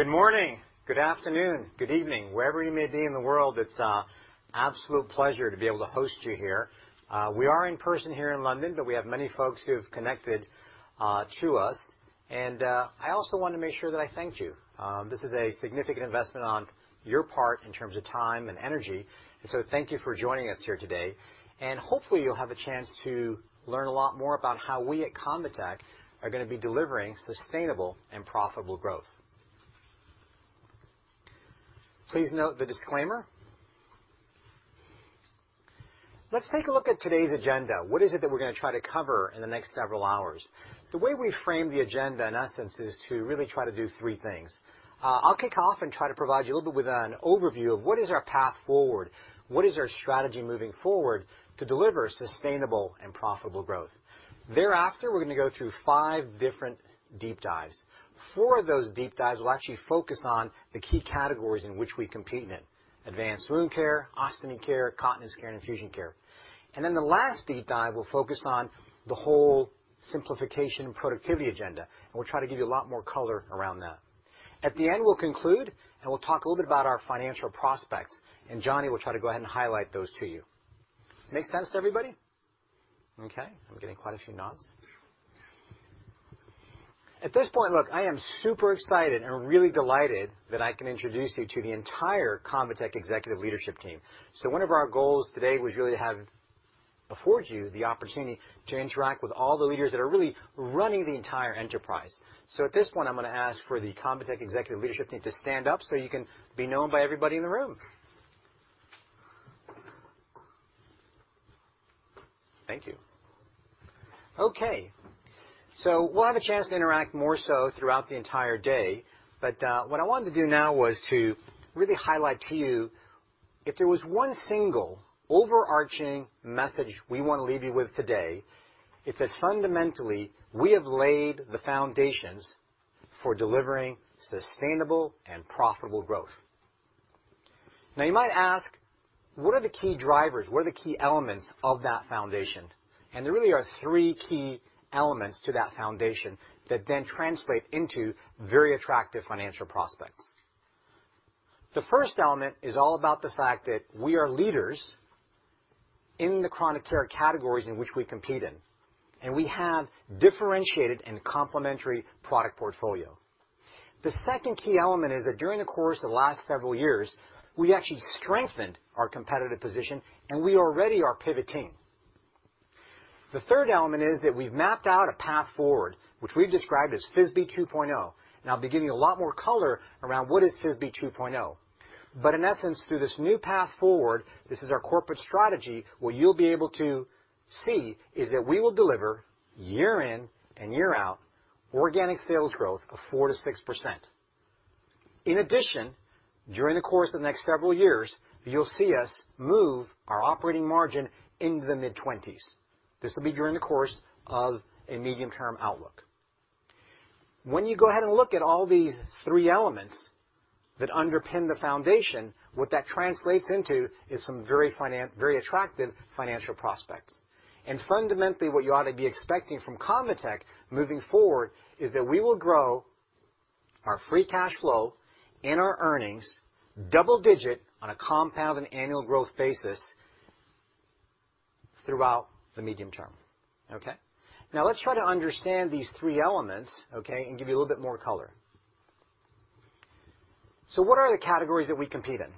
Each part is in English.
Good morning, good afternoon, good evening. Wherever you may be in the world, it's an absolute pleasure to be able to host you here. We are in person here in London, but we have many folks who have connected to us. I also want to make sure that I thanked you. This is a significant investment on your part in terms of time and energy, and so thank you for joining us here today. Hopefully you'll have a chance to learn a lot more about how we at ConvaTec are gonna be delivering sustainable and profitable growth. Please note the disclaimer. Let's take a look at today's agenda. What is it that we're gonna try to cover in the next several hours? The way we frame the agenda, in essence, is to really try to do three things. I'll kick off and try to provide you a little bit with an overview of what is our path forward, what is our strategy moving forward to deliver sustainable and profitable growth. Thereafter, we're gonna go through five different deep dives. Four of those deep dives will actually focus on the key categories in which we compete in, Advanced Wound Care, Ostomy Care, Continence Care, Infusion Care. The last deep dive will focus on the whole simplification and productivity agenda, and we'll try to give you a lot more color around that. At the end, we'll conclude, and we'll talk a little bit about our financial prospects, and Jonny will try to go ahead and highlight those to you. Make sense to everybody? Okay. I'm getting quite a few nods. At this point, look, I am super excited and really delighted that I can introduce you to the entire ConvaTec executive leadership team. One of our goals today was really to afford you the opportunity to interact with all the leaders that are really running the entire enterprise. At this point, I'm gonna ask for the ConvaTec executive leadership team to stand up so you can know everybody in the room. Thank you. Okay, we'll have a chance to interact more so throughout the entire day, but what I wanted to do now was to really highlight to you if there was one single overarching message we wanna leave you with today, it's that fundamentally we have laid the foundations for delivering sustainable and profitable growth. Now you might ask, what are the key drivers? What are the key elements of that foundation? There really are three key elements to that foundation that then translate into very attractive financial prospects. The first element is all about the fact that we are leaders in the chronic care categories in which we compete in, and we have differentiated and complementary product portfolio. The second key element is that during the course of the last several years, we actually strengthened our competitive position, and we already are pivoting. The third element is that we've mapped out a path forward, which we've described as FISBE 2.0, and I'll be giving you a lot more color around what is FISBE 2.0. In essence, through this new path forward, this is our corporate strategy, what you'll be able to see is that we will deliver year in and year out organic sales growth of 4%-6%. In addition, during the course of the next several years, you'll see us move our operating margin into the mid-twenties. This will be during the course of a medium-term outlook. When you go ahead and look at all these three elements that underpin the foundation, what that translates into is some very attractive financial prospects. Fundamentally, what you ought to be expecting from ConvaTec moving forward is that we will grow our free cash flow and our earnings double-digit on a compound and annual growth basis throughout the medium term. Okay? Now let's try to understand these three elements, okay, and give you a little bit more color. What are the categories that we compete in?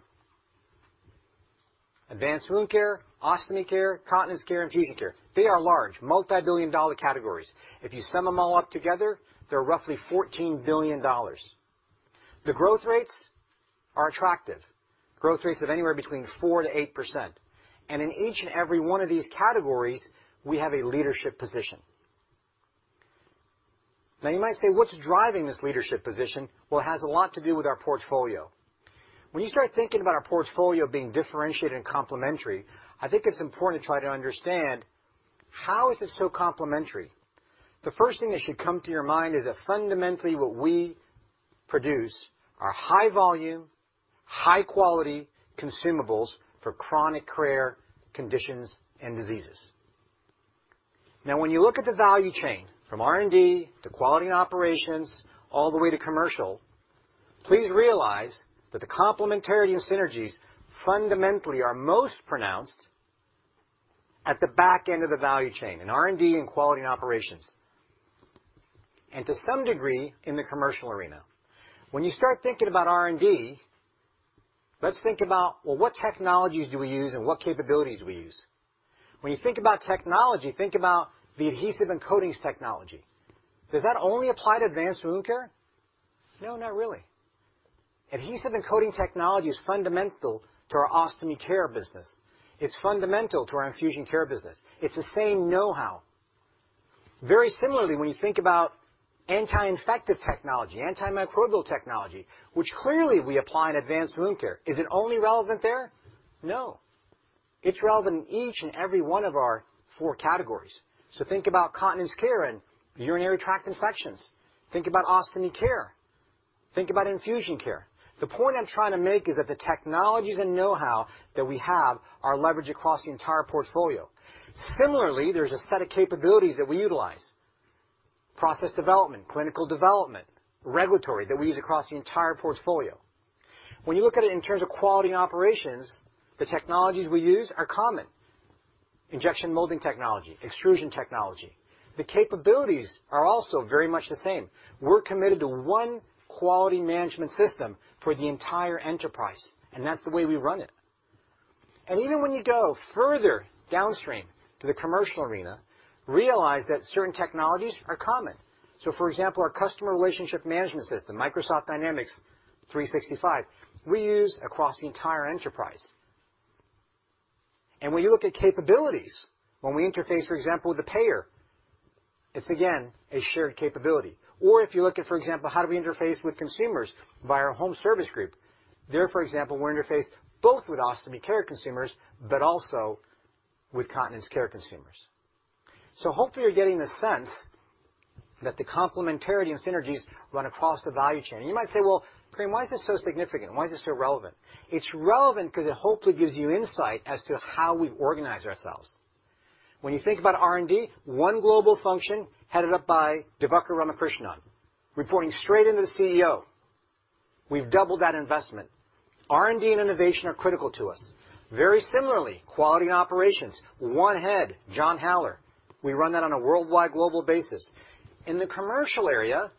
Advanced Wound Care, Ostomy Care, Continence Care, Infusion Care. They are large, multi-billion-dollar categories. If you sum them all up together, they're roughly $14 billion. The growth rates are attractive. Growth rates of anywhere between 4%-8%. In each and every one of these categories, we have a leadership position. Now you might say, what's driving this leadership position? Well, it has a lot to do with our portfolio. When you start thinking about our portfolio being differentiated and complementary, I think it's important to try to understand how is it so complementary? The first thing that should come to your mind is that fundamentally what we produce are high volume, high quality consumables for chronic care conditions and diseases. Now, when you look at the value chain, from R&D to quality and operations, all the way to commercial, please realize that the complementarity and synergies fundamentally are most pronounced at the back end of the value chain, in R&D and quality and operations. To some degree, in the commercial arena. When you start thinking about R&D, let's think about, well, what technologies do we use and what capabilities do we use? When you think about technology, think about the adhesive and coatings technology. Does that only apply to Advanced Wound Care? No, not really. Adhesive and coating technology is fundamental to our Ostomy Care business. It's fundamental to our Infusion Care business. It's the same know-how. Very similarly, when you think about anti-infective technology, antimicrobial technology, which clearly we apply in Advanced Wound Care, is it only relevant there? No. It's relevant in each and every one of our four categories. Think about Continence Care and urinary tract infections. Think about Ostomy Care. Think about Infusion Care. The point I'm trying to make is that the technologies and know-how that we have are leveraged across the entire portfolio. Similarly, there's a set of capabilities that we utilize. Process development, clinical development, regulatory that we use across the entire portfolio. When you look at it in terms of quality and operations, the technologies we use are common. Injection molding technology, extrusion technology. The capabilities are also very much the same. We're committed to one quality management system for the entire enterprise, and that's the way we run it. Even when you go further downstream to the commercial arena, realize that certain technologies are common. For example, our customer relationship management system, Microsoft Dynamics 365, we use across the entire enterprise. When you look at capabilities, when we interface, for example, with the payer, it's again a shared capability. If you look at, for example, how do we interface with consumers via our home service group, there, for example, we're interfaced both with Ostomy Care consumers, but also with Continence Care consumers. Hopefully, you're getting the sense that the complementarity and synergies run across the value chain. You might say, "Well, Prem, why is this so significant? Why is this so relevant?" It's relevant 'cause it hopefully gives you insight as to how we organize ourselves. When you think about R&D, one global function headed up by Divakar Ramakrishnan, reporting straight into the CEO. We've doubled that investment. R&D and innovation are critical to us. Very similarly, quality and operations, one head, John Haller. We run that on a worldwide global basis. In the commercial area,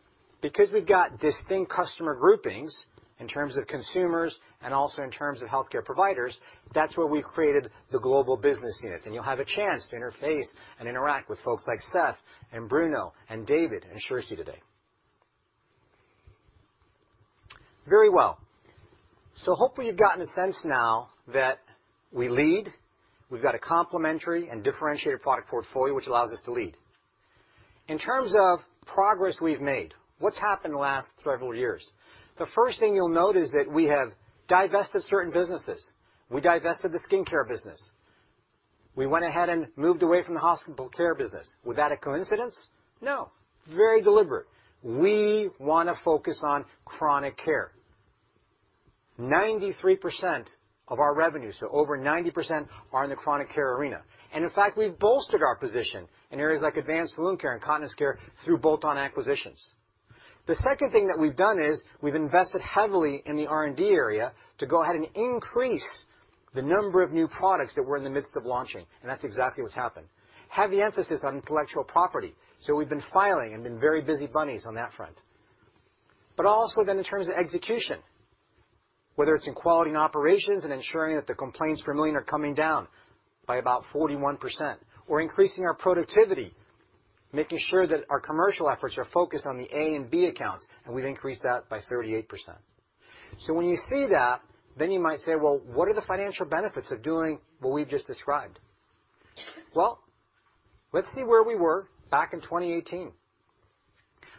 because we've got distinct customer groupings in terms of consumers and also in terms of healthcare providers, that's where we've created the global business units, and you'll have a chance to interface and interact with folks like Seth and Bruno and David and Kjersti today. Very well. Hopefully, you've gotten a sense now that we lead. We've got a complementary and differentiated product portfolio, which allows us to lead. In terms of progress we've made, what's happened the last several years? The first thing you'll note is that we have divested certain businesses. We divested the skincare business. We went ahead and moved away from the hospital care business. Was that a coincidence? No, very deliberate. We wanna focus on chronic care. 93% of our revenues, so over 90% are in the chronic care arena. In fact, we've bolstered our position in areas like Advanced Wound Care and Continence Care through bolt-on acquisitions. The second thing that we've done is we've invested heavily in the R&D area to go ahead and increase the number of new products that we're in the midst of launching, and that's exactly what's happened. Heavy emphasis on intellectual property, so we've been filing and been very busy bunnies on that front. In terms of execution, whether it's in quality and operations and ensuring that the complaints per million are coming down by about 41% or increasing our productivity, making sure that our commercial efforts are focused on the A and B accounts, and we've increased that by 38%. When you see that, then you might say, "Well, what are the financial benefits of doing what we've just described?" Well, let's see where we were back in 2018.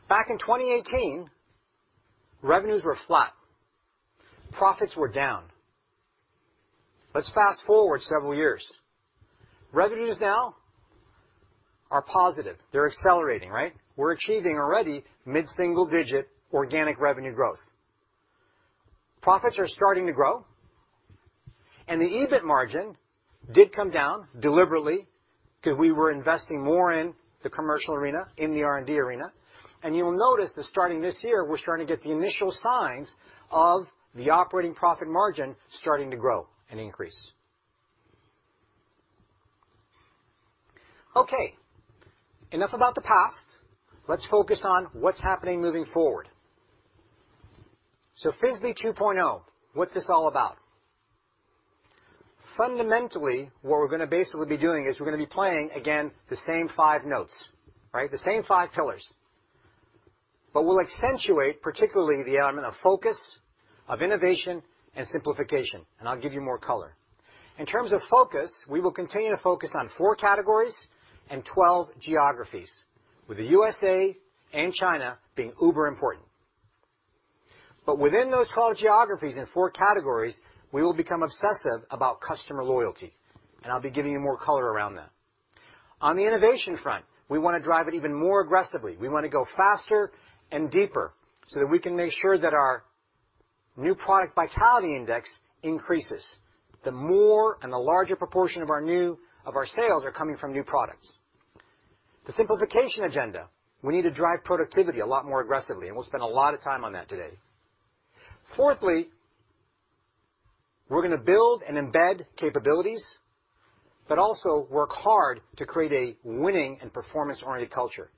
Back in 2018, revenues were flat. Profits were down. Let's fast-forward several years. Revenues now are positive. They're accelerating, right? We're achieving already mid-single-digit organic revenue growth. Profits are starting to grow. The EBIT margin did come down deliberately 'cause we were investing more in the commercial arena, in the R&D arena. You'll notice that starting this year, we're starting to get the initial signs of the operating profit margin starting to grow and increase. Okay, enough about the past. Let's focus on what's happening moving forward. FISBE 2.0, what's this all about? Fundamentally, what we're gonna basically be doing is we're gonna be playing again the same five notes, right? The same five pillars. We'll accentuate particularly the element of focus, of innovation, and simplification, and I'll give you more color. In terms of focus, we will continue to focus on 4 categories and 12 geographies, with the USA and China being uber important. Within those 12 geographies and 4 categories, we will become obsessive about customer loyalty, and I'll be giving you more color around that. On the innovation front, we wanna drive it even more aggressively. We wanna go faster and deeper so that we can make sure that our New Product Vitality Index increases, the more and the larger proportion of our sales are coming from new products. The simplification agenda, we need to drive productivity a lot more aggressively, and we'll spend a lot of time on that today. Fourthly, we're gonna build and embed capabilities, but also work hard to create a winning and performance-oriented culture.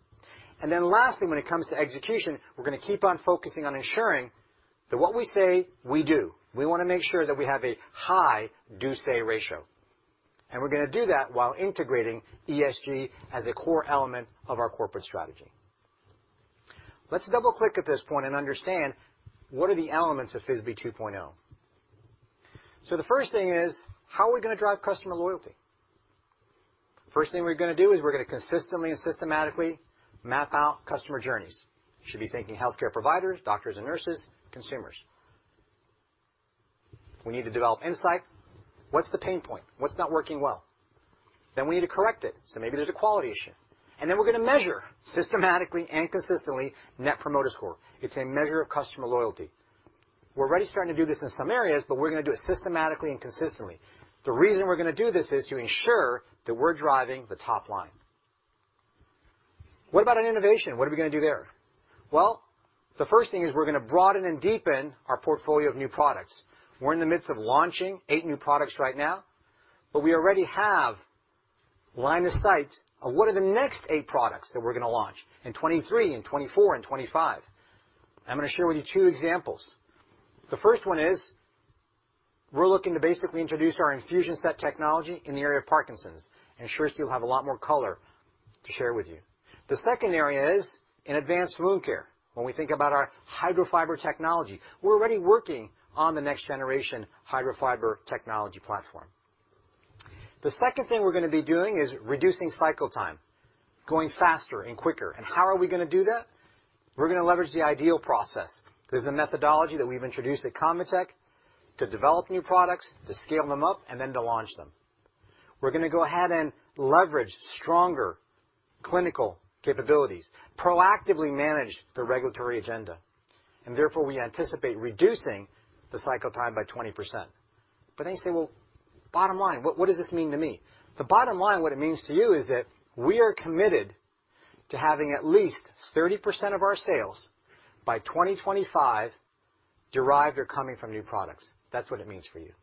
Then lastly, when it comes to execution, we're gonna keep on focusing on ensuring that what we say, we do. We wanna make sure that we have a high do-say ratio. We're gonna do that while integrating ESG as a core element of our corporate strategy. Let's double-click at this point and understand what are the elements of FISBE 2.0. The first thing is, how are we gonna drive customer loyalty? First thing we're gonna do is consistently and systematically map out customer journeys. Should be thinking healthcare providers, doctors and nurses, consumers. We need to develop insight. What's the pain point? What's not working well? Then we need to correct it, so maybe there's a quality issue. We're gonna measure systematically and consistently Net Promoter Score. It's a measure of customer loyalty. We're already starting to do this in some areas, but we're gonna do it systematically and consistently. The reason we're gonna do this is to ensure that we're driving the top line. What about on innovation? What are we gonna do there? Well, the first thing is we're gonna broaden and deepen our portfolio of new products. We're in the midst of launching 8 new products right now, but we already have line of sight of what are the next 8 products that we're gonna launch in 2023, in 2024, in 2025. I'm gonna share with you 2 examples. The first one is we're looking to basically introduce our infusion set technology in the area of Parkinson's. Kjersti will have a lot more color to share with you. The second area is in Advanced Wound Care. When we think about our Hydrofiber technology, we're already working on the next generation Hydrofiber technology platform. The second thing we're gonna be doing is reducing cycle time, going faster and quicker. How are we gonna do that? We're gonna leverage the IDEAL process. There's a methodology that we've introduced at ConvaTec to develop new products, to scale them up, and then to launch them. We're gonna go ahead and leverage stronger clinical capabilities, proactively manage the regulatory agenda, and therefore we anticipate reducing the cycle time by 20%. Then you say, "Well, bottom line, what does this mean to me?" The bottom line, what it means to you is that we are committed to having at least 30% of our sales by 2025 derived or coming from new products. That's what it means for you.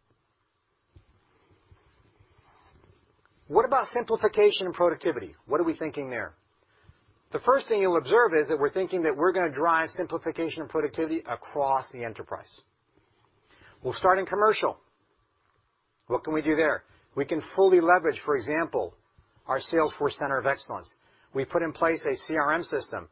What about simplification and productivity? What are we thinking there? The first thing you'll observe is that we're thinking that we're gonna drive simplification and productivity across the enterprise. We'll start in commercial. What can we do there? We can fully leverage, for example, our Salesforce Center of Excellence. We put in place a CRM system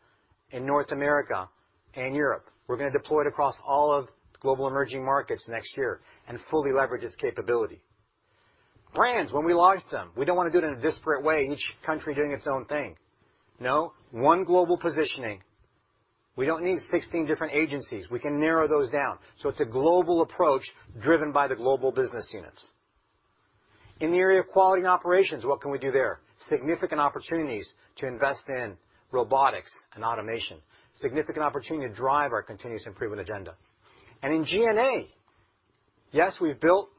in North America and Europe. We're gonna deploy it across all of global emerging markets next year and fully leverage its capability. Brands, when we launch them, we don't wanna do it in a disparate way, each country doing its own thing. No, one global positioning. We don't need 16 different agencies. We can narrow those down. It's a global approach driven by the global business units. In the area of quality and operations, what can we do there? Significant opportunities to invest in robotics and automation. Significant opportunity to drive our continuous improvement agenda. In G&A, yes, we've built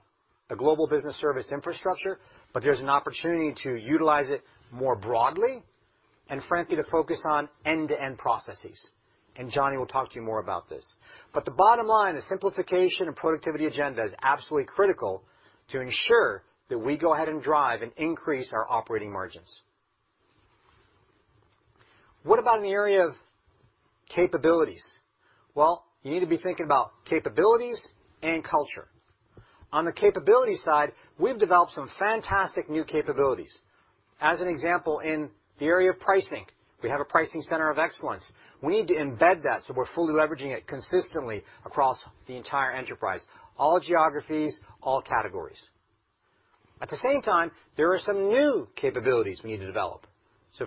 a global business service infrastructure, but there's an opportunity to utilize it more broadly and frankly, to focus on end-to-end processes. Jonny will talk to you more about this. The bottom line, the simplification and productivity agenda is absolutely critical to ensure that we go ahead and drive and increase our operating margins. What about in the area of capabilities? Well, you need to be thinking about capabilities and culture. On the capability side, we've developed some fantastic new capabilities. As an example, in the area of pricing, we have a pricing center of excellence. We need to embed that so we're fully leveraging it consistently across the entire enterprise, all geographies, all categories. At the same time, there are some new capabilities we need to develop.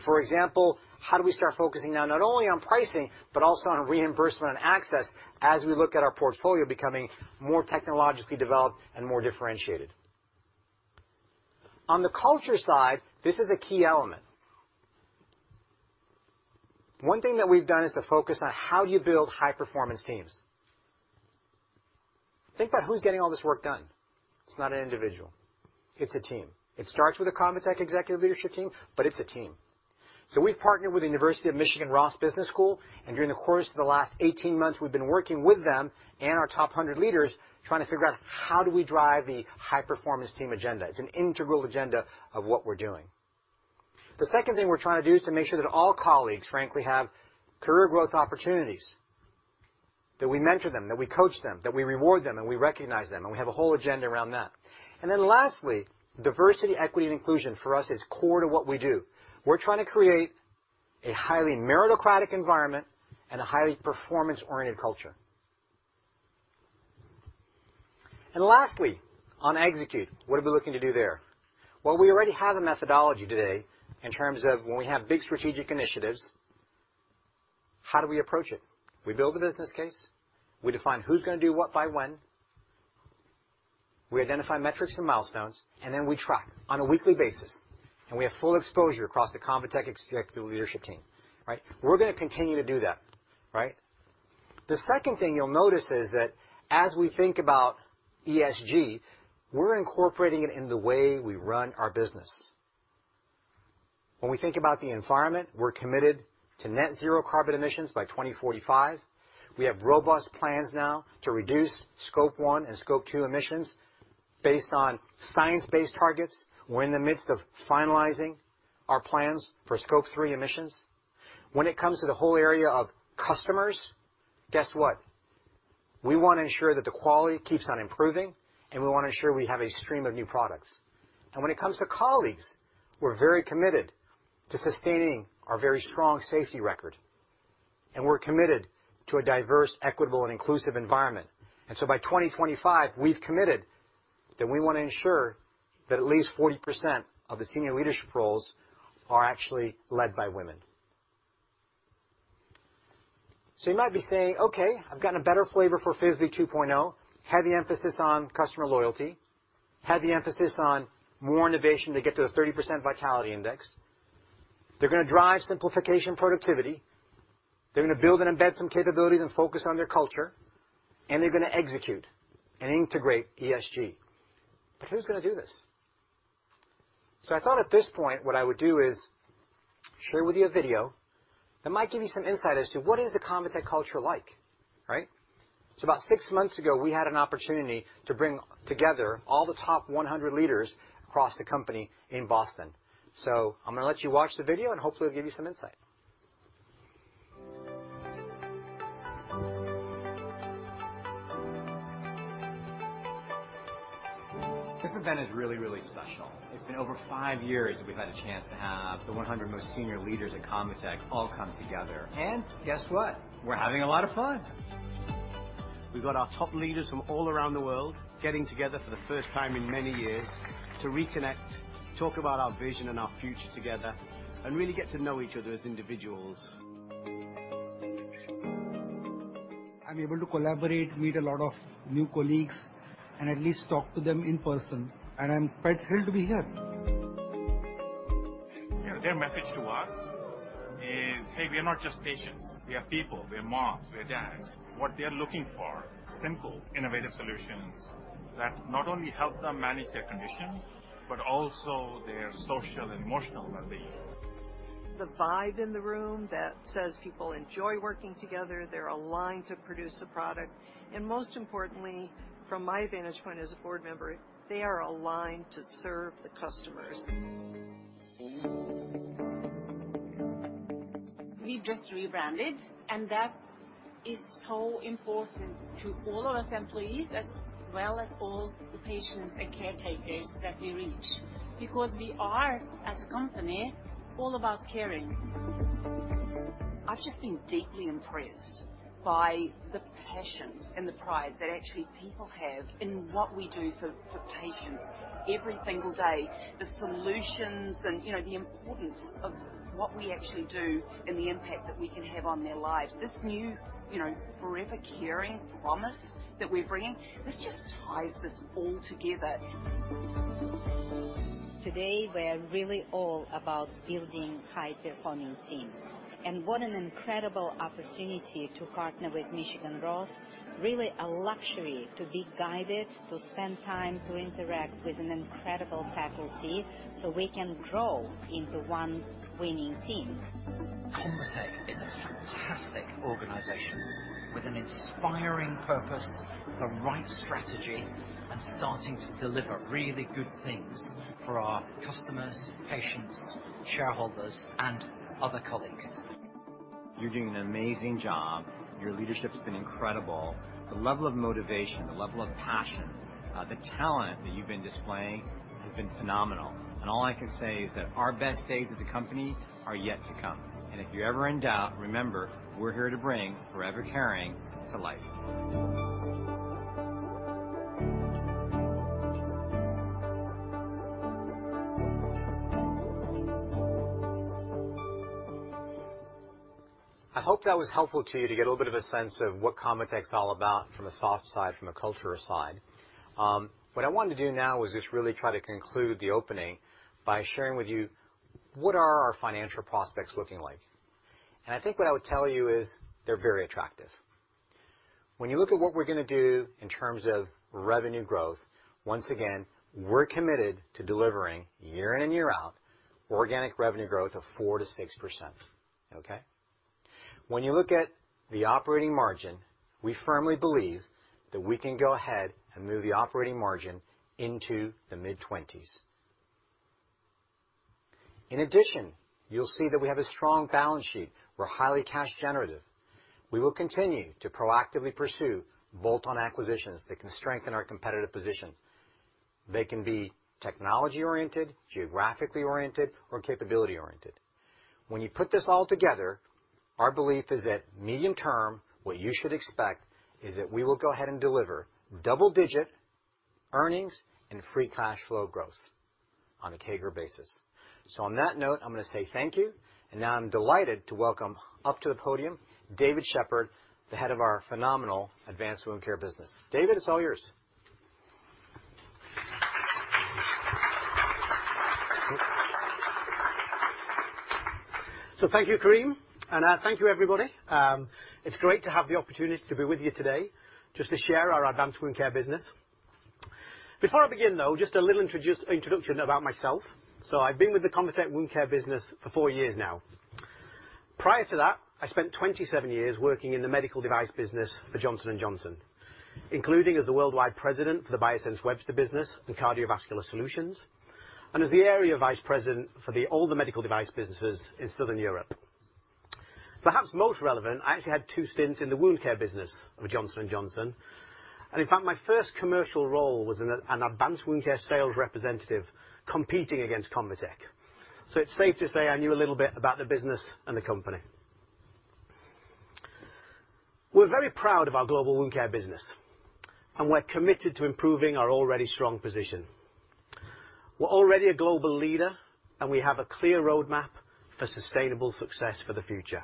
For example, how do we start focusing now not only on pricing, but also on reimbursement and access as we look at our portfolio becoming more technologically developed and more differentiated? On the culture side, this is a key element. One thing that we've done is to focus on how do you build high-performance teams. Think about who's getting all this work done. It's not an individual, it's a team. It starts with a ConvaTec executive leadership team, but it's a team. We've partnered with the University of Michigan Ross School of Business, and during the course of the last 18 months, we've been working with them and our top 100 leaders trying to figure out how do we drive the high-performance team agenda. It's an integral agenda of what we're doing. The second thing we're trying to do is to make sure that all colleagues, frankly, have career growth opportunities, that we mentor them, that we coach them, that we reward them, and we recognize them, and we have a whole agenda around that. Then lastly, diversity, equity, and inclusion for us is core to what we do. We're trying to create a highly meritocratic environment and a highly performance-oriented culture. Lastly, on Execute, what are we looking to do there? Well, we already have a methodology today in terms of when we have big strategic initiatives, how do we approach it? We build the business case, we define who's gonna do what by when, we identify metrics and milestones, and then we track on a weekly basis, and we have full exposure across the ConvaTec executive leadership team, right? We're gonna continue to do that, right? The second thing you'll notice is that as we think about ESG, we're incorporating it in the way we run our business. When we think about the environment, we're committed to net zero carbon emissions by 2045. We have robust plans now to reduce Scope 1 and Scope 2 emissions based on science-based targets. We're in the midst of finalizing our plans for Scope 3 emissions. When it comes to the whole area of customers, guess what? We wanna ensure that the quality keeps on improving, and we wanna ensure we have a stream of new products. When it comes to colleagues, we're very committed to sustaining our very strong safety record, and we're committed to a diverse, equitable, and inclusive environment. By 2025, we've committed that we wanna ensure that at least 40% of the senior leadership roles are actually led by women. You might be saying, "Okay, I've gotten a better flavor for FISBE 2.0. Heavy emphasis on customer loyalty, heavy emphasis on more innovation to get to a 30% vitality index." They're gonna drive simplification productivity. They're gonna build and embed some capabilities and focus on their culture, and they're gonna execute and integrate ESG. But who's gonna do this? I thought at this point, what I would do is share with you a video that might give you some insight as to what is the ConvaTec culture like, right? About six months ago, we had an opportunity to bring together all the top 100 leaders across the company in Boston. I'm gonna let you watch the video, and hopefully it'll give you some insight. This event is really, really special. It's been over five years, we've had a chance to have the 100 most senior leaders at ConvaTec all come together. Guess what? We're having a lot of fun. We've got our top leaders from all around the world getting together for the first time in many years to reconnect, talk about our vision and our future together, and really get to know each other as individuals. I'm able to collaborate, meet a lot of new colleagues, and at least talk to them in person, and I'm quite thrilled to be here. Their message to us is, "Hey, we are not just patients. We are people. We are moms, we are dads." What they are looking for, simple, innovative solutions that not only help them manage their condition, but also their social and emotional well-being. The vibe in the room that says people enjoy working together, they're aligned to produce a product, and most importantly, from my vantage point as a board member, they are aligned to serve the customers. We've just rebranded, and that is so important to all of us employees, as well as all the patients and caretakers that we reach because we are, as a company, all about caring. I've just been deeply impressed by the passion and the pride that actually people have in what we do for patients every single day. The solutions and, you know, the importance of what we actually do and the impact that we can have on their lives. This new, you know, Forever Caring promise that we're bringing, this just ties this all together. Today, we're really all about building high-performing team. What an incredible opportunity to partner with Michigan Ross. Really a luxury to be guided, to spend time to interact with an incredible faculty so we can grow into one winning team. ConvaTec is a fantastic organization with an inspiring purpose, the right strategy, and starting to deliver really good things for our customers, patients, shareholders, and other colleagues. You're doing an amazing job. Your leadership's been incredible. The level of motivation, the level of passion, the talent that you've been displaying has been phenomenal. All I can say is that our best days as a company are yet to come. If you're ever in doubt, remember, we're here to bring Forever Caring to life. I hope that was helpful to you to get a little bit of a sense of what ConvaTec is all about from a soft side, from a culture side. What I wanted to do now is just really try to conclude the opening by sharing with you what are our financial prospects looking like. I think what I would tell you is they're very attractive. When you look at what we're gonna do in terms of revenue growth, once again, we're committed to delivering year in and year out, organic revenue growth of 4%-6%. Okay? When you look at the operating margin, we firmly believe that we can go ahead and move the operating margin into the mid-20s. In addition, you'll see that we have a strong balance sheet. We're highly cash generative. We will continue to proactively pursue bolt-on acquisitions that can strengthen our competitive position. They can be technology-oriented, geographically-oriented or capability-oriented. When you put this all together, our belief is that medium-term, what you should expect is that we will go ahead and deliver double-digit earnings and free cash flow growth on a CAGR basis. On that note, I'm gonna say thank you. Now I'm delighted to welcome up to the podium, David Shepherd, the head of our phenomenal Advanced Wound Care business. David, it's all yours. Thank you, Karim, and thank you, everybody. It's great to have the opportunity to be with you today just to share our Advanced Wound Care business. Before I begin, though, just a little introduction about myself. I've been with the ConvaTec Wound Care Business for four years now. Prior to that, I spent 27 years working in the medical device business for Johnson & Johnson, including as the worldwide president for the Biosense Webster business in cardiovascular solutions, and as the area vice president for all the medical device businesses in Southern Europe. Perhaps most relevant, I actually had two stints in the wound care business with Johnson & Johnson. In fact, my first commercial role was an advanced wound care sales representative competing against ConvaTec. It's safe to say I knew a little bit about the business and the company. We're very proud of our global Wound Care business, and we're committed to improving our already strong position. We're already a global leader, and we have a clear roadmap for sustainable success for the future.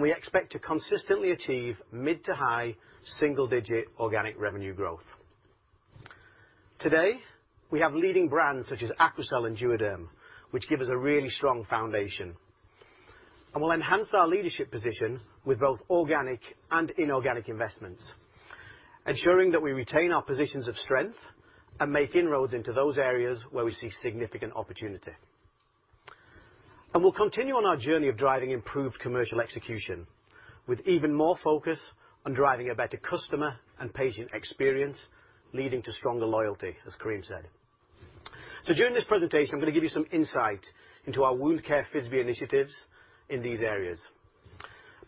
We expect to consistently achieve mid- to high-single-digit organic revenue growth. Today, we have leading brands such as AQUACEL and DuoDERM, which give us a really strong foundation, and we'll enhance our leadership position with both organic and inorganic investments, ensuring that we retain our positions of strength and make inroads into those areas where we see significant opportunity. We'll continue on our journey of driving improved commercial execution with even more focus on driving a better customer and patient experience, leading to stronger loyalty, as Karim said. During this presentation, I'm gonna give you some insight into our Wound Care FISBE initiatives in these areas.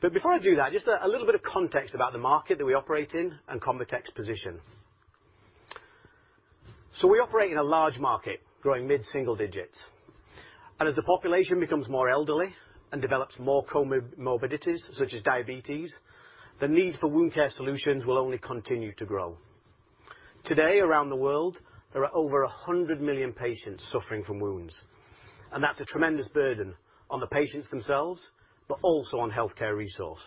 before I do that, just a little bit of context about the market that we operate in and ConvaTec's position. We operate in a large market, growing mid-single digits. As the population becomes more elderly and develops more comorbidities, such as diabetes, the need for wound care solutions will only continue to grow. Today, around the world, there are over 100 million patients suffering from wounds, and that's a tremendous burden on the patients themselves, but also on healthcare resources.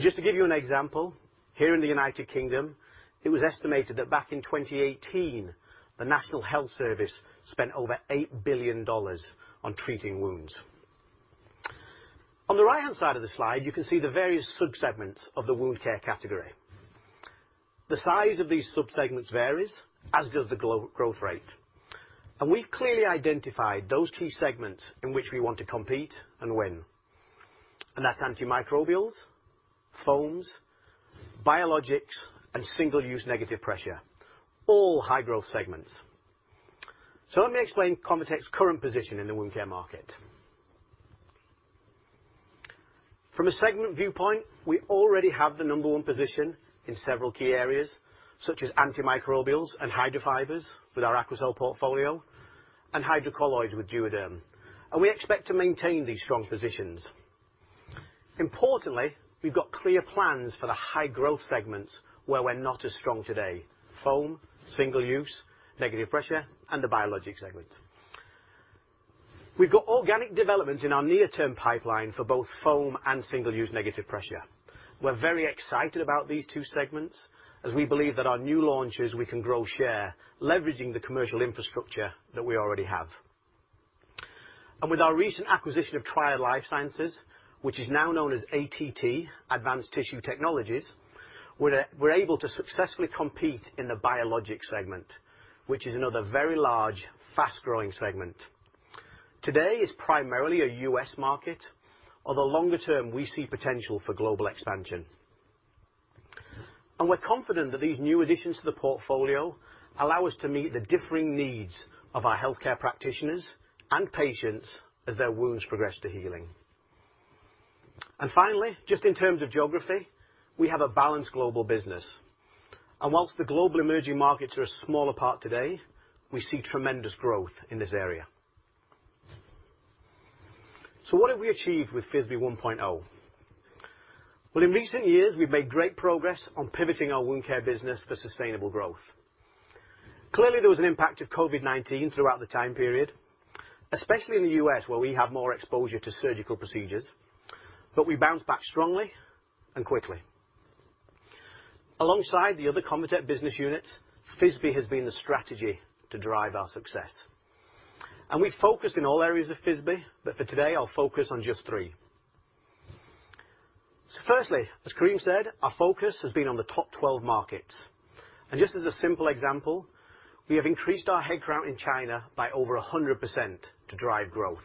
Just to give you an example, here in the United Kingdom, it was estimated that back in 2018, the National Health Service spent over GBP 8 billion on treating wounds. On the right-hand side of the slide, you can see the various sub-segments of the wound care category. The size of these sub-segments varies, as does the growth rate. We've clearly identified those key segments in which we want to compete and win. That's antimicrobials, foams, biologics, and single-use negative pressure. All high-growth segments. Let me explain ConvaTec's current position in the Wound Care market. From a segment viewpoint, we already have the number one position in several key areas, such as antimicrobials and Hydrofiber with our AQUACEL portfolio, and hydrocolloids with DuoDERM, and we expect to maintain these strong positions. Importantly, we've got clear plans for the high-growth segments where we're not as strong today, foam, single use, negative pressure, and the biologic segment. We've got organic developments in our near-term pipeline for both foam and single-use negative pressure. We're very excited about these two segments as we believe that our new launches we can grow share, leveraging the commercial infrastructure that we already have. With our recent acquisition of Triad Life Sciences, which is now known as ATT, Advanced Tissue Technologies, we're able to successfully compete in the biologics segment, which is another very large, fast-growing segment. Today, it's primarily a U.S. market. On the longer term, we see potential for global expansion. We're confident that these new additions to the portfolio allow us to meet the differing needs of our healthcare practitioners and patients as their wounds progress to healing. Finally, just in terms of geography, we have a balanced global business. While the global emerging markets are a smaller part today, we see tremendous growth in this area. What have we achieved with FISBE 1.0? Well, in recent years, we've made great progress on pivoting our Wound Care business for sustainable growth. Clearly, there was an impact of COVID-19 throughout the time period, especially in the US, where we have more exposure to surgical procedures, but we bounced back strongly and quickly. Alongside the other ConvaTec business units, FISBE has been the strategy to drive our success. We've focused in all areas of FISBE, but for today, I'll focus on just three. Firstly, as Karim said, our focus has been on the top 12 markets. Just as a simple example, we have increased our head count in China by over 100% to drive growth.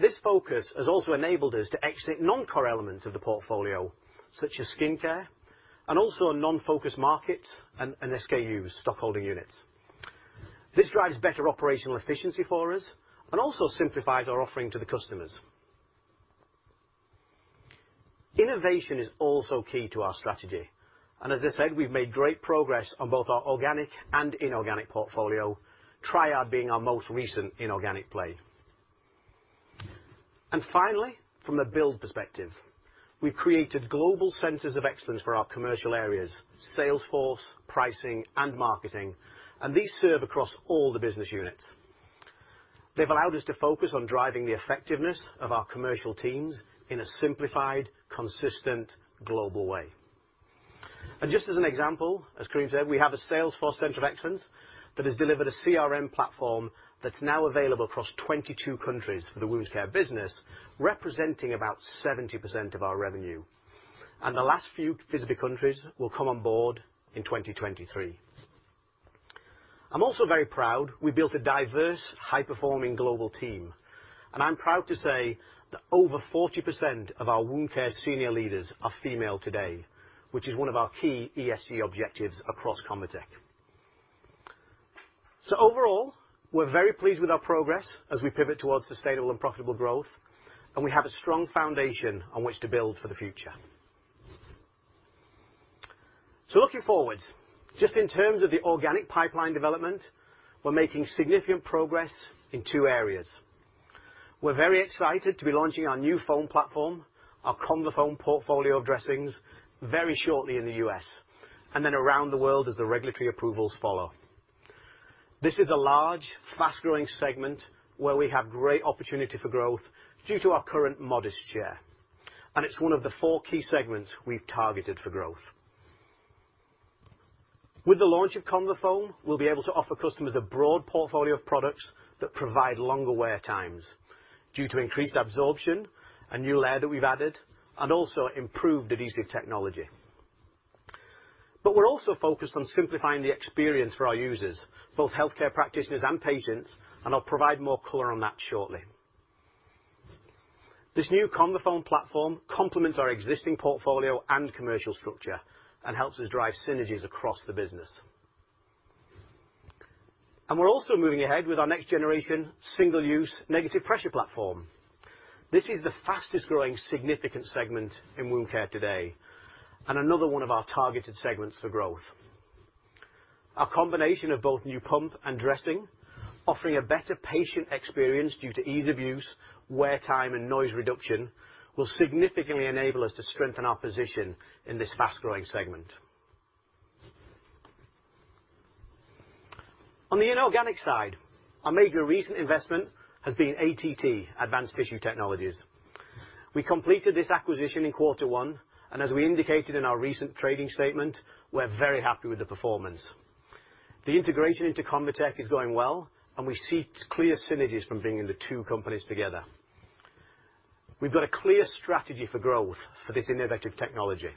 This focus has also enabled us to exit non-core elements of the portfolio, such as skincare and also non-focus markets and SKUs, stock holding units. This drives better operational efficiency for us and also simplifies our offering to the customers. Innovation is also key to our strategy, and as I said, we've made great progress on both our organic and inorganic portfolio, Triad being our most recent inorganic play. Finally, from a build perspective, we've created global centers of excellence for our commercial areas, sales force, pricing, and marketing, and these serve across all the business units. They've allowed us to focus on driving the effectiveness of our commercial teams in a simplified, consistent, global way. Just as an example, as Karim said, we have a sales force center of excellence that has delivered a CRM platform that's now available across 22 countries for the wound care business, representing about 70% of our revenue. The last few FISBE countries will come on board in 2023. I'm also very proud we built a diverse, high-performing global team, and I'm proud to say that over 40% of our wound care senior leaders are female today, which is one of our key ESG objectives across ConvaTec. Overall, we're very pleased with our progress as we pivot towards sustainable and profitable growth, and we have a strong foundation on which to build for the future. Looking forward, just in terms of the organic pipeline development, we're making significant progress in two areas. We're very excited to be launching our new foam platform, our ConvaFoam portfolio of dressings very shortly in the U.S., and then around the world as the regulatory approvals follow. This is a large, fast-growing segment where we have great opportunity for growth due to our current modest share, and it's one of the four key segments we've targeted for growth. With the launch of ConvaFoam, we'll be able to offer customers a broad portfolio of products that provide longer wear times due to increased absorption, a new layer that we've added, and also improved adhesive technology. We're also focused on simplifying the experience for our users, both healthcare practitioners and patients, and I'll provide more color on that shortly. This new ConvaFoam platform complements our existing portfolio and commercial structure and helps us drive synergies across the business. We're also moving ahead with our next-generation, single-use negative pressure platform. This is the fastest-growing significant segment in wound care today, and another one of our targeted segments for growth. Our combination of both new pump and dressing, offering a better patient experience due to ease of use, wear time, and noise reduction, will significantly enable us to strengthen our position in this fast-growing segment. On the inorganic side, our major recent investment has been ATT, Advanced Tissue Technologies. We completed this acquisition in quarter one, and as we indicated in our recent trading statement, we're very happy with the performance. The integration into ConvaTec is going well, and we see clear synergies from bringing the two companies together. We've got a clear strategy for growth for this innovative technology.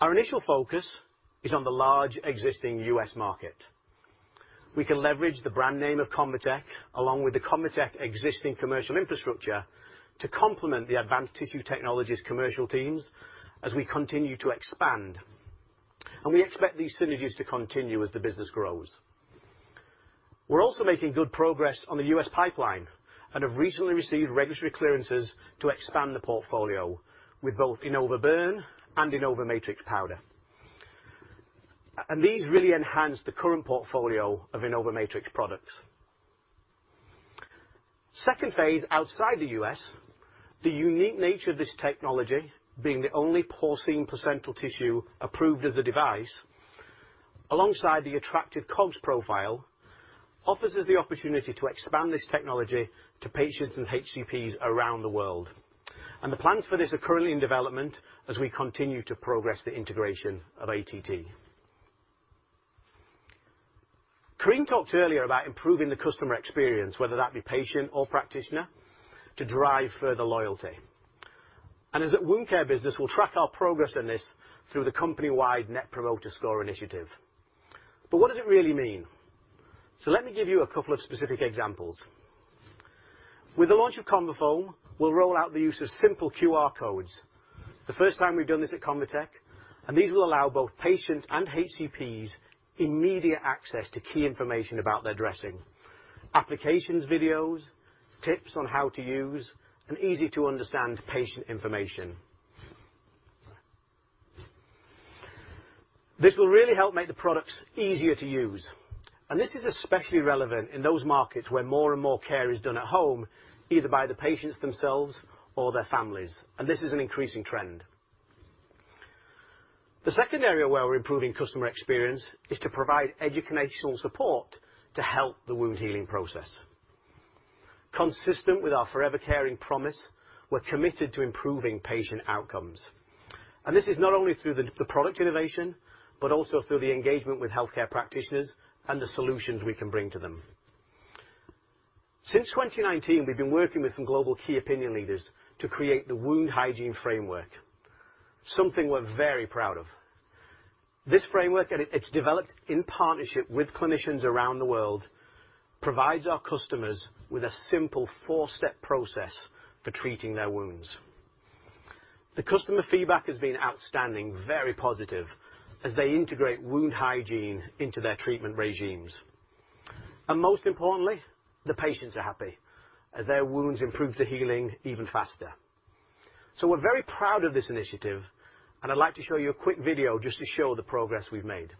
Our initial focus is on the large existing U.S. market. We can leverage the brand name of ConvaTec, along with the ConvaTec existing commercial infrastructure, to complement the Advanced Tissue Technologies commercial teams as we continue to expand. We expect these synergies to continue as the business grows. We're also making good progress on the U.S. pipeline and have recently received registry clearances to expand the portfolio with both InnovaBurn and InnovaMatrix PD. These really enhance the current portfolio of InnovaMatrix products. Second phase, outside the U.S., the unique nature of this technology, being the only porcine placental tissue approved as a device, alongside the attractive COGS profile, offers us the opportunity to expand this technology to patients and HCPs around the world. The plans for this are currently in development as we continue to progress the integration of ATT. Karim talked earlier about improving the customer experience, whether that be patient or practitioner, to drive further loyalty. As a wound care business, we'll track our progress on this through the company-wide Net Promoter Score initiative. What does it really mean? Let me give you a couple of specific examples. With the launch of ConvaFoam, we'll roll out the use of simple QR codes. The first time we've done this at ConvaTec, and these will allow both patients and HCPs immediate access to key information about their dressing, applications videos, tips on how to use, and easy-to-understand patient information. This will really help make the products easier to use, and this is especially relevant in those markets where more and more care is done at home, either by the patients themselves or their families. This is an increasing trend. The second area where we're improving customer experience is to provide educational support to help the wound healing process. Consistent with our Forever Caring promise, we're committed to improving patient outcomes. This is not only through the product innovation, but also through the engagement with healthcare practitioners and the solutions we can bring to them. Since 2019, we've been working with some global key opinion leaders to create the Wound Hygiene framework, something we're very proud of. This framework, it's developed in partnership with clinicians around the world, provides our customers with a simple four-step process for treating their wounds. The customer feedback has been outstanding, very positive, as they integrate Wound Hygiene into their treatment regimes. Most importantly, the patients are happy as their wounds improve the healing even faster. We're very proud of this initiative, and I'd like to show you a quick video just to show the progress we've made.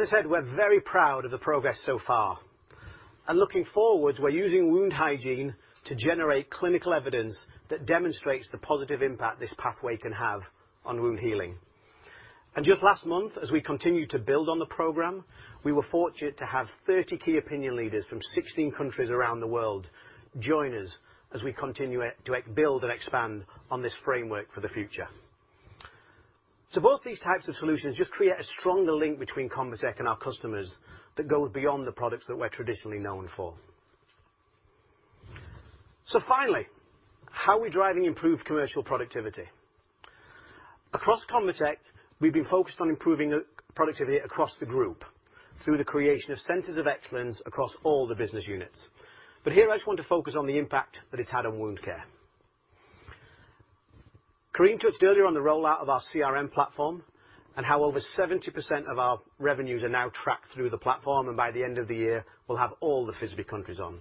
As I said, we're very proud of the progress so far, and looking forward, we're using Wound Hygiene to generate clinical evidence that demonstrates the positive impact this pathway can have on wound healing. Just last month, as we continue to build on the program, we were fortunate to have 30 key opinion leaders from 16 countries around the world join us as we continue to build and expand on this framework for the future. Both these types of solutions just create a stronger link between ConvaTec and our customers that go beyond the products that we're traditionally known for. Finally, how are we driving improved commercial productivity? Across ConvaTec, we've been focused on improving the productivity across the group through the creation of centers of excellence across all the business units. Here I just want to focus on the impact that it's had on Wound Care. Karim touched earlier on the rollout of our CRM platform and how over 70% of our revenues are now tracked through the platform, and by the end of the year, we'll have all the physical countries on.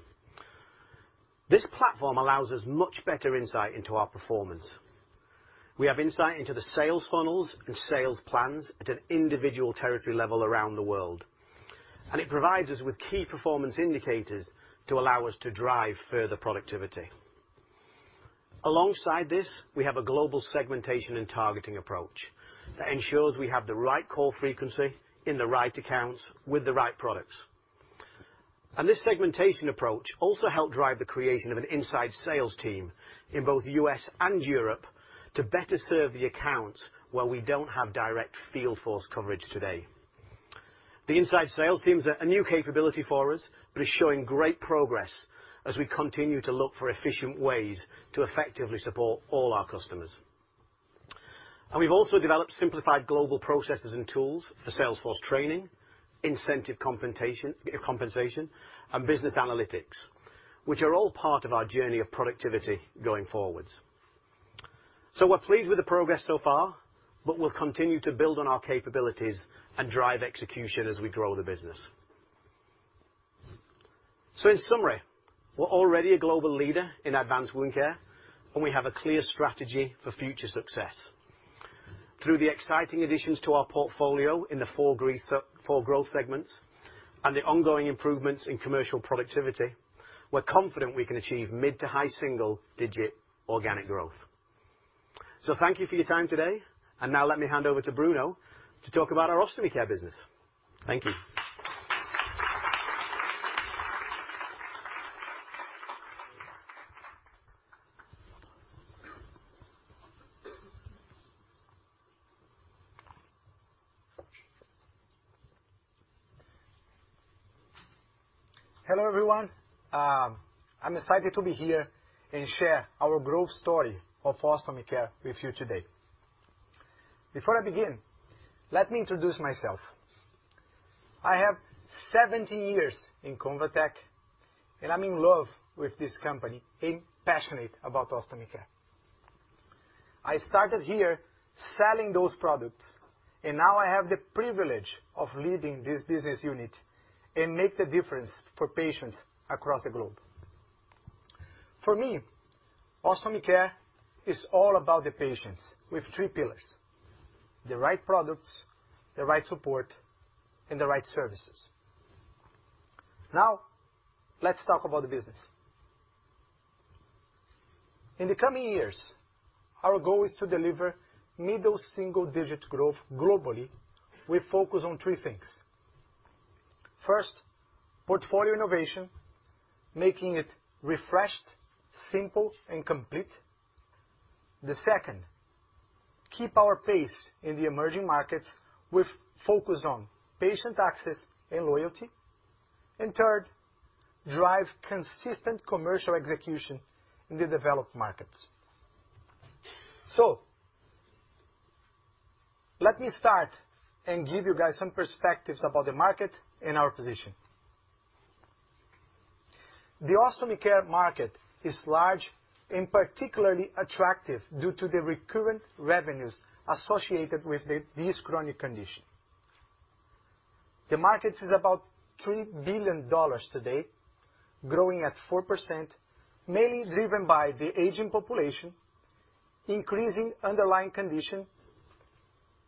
This platform allows us much better insight into our performance. We have insight into the sales funnels and sales plans at an individual territory level around the world, and it provides us with key performance indicators to allow us to drive further productivity. Alongside this, we have a global segmentation and targeting approach that ensures we have the right call frequency in the right accounts with the right products. This segmentation approach also helped drive the creation of an inside sales team in both the U.S. and Europe to better serve the accounts where we don't have direct field force coverage today. The inside sales team is a new capability for us, but it's showing great progress as we continue to look for efficient ways to effectively support all our customers. We've also developed simplified global processes and tools for sales force training, incentive compensation, and business analytics, which are all part of our journey of productivity going forward. We're pleased with the progress so far, but we'll continue to build on our capabilities and drive execution as we grow the business. In summary, we're already a global leader in Advanced Wound Care, and we have a clear strategy for future success. Through the exciting additions to our portfolio in the four growth segments and the ongoing improvements in commercial productivity, we're confident we can achieve mid- to high-single-digit organic growth. Thank you for your time today, and now let me hand over to Bruno to talk about our Ostomy Care business. Thank you. Hello, everyone. I'm excited to be here and share our growth story of Ostomy Care with you today. Before I begin, let me introduce myself. I have 17 years in ConvaTec, and I'm in love with this company and passionate about Ostomy Care. I started here selling those products, and now I have the privilege of leading this business unit and make the difference for patients across the globe. For me, Ostomy Care is all about the patients. We have three pillars, the right products, the right support, and the right services. Now, let's talk about the business. In the coming years, our goal is to deliver middle single digit growth globally. We focus on three things. First, portfolio innovation, making it refreshed, simple, and complete. The second, keep our pace in the emerging markets with focus on patient access and loyalty. Third, drive consistent commercial execution in the developed markets. Let me start and give you guys some perspectives about the market and our position. The Ostomy Care market is large and particularly attractive due to the recurrent revenues associated with this chronic condition. The market is about $3 billion today, growing at 4%, mainly driven by the aging population, increasing underlying condition,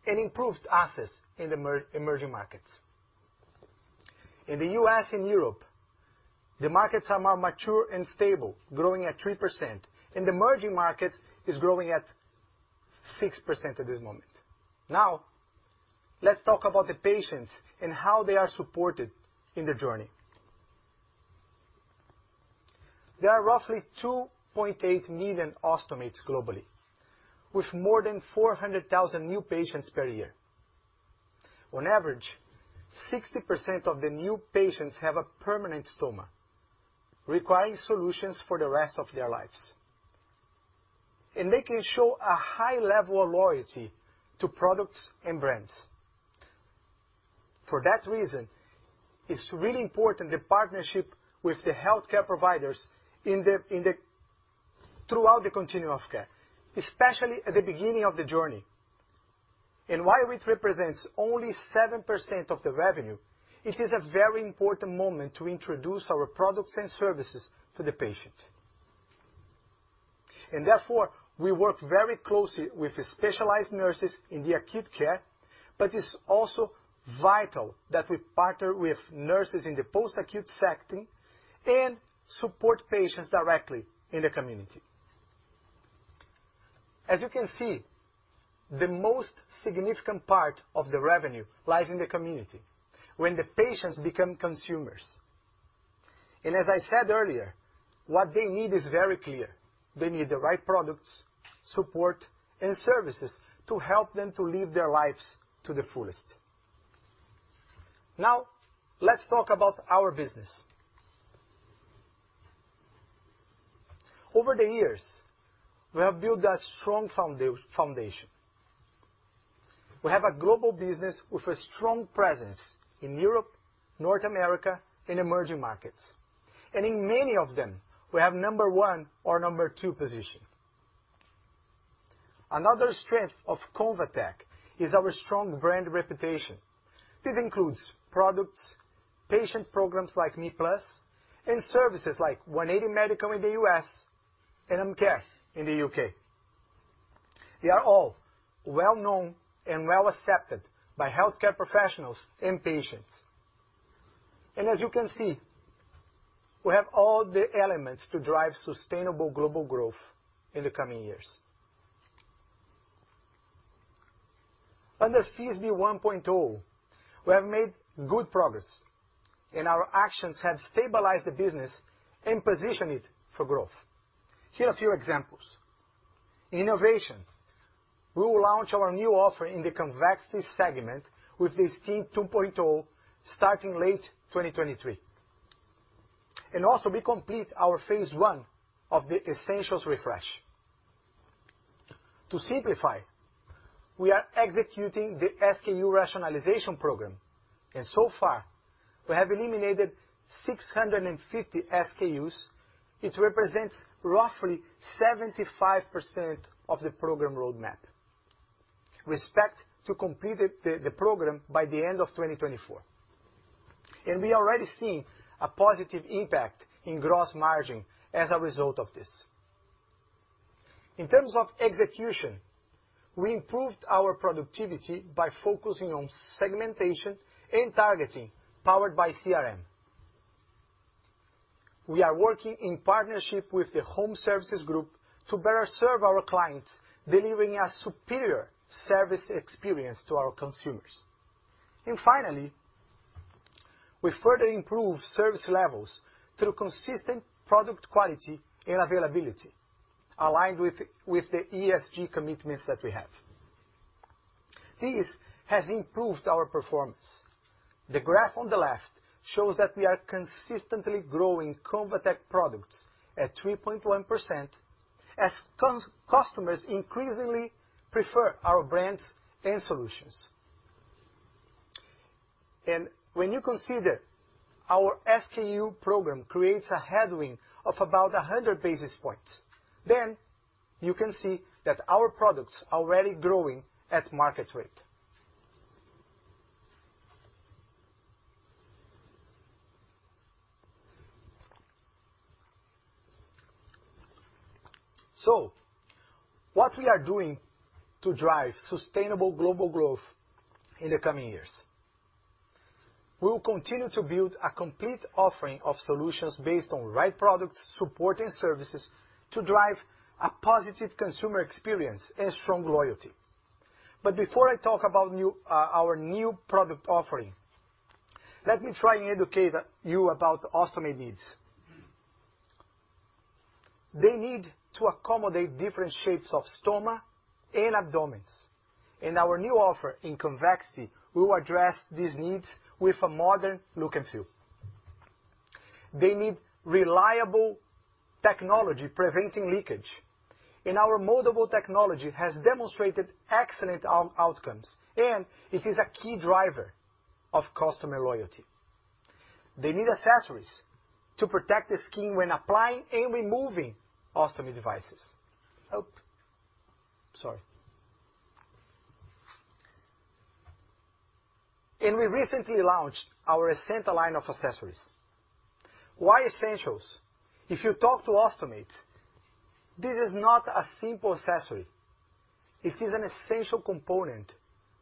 and improved access in the emerging markets. In the US and Europe, the markets are more mature and stable, growing at 3%, and the emerging markets is growing at 6% at this moment. Now, let's talk about the patients and how they are supported in their journey. There are roughly 2.8 million ostomates globally, with more than 400,000 new patients per year. On average, 60% of the new patients have a permanent stoma, requiring solutions for the rest of their lives, and they can show a high level of loyalty to products and brands. For that reason, it's really important the partnership with the healthcare providers throughout the continuum of care, especially at the beginning of the journey. While it represents only 7% of the revenue, it is a very important moment to introduce our products and services to the patient. Therefore, we work very closely with the specialized nurses in the acute care, but it's also vital that we partner with nurses in the post-acute setting and support patients directly in the community. As you can see, the most significant part of the revenue lies in the community when the patients become consumers. As I said earlier, what they need is very clear. They need the right products, support, and services to help them live their lives to the fullest. Now, let's talk about our business. Over the years, we have built a strong foundation. We have a global business with a strong presence in Europe, North America, and emerging markets. In many of them, we have number one or number two position. Another strength of ConvaTec is our strong brand reputation. This includes products, patient programs like me+, and services like 180 Medical in the US and Amcare in the UK. They are all well-known and well-accepted by healthcare professionals and patients. As you can see, we have all the elements to drive sustainable global growth in the coming years. Under FISBE 1.0, we have made good progress, and our actions have stabilized the business and positioned it for growth. Here are a few examples. Innovation. We will launch our new offer in the convexity segment with the Esteem 2.0 starting late 2023. We complete our phase I of the essentials refresh. To simplify, we are executing the SKU rationalization program. So far, we have eliminated 650 SKUs. It represents roughly 75% of the program roadmap. We expect to complete it, the program by the end of 2024. We already see a positive impact in gross margin as a result of this. In terms of execution, we improved our productivity by focusing on segmentation and targeting powered by CRM. We are working in partnership with the Home Services Group to better serve our clients, delivering a superior service experience to our consumers. Finally, we further improve service levels through consistent product quality and availability, aligned with the ESG commitments that we have. This has improved our performance. The graph on the left shows that we are consistently growing ConvaTec products at 3.1% as customers increasingly prefer our brands and solutions. When you consider our SKU program creates a headwind of about 100 basis points, then you can see that our products are already growing at market rate. What we are doing to drive sustainable global growth in the coming years. We will continue to build a complete offering of solutions based on right products, support, and services to drive a positive consumer experience and strong loyalty. Before I talk about our new product offering, let me try and educate you about ostomy needs. They need to accommodate different shapes of stoma and abdomens. Our new offer in convexity will address these needs with a modern look and feel. They need reliable technology preventing leakage. Our moldable technology has demonstrated excellent outcomes, and it is a key driver of customer loyalty. They need accessories to protect the skin when applying and removing ostomy devices. Oh, sorry. We recently launched our ESENTA line of accessories. Why Essentials? If you talk to ostomates, this is not a simple accessory. It is an essential component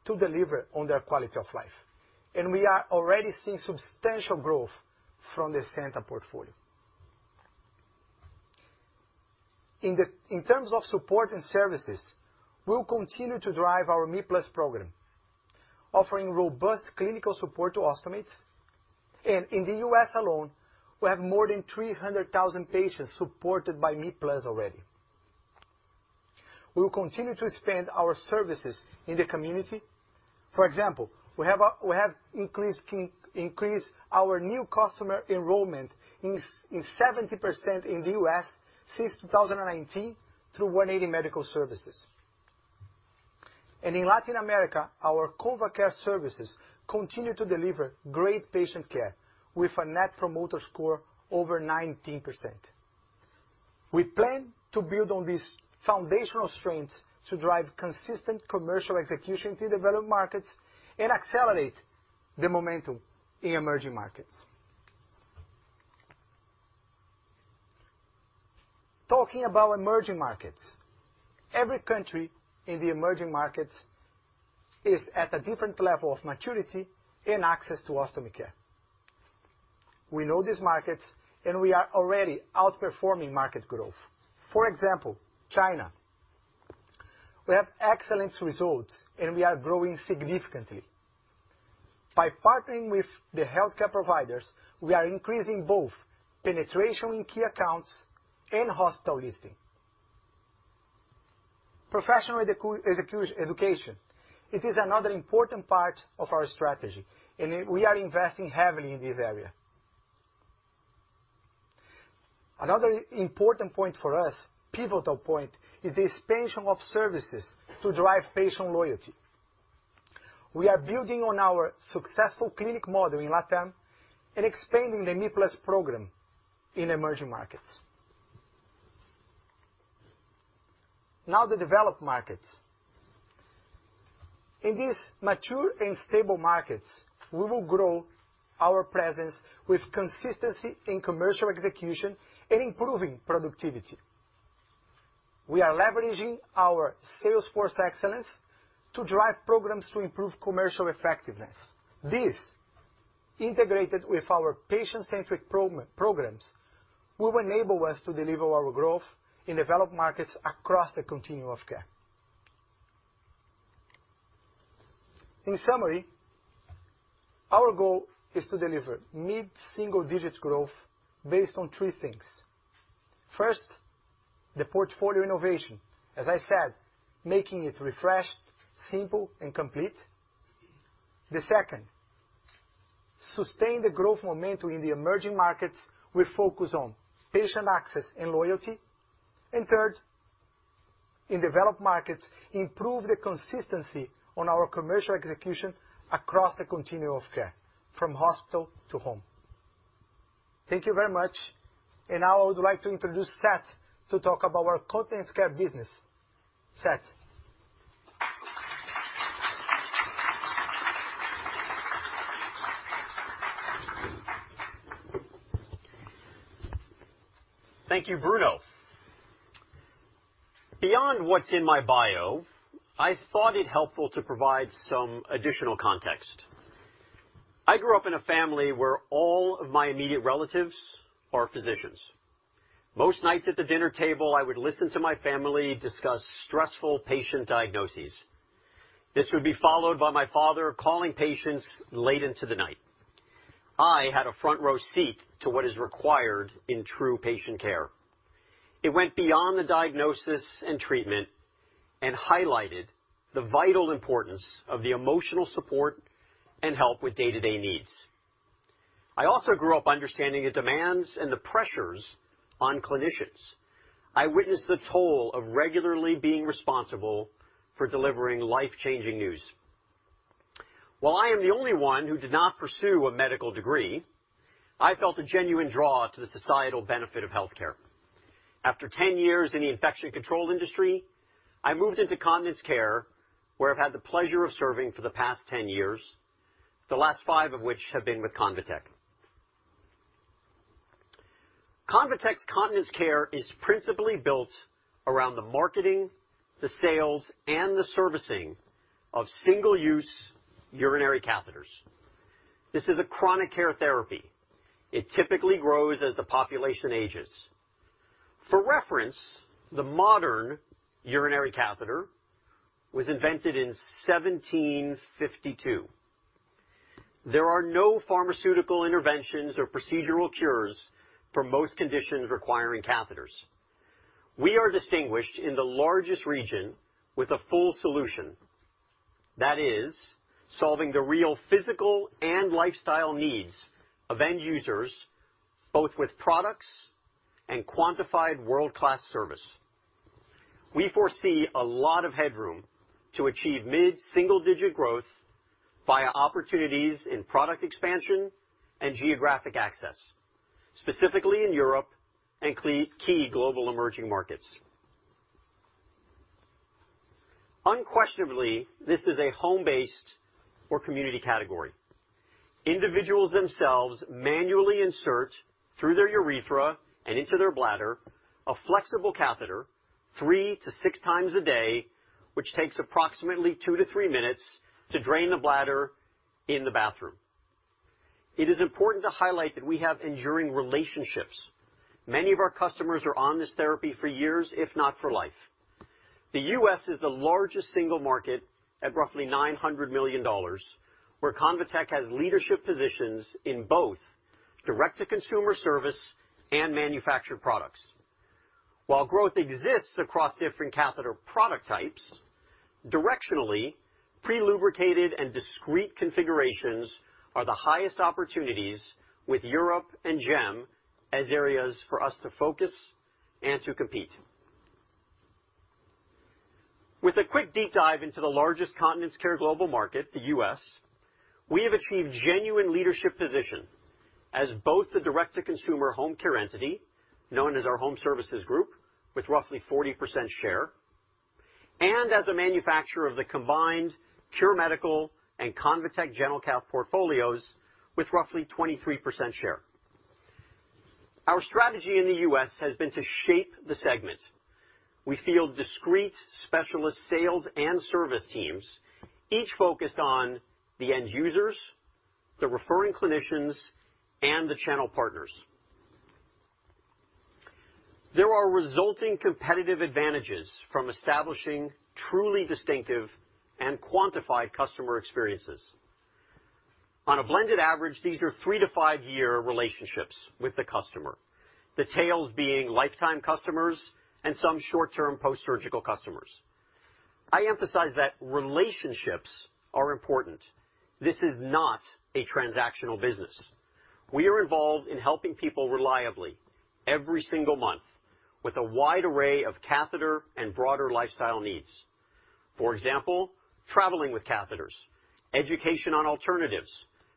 to deliver on their quality of life, and we are already seeing substantial growth from the ESENTA portfolio. In terms of support and services, we'll continue to drive our me+ program, offering robust clinical support to ostomates. In the U.S. alone, we have more than 300,000 patients supported by me+ already. We will continue to expand our services in the community. For example, we have increased our new customer enrollment by 70% in the U.S. since 2019 through 180 Medical. In Latin America, our ConvaCare services continue to deliver great patient care with a Net Promoter Score over 19%. We plan to build on these foundational strengths to drive consistent commercial execution in developed markets and accelerate the momentum in emerging markets. Talking about emerging markets, every country in the emerging markets is at a different level of maturity and access to ostomy care. We know these markets, and we are already outperforming market growth. For example, China, we have excellent results, and we are growing significantly. By partnering with the healthcare providers, we are increasing both penetration in key accounts and hospital listing. Professional education. It is another important part of our strategy, and we are investing heavily in this area. Another important point for us, pivotal point, is the expansion of services to drive patient loyalty. We are building on our successful clinic model in LatAm and expanding the me+ program in emerging markets. Now the developed markets. In these mature and stable markets, we will grow our presence with consistency in commercial execution and improving productivity. We are leveraging our sales force excellence to drive programs to improve commercial effectiveness. This integrated with our patient-centric programs, will enable us to deliver our growth in developed markets across the continuum of care. In summary, our goal is to deliver mid-single digit growth based on three things. First, the portfolio innovation, as I said, making it refreshed, simple and complete. The second, sustain the growth momentum in the emerging markets with focus on patient access and loyalty. Third, in developed markets, improve the consistency on our commercial execution across the continuum of care from hospital to home. Thank you very much. Now I would like to introduce Seth to talk about our Continence Care business. Seth. Thank you, Bruno. Beyond what's in my bio, I thought it helpful to provide some additional context. I grew up in a family where all of my immediate relatives are physicians. Most nights at the dinner table, I would listen to my family discuss stressful patient diagnoses. This would be followed by my father calling patients late into the night. I had a front row seat to what is required in true patient care. It went beyond the diagnosis and treatment and highlighted the vital importance of the emotional support and help with day-to-day needs. I also grew up understanding the demands and the pressures on clinicians. I witnessed the toll of regularly being responsible for delivering life-changing news. While I am the only one who did not pursue a medical degree, I felt a genuine draw to the societal benefit of healthcare. After 10 years in the infection control industry, I moved into continence care, where I've had the pleasure of serving for the past 10 years, the last 5 of which have been with ConvaTec. ConvaTec's Continence Care is principally built around the marketing, the sales, and the servicing of single-use urinary catheters. This is a chronic care therapy. It typically grows as the population ages. For reference, the modern urinary catheter was invented in 1752. There are no pharmaceutical interventions or procedural cures for most conditions requiring catheters. We are distinguished in the largest region with a full solution that is solving the real physical and lifestyle needs of end users, both with products and quantified world-class service. We foresee a lot of headroom to achieve mid-single-digit growth via opportunities in product expansion and geographic access, specifically in Europe and key global emerging markets. Unquestionably, this is a home-based or community category. Individuals themselves manually insert through their urethra and into their bladder a flexible catheter 3-6 times a day, which takes approximately 2-3 minutes to drain the bladder in the bathroom. It is important to highlight that we have enduring relationships. Many of our customers are on this therapy for years, if not for life. The U.S. is the largest single market at roughly $900 million, where ConvaTec has leadership positions in both direct-to-consumer service and manufactured products. While growth exists across different catheter product types, directionally, pre-lubricated and discrete configurations are the highest opportunities with Europe and GEM as areas for us to focus and to compete. With a quick deep dive into the largest Continence Care global market, the U.S., we have achieved genuine leadership position as both the direct-to-consumer home care entity, known as our Home Services Group, with roughly 40% share, and as a manufacturer of the combined Cure Medical and ConvaTec GentleCath portfolios with roughly 23% share. Our strategy in the U.S. has been to shape the segment. We field discrete specialist sales and service teams, each focused on the end users, the referring clinicians, and the channel partners. There are resulting competitive advantages from establishing truly distinctive and quantified customer experiences. On a blended average, these are 3- to 5-year relationships with the customer. The tails being lifetime customers and some short-term post-surgical customers. I emphasize that relationships are important. This is not a transactional business. We are involved in helping people reliably every single month with a wide array of catheter and broader lifestyle needs. For example, traveling with catheters, education on alternatives,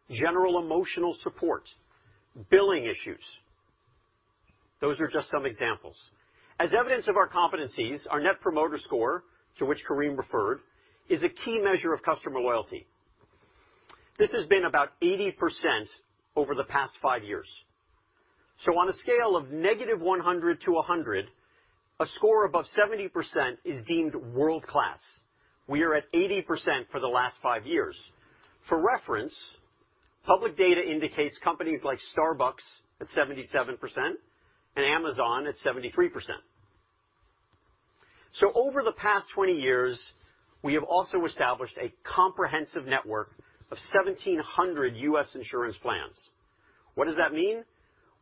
general emotional support, billing issues. Those are just some examples. As evidence of our competencies, our Net Promoter Score, to which Karim referred, is a key measure of customer loyalty. This has been about 80% over the past 5 years. On a scale of negative 100 to 100, a score above 70% is deemed world-class. We are at 80% for the last 5 years. For reference, public data indicates companies like Starbucks at 77% and Amazon at 73%. Over the past 20 years, we have also established a comprehensive network of 1,700 U.S. insurance plans. What does that mean?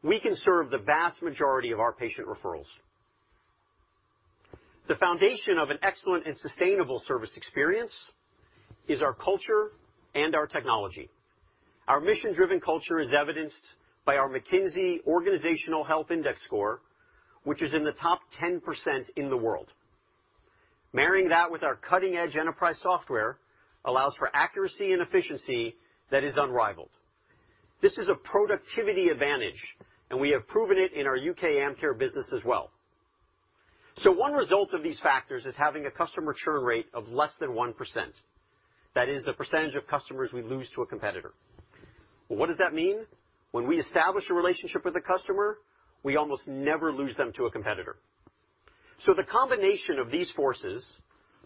We can serve the vast majority of our patient referrals. The foundation of an excellent and sustainable service experience is our culture and our technology. Our mission-driven culture is evidenced by our McKinsey Organizational Health Index score, which is in the top 10% in the world. Marrying that with our cutting-edge enterprise software allows for accuracy and efficiency that is unrivaled. This is a productivity advantage, and we have proven it in our UK Amcare business as well. One result of these factors is having a customer churn rate of less than 1%. That is the percentage of customers we lose to a competitor. What does that mean? When we establish a relationship with the customer, we almost never lose them to a competitor. The combination of these forces,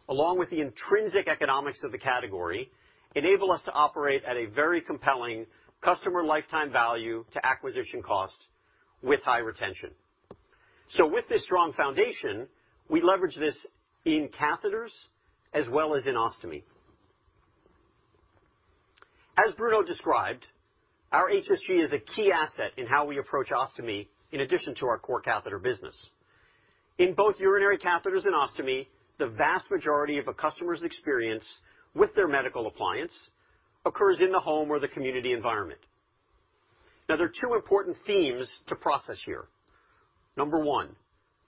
along with the intrinsic economics of the category, enable us to operate at a very compelling customer lifetime value to acquisition cost with high retention. With this strong foundation, we leverage this in catheters as well as in ostomy. As Bruno described, our HSG is a key asset in how we approach ostomy in addition to our core catheter business. In both urinary catheters and ostomy, the vast majority of a customer's experience with their medical appliance occurs in the home or the community environment. Now there are two important themes to process here. Number one,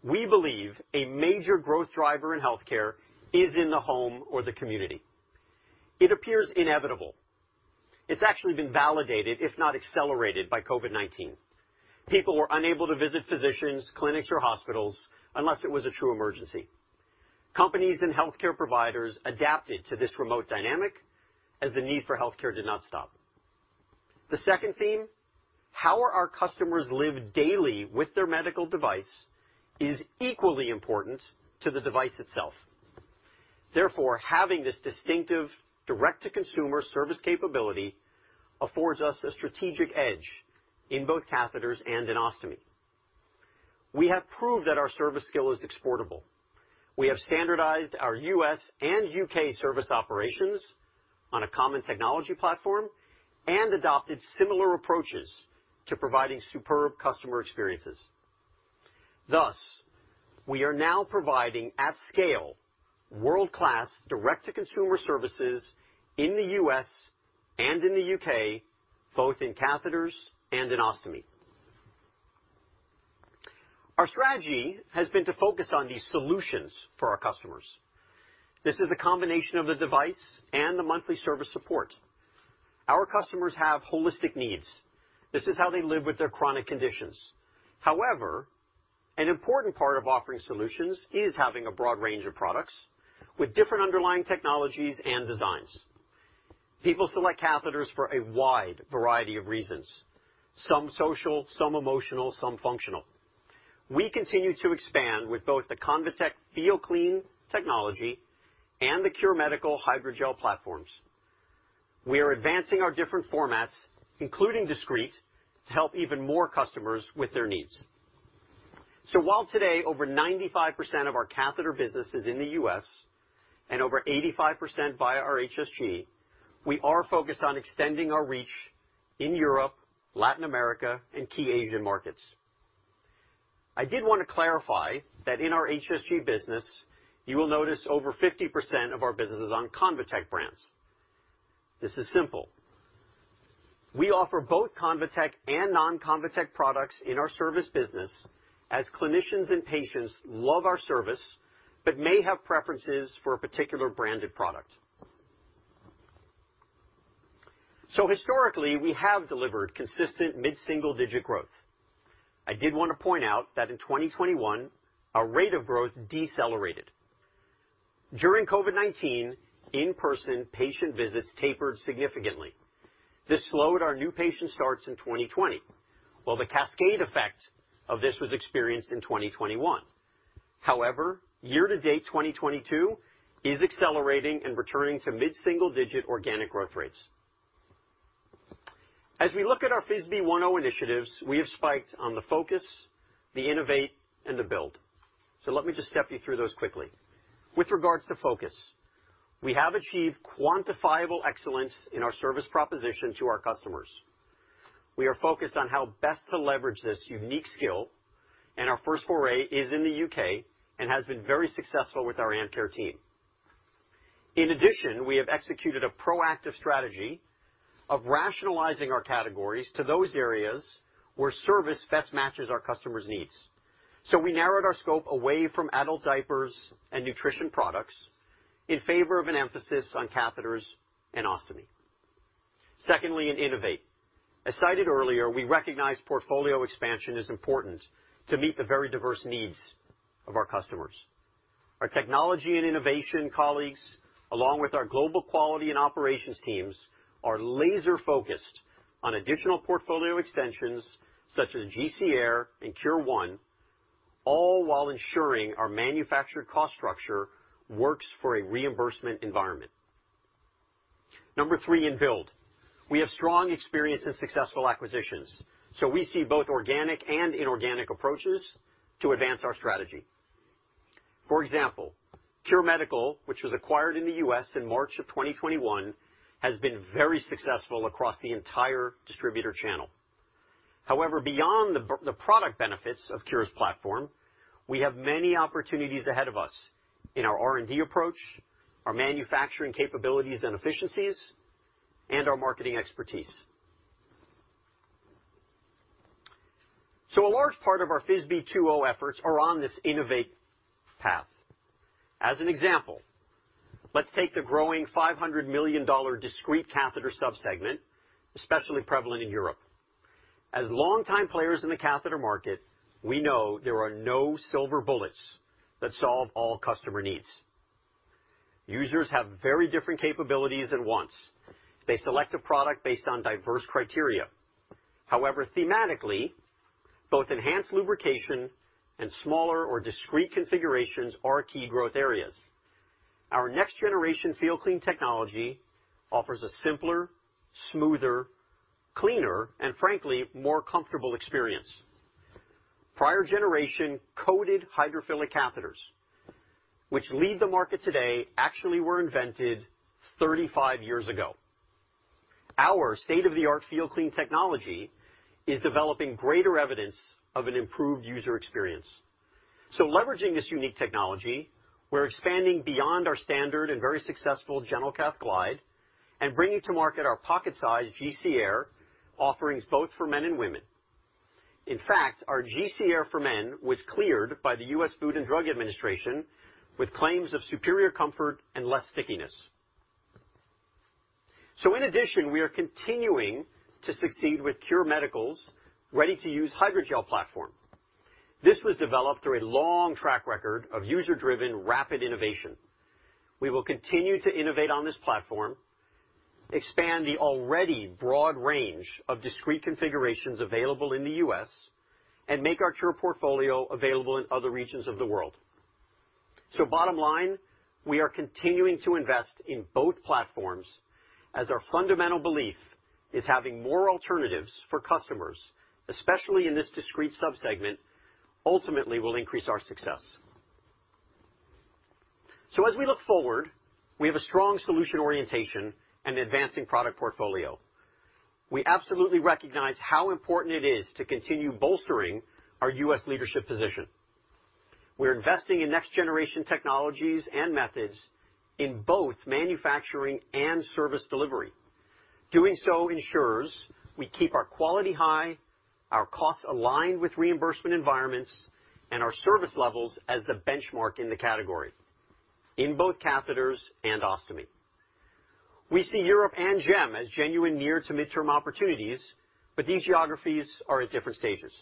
we believe a major growth driver in healthcare is in the home or the community. It appears inevitable. It's actually been validated, if not accelerated by COVID-19. People were unable to visit physicians, clinics, or hospitals unless it was a true emergency. Companies and healthcare providers adapted to this remote dynamic as the need for healthcare did not stop. The second theme, how our customers live daily with their medical device is equally important to the device itself. Therefore, having this distinctive direct-to-consumer service capability affords us a strategic edge in both catheters and in ostomy. We have proved that our service skill is exportable. We have standardized our US and UK service operations on a common technology platform and adopted similar approaches to providing superb customer experiences. Thus, we are now providing at scale, world-class direct-to-consumer services in the US and in the UK, both in catheters and in ostomy. Our strategy has been to focus on these solutions for our customers. This is a combination of the device and the monthly service support. Our customers have holistic needs. This is how they live with their chronic conditions. However, an important part of offering solutions is having a broad range of products with different underlying technologies and designs. People select catheters for a wide variety of reasons, some social, some emotional, some functional. We continue to expand with both the ConvaTec FeelClean technology and the Cure Medical hydrogel platforms. We are advancing our different formats, including discrete, to help even more customers with their needs. While today over 95% of our catheter business is in the U.S. and over 85% via our HSG, we are focused on extending our reach in Europe, Latin America, and key Asian markets. I did want to clarify that in our HSG business, you will notice over 50% of our business is on ConvaTec brands. This is simple. We offer both ConvaTec and non-ConvaTec products in our service business, as clinicians and patients love our service, but may have preferences for a particular branded product. Historically, we have delivered consistent mid-single digit growth. I did wanna point out that in 2021, our rate of growth decelerated. During COVID-19, in-person patient visits tapered significantly. This slowed our new patient starts in 2020, while the cascade effect of this was experienced in 2021. However, year to date, 2022 is accelerating and returning to mid-single-digit organic growth rates. As we look at our FISBE 1.0 initiatives, we have spiked on the focus, the innovate, and the build. Let me just step you through those quickly. With regards to focus, we have achieved quantifiable excellence in our service proposition to our customers. We are focused on how best to leverage this unique skill, and our first foray is in the U.K. and has been very successful with our Amcare team. In addition, we have executed a proactive strategy of rationalizing our categories to those areas where service best matches our customers' needs. We narrowed our scope away from adult diapers and nutrition products in favor of an emphasis on catheters and ostomy. Secondly, in innovate. As cited earlier, we recognize portfolio expansion is important to meet the very diverse needs of our customers. Our technology and innovation colleagues, along with our global quality and operations teams, are laser-focused on additional portfolio extensions, such as GC Air and Cure One, all while ensuring our manufactured cost structure works for a reimbursement environment. Number three in build. We have strong experience in successful acquisitions, so we see both organic and inorganic approaches to advance our strategy. For example, Cure Medical, which was acquired in the U.S. in March 2021, has been very successful across the entire distributor channel. However, beyond the product benefits of Cure's platform, we have many opportunities ahead of us in our R&D approach, our manufacturing capabilities and efficiencies, and our marketing expertise. A large part of our FISBE 2.0 efforts are on this innovate path. As an example, let's take the growing $500 million discreet catheter subsegment, especially prevalent in Europe. As longtime players in the catheter market, we know there are no silver bullets that solve all customer needs. Users have very different capabilities and wants. They select a product based on diverse criteria. However, thematically, both enhanced lubrication and smaller or discreet configurations are key growth areas. Our next generation FeelClean technology offers a simpler, smoother, cleaner, and frankly, more comfortable experience. Prior generation coated hydrophilic catheters, which lead the market today, actually were invented 35 years ago. Our state-of-the-art FeelClean technology is developing greater evidence of an improved user experience. Leveraging this unique technology, we're expanding beyond our standard and very successful GentleCath Glide and bringing to market our pocket-sized GC Air offerings both for men and women. In fact, our GC Air for men was cleared by the U.S. Food and Drug Administration with claims of superior comfort and less stickiness. In addition, we are continuing to succeed with Cure Medical's ready-to-use hydrogel platform. This was developed through a long track record of user-driven rapid innovation. We will continue to innovate on this platform, expand the already broad range of discreet configurations available in the U.S., and make our Cure portfolio available in other regions of the world. Bottom line, we are continuing to invest in both platforms as our fundamental belief is having more alternatives for customers, especially in this discreet subsegment, ultimately will increase our success. As we look forward, we have a strong solution orientation and advancing product portfolio. We absolutely recognize how important it is to continue bolstering our U.S. leadership position. We're investing in next-generation technologies and methods in both manufacturing and service delivery. Doing so ensures we keep our quality high, our costs aligned with reimbursement environments, and our service levels as the benchmark in the category, in both catheters and ostomy. We see Europe and GEM as genuine near to mid-term opportunities, but these geographies are at different stages.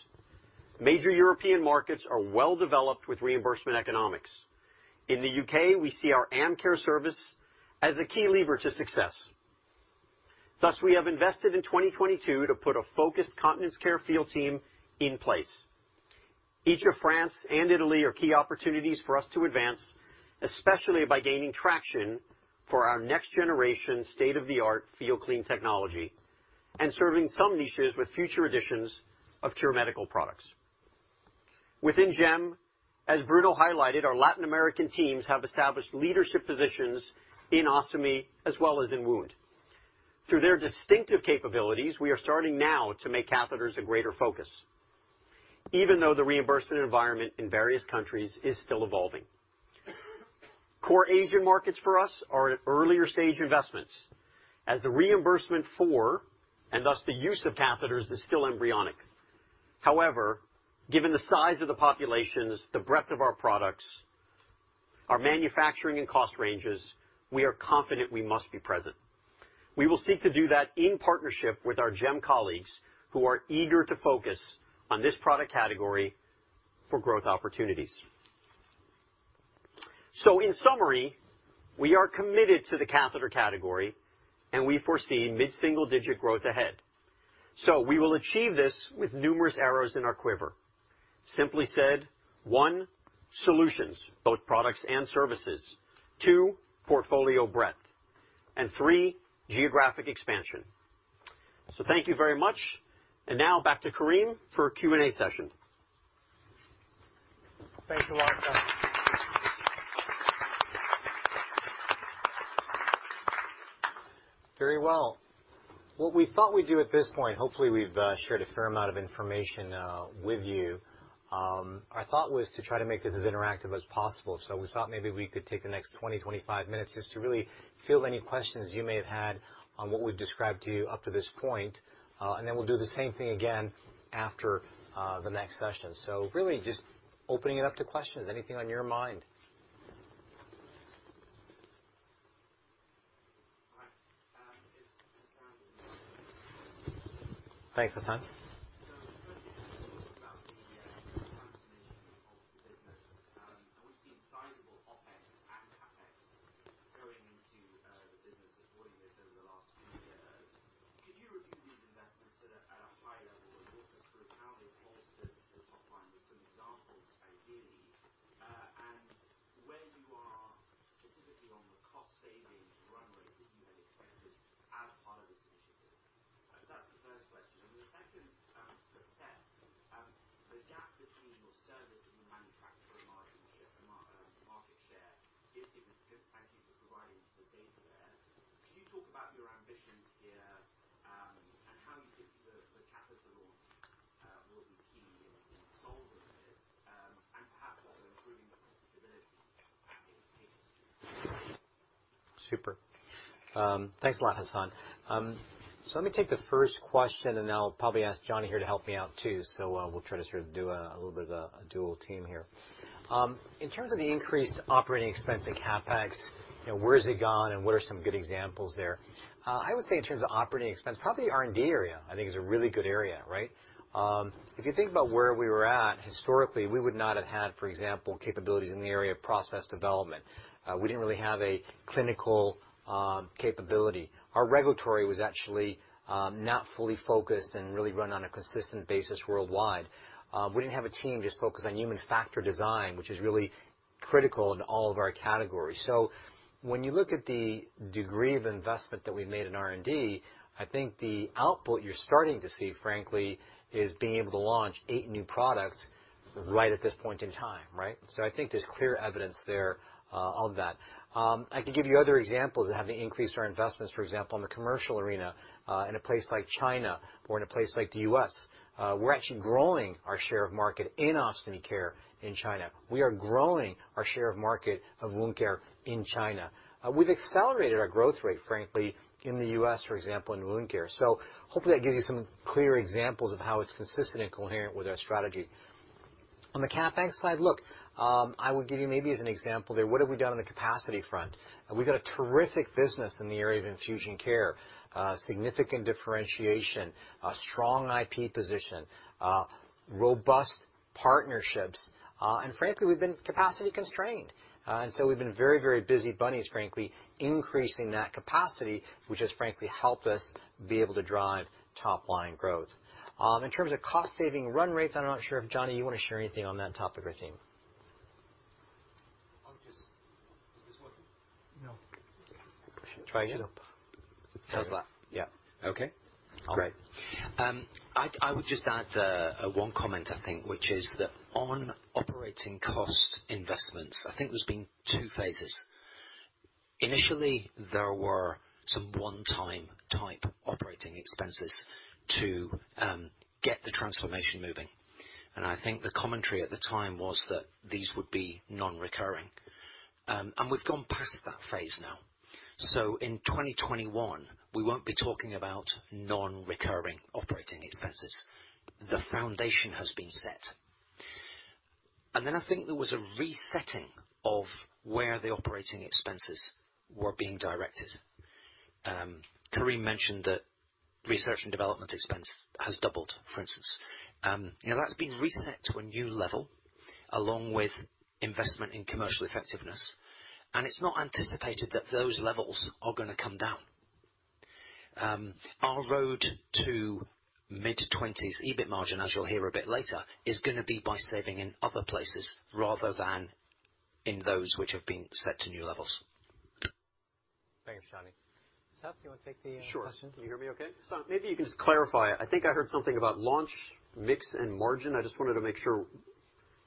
Major European markets are well-developed with reimbursement economics. In the U.K., we see our Amcare service as a key lever to success. Thus, we have invested in 2022 to put a focused Continence Care field team in place. Each of France and Italy are key opportunities for us to advance, especially by gaining traction for our next generation state-of-the-art FeelClean technology and serving some niches with future editions of Cure Medical products. Within GEM, as Bruno highlighted, our Latin American teams have established leadership positions in ostomy as well as in wound. Through their distinctive capabilities, we are starting now to make catheters a greater focus, even though the reimbursement environment in various countries is still evolving. Core Asian markets for us are at earlier stage investments as the reimbursement for, and thus the use of catheters is still embryonic. However, given the size of the populations, the breadth of our products, our manufacturing and cost ranges, we are confident we must be present. We will seek to do that in partnership with our GEM colleagues, who are eager to focus on this product category for growth opportunities. In summary, we are committed to the catheter category, and we foresee mid-single-digit% growth ahead. We will achieve this with numerous arrows in our quiver. Simply said, one, solutions, both products and services. Two, portfolio breadth. And three, geographic expansion. Thank you very much. Now back to Karim for a Q&A session. Thanks a lot. Very well. What we thought we'd do at this point, hopefully, we've shared a fair amount of information with you. Our thought was to try to make this as interactive as possible. We thought maybe we could take the next 20-25 minutes just to really field any questions you may have had on what we've described to you up to this point, and then we'll do the same thing again after the next session. Really just opening it up to questions. Anything on your mind? All right. It's Hassan. Thanks, Hassan. The first question is about the We didn't really have a clinical capability. Our regulatory was actually not fully focused and really run on a consistent basis worldwide. We didn't have a team just focused on human factor design, which is really critical in all of our categories. When you look at the degree of investment that we've made in R&D, I think the output you're starting to see, frankly, is being able to launch 8 new products right at this point in time, right? I think there's clear evidence there of that. I can give you other examples of having increased our investments, for example, in the commercial arena, in a place like China or in a place like the US. We're actually growing our share of market in Ostomy Care in China. We are growing our share of market of Wound Care in China. We've accelerated our growth rate, frankly, in the US, for example, in Wound Care. Hopefully that gives you some clear examples of how it's consistent and coherent with our strategy. On the CapEx side, look, I would give you maybe as an example there, what have we done on the capacity front? We've got a terrific business in the area of Infusion Care, significant differentiation, a strong IP position, robust partnerships. And frankly, we've been capacity constrained. And so we've been very, very busy bunnies, frankly, increasing that capacity, which has frankly helped us be able to drive top-line growth. In terms of cost saving run rates, I'm not sure if, Jonny, you wanna share anything on that topic or theme. Is this working? No. Try again. How's that? Yeah. Okay. All right. Great. I would just add one comment, I think, which is that on operating cost investments, I think there's been two phases. Initially, there were some one-time type operating expenses to get the transformation moving. I think the commentary at the time was that these would be non-recurring. We've gone past that phase now. In 2021, we won't be talking about non-recurring operating expenses. The foundation has been set. Then I think there was a resetting of where the operating expenses were being directed. Karim mentioned that research and development expense has doubled, for instance. You know, that's been reset to a new level, along with investment in commercial effectiveness, and it's not anticipated that those levels are gonna come down. Our road to mid-20s EBIT margin, as you'll hear a bit later, is gonna be by saving in other places rather than in those which have been set to new levels. Thanks, Jonny. Seth, do you wanna take the question? Sure. Can you hear me okay? Maybe you can just clarify. I think I heard something about launch, mix, and margin. I just wanted to make sure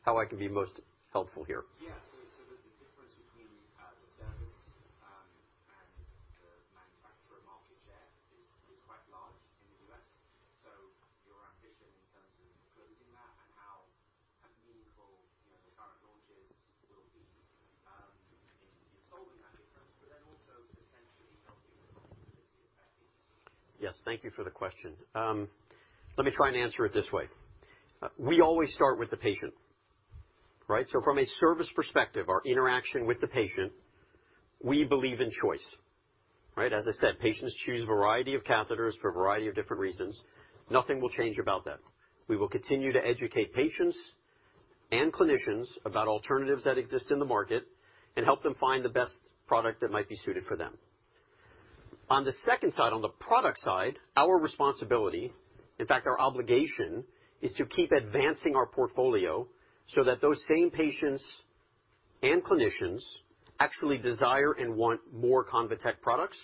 how I can be most helpful here. Yes. The service and the manufacturer market share is quite large in the U.S. Your ambition in terms of closing that and how meaningful, you know, the current launches will be in solving that difference, but then also potentially helping with the competitive advantage. Yes. Thank you for the question. Let me try and answer it this way. We always start with the patient, right? From a service perspective, our interaction with the patient, we believe in choice, right? As I said, patients choose a variety of catheters for a variety of different reasons. Nothing will change about that. We will continue to educate patients and clinicians about alternatives that exist in the market and help them find the best product that might be suited for them. On the second side, on the product side, our responsibility, in fact, our obligation, is to keep advancing our portfolio so that those same patients and clinicians actually desire and want more ConvaTec products,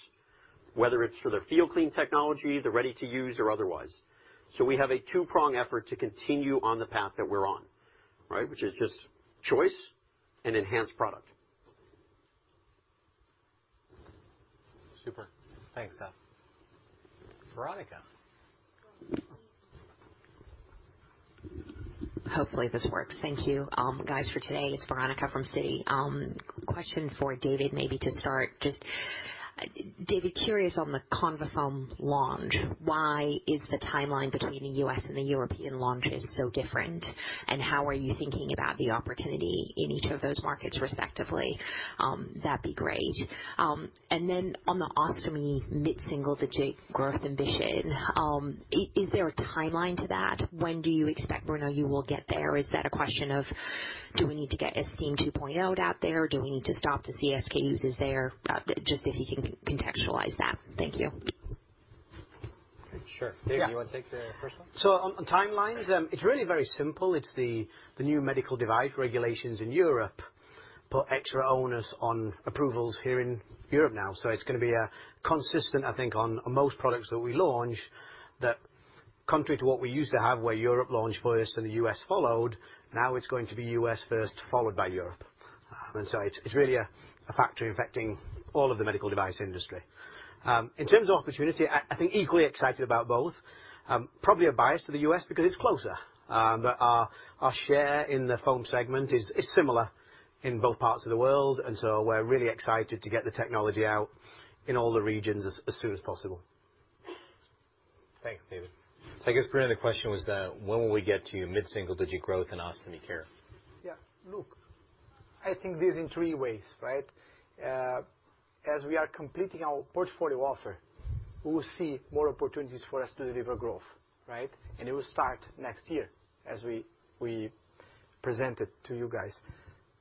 whether it's for their FeelClean technology, the ready-to-use or otherwise. We have a two-prong effort to continue on the path that we're on, right, which is just choice and enhanced product. Super. Thanks, Seth Segel. Veronika Dubajova. Hopefully this works. Thank you, guys for today. It's Veronika from Citi. Question for David, maybe to start. Just David, curious on the ConvaFoam launch. Why is the timeline between the U.S. and the European launches so different, and how are you thinking about the opportunity in each of those markets respectively? That'd be great. And then on the ostomy mid-single digit growth ambition, is there a timeline to that? When do you expect, Bruno, you will get there? Is that a question of do we need to get Esteem 2.0 out there? Do we need to stop the SKU reductions there? Just if you can contextualize that. Thank you. Sure. David, do you wanna take the first one? On timelines, it's really very simple. It's the new medical device regulations in Europe put extra onus on approvals here in Europe now. It's gonna be a consistent, I think, on most products that we launch, that contrary to what we used to have, where Europe launched first and the U.S. followed, now it's going to be U.S. first, followed by Europe. It's really a factor affecting all of the medical device industry. In terms of opportunity, I think equally excited about both. Probably a bias to the U.S. because it's closer. Our share in the foam segment is similar in both parts of the world, and we're really excited to get the technology out in all the regions as soon as possible. Thanks, David. I guess, Bruno, the question was, when will we get to mid-single-digit growth in Ostomy Care? Yeah. Look, I think there are three ways, right? As we are completing our portfolio offering, we will see more opportunities for us to deliver growth, right? It will start next year as we present it to you guys.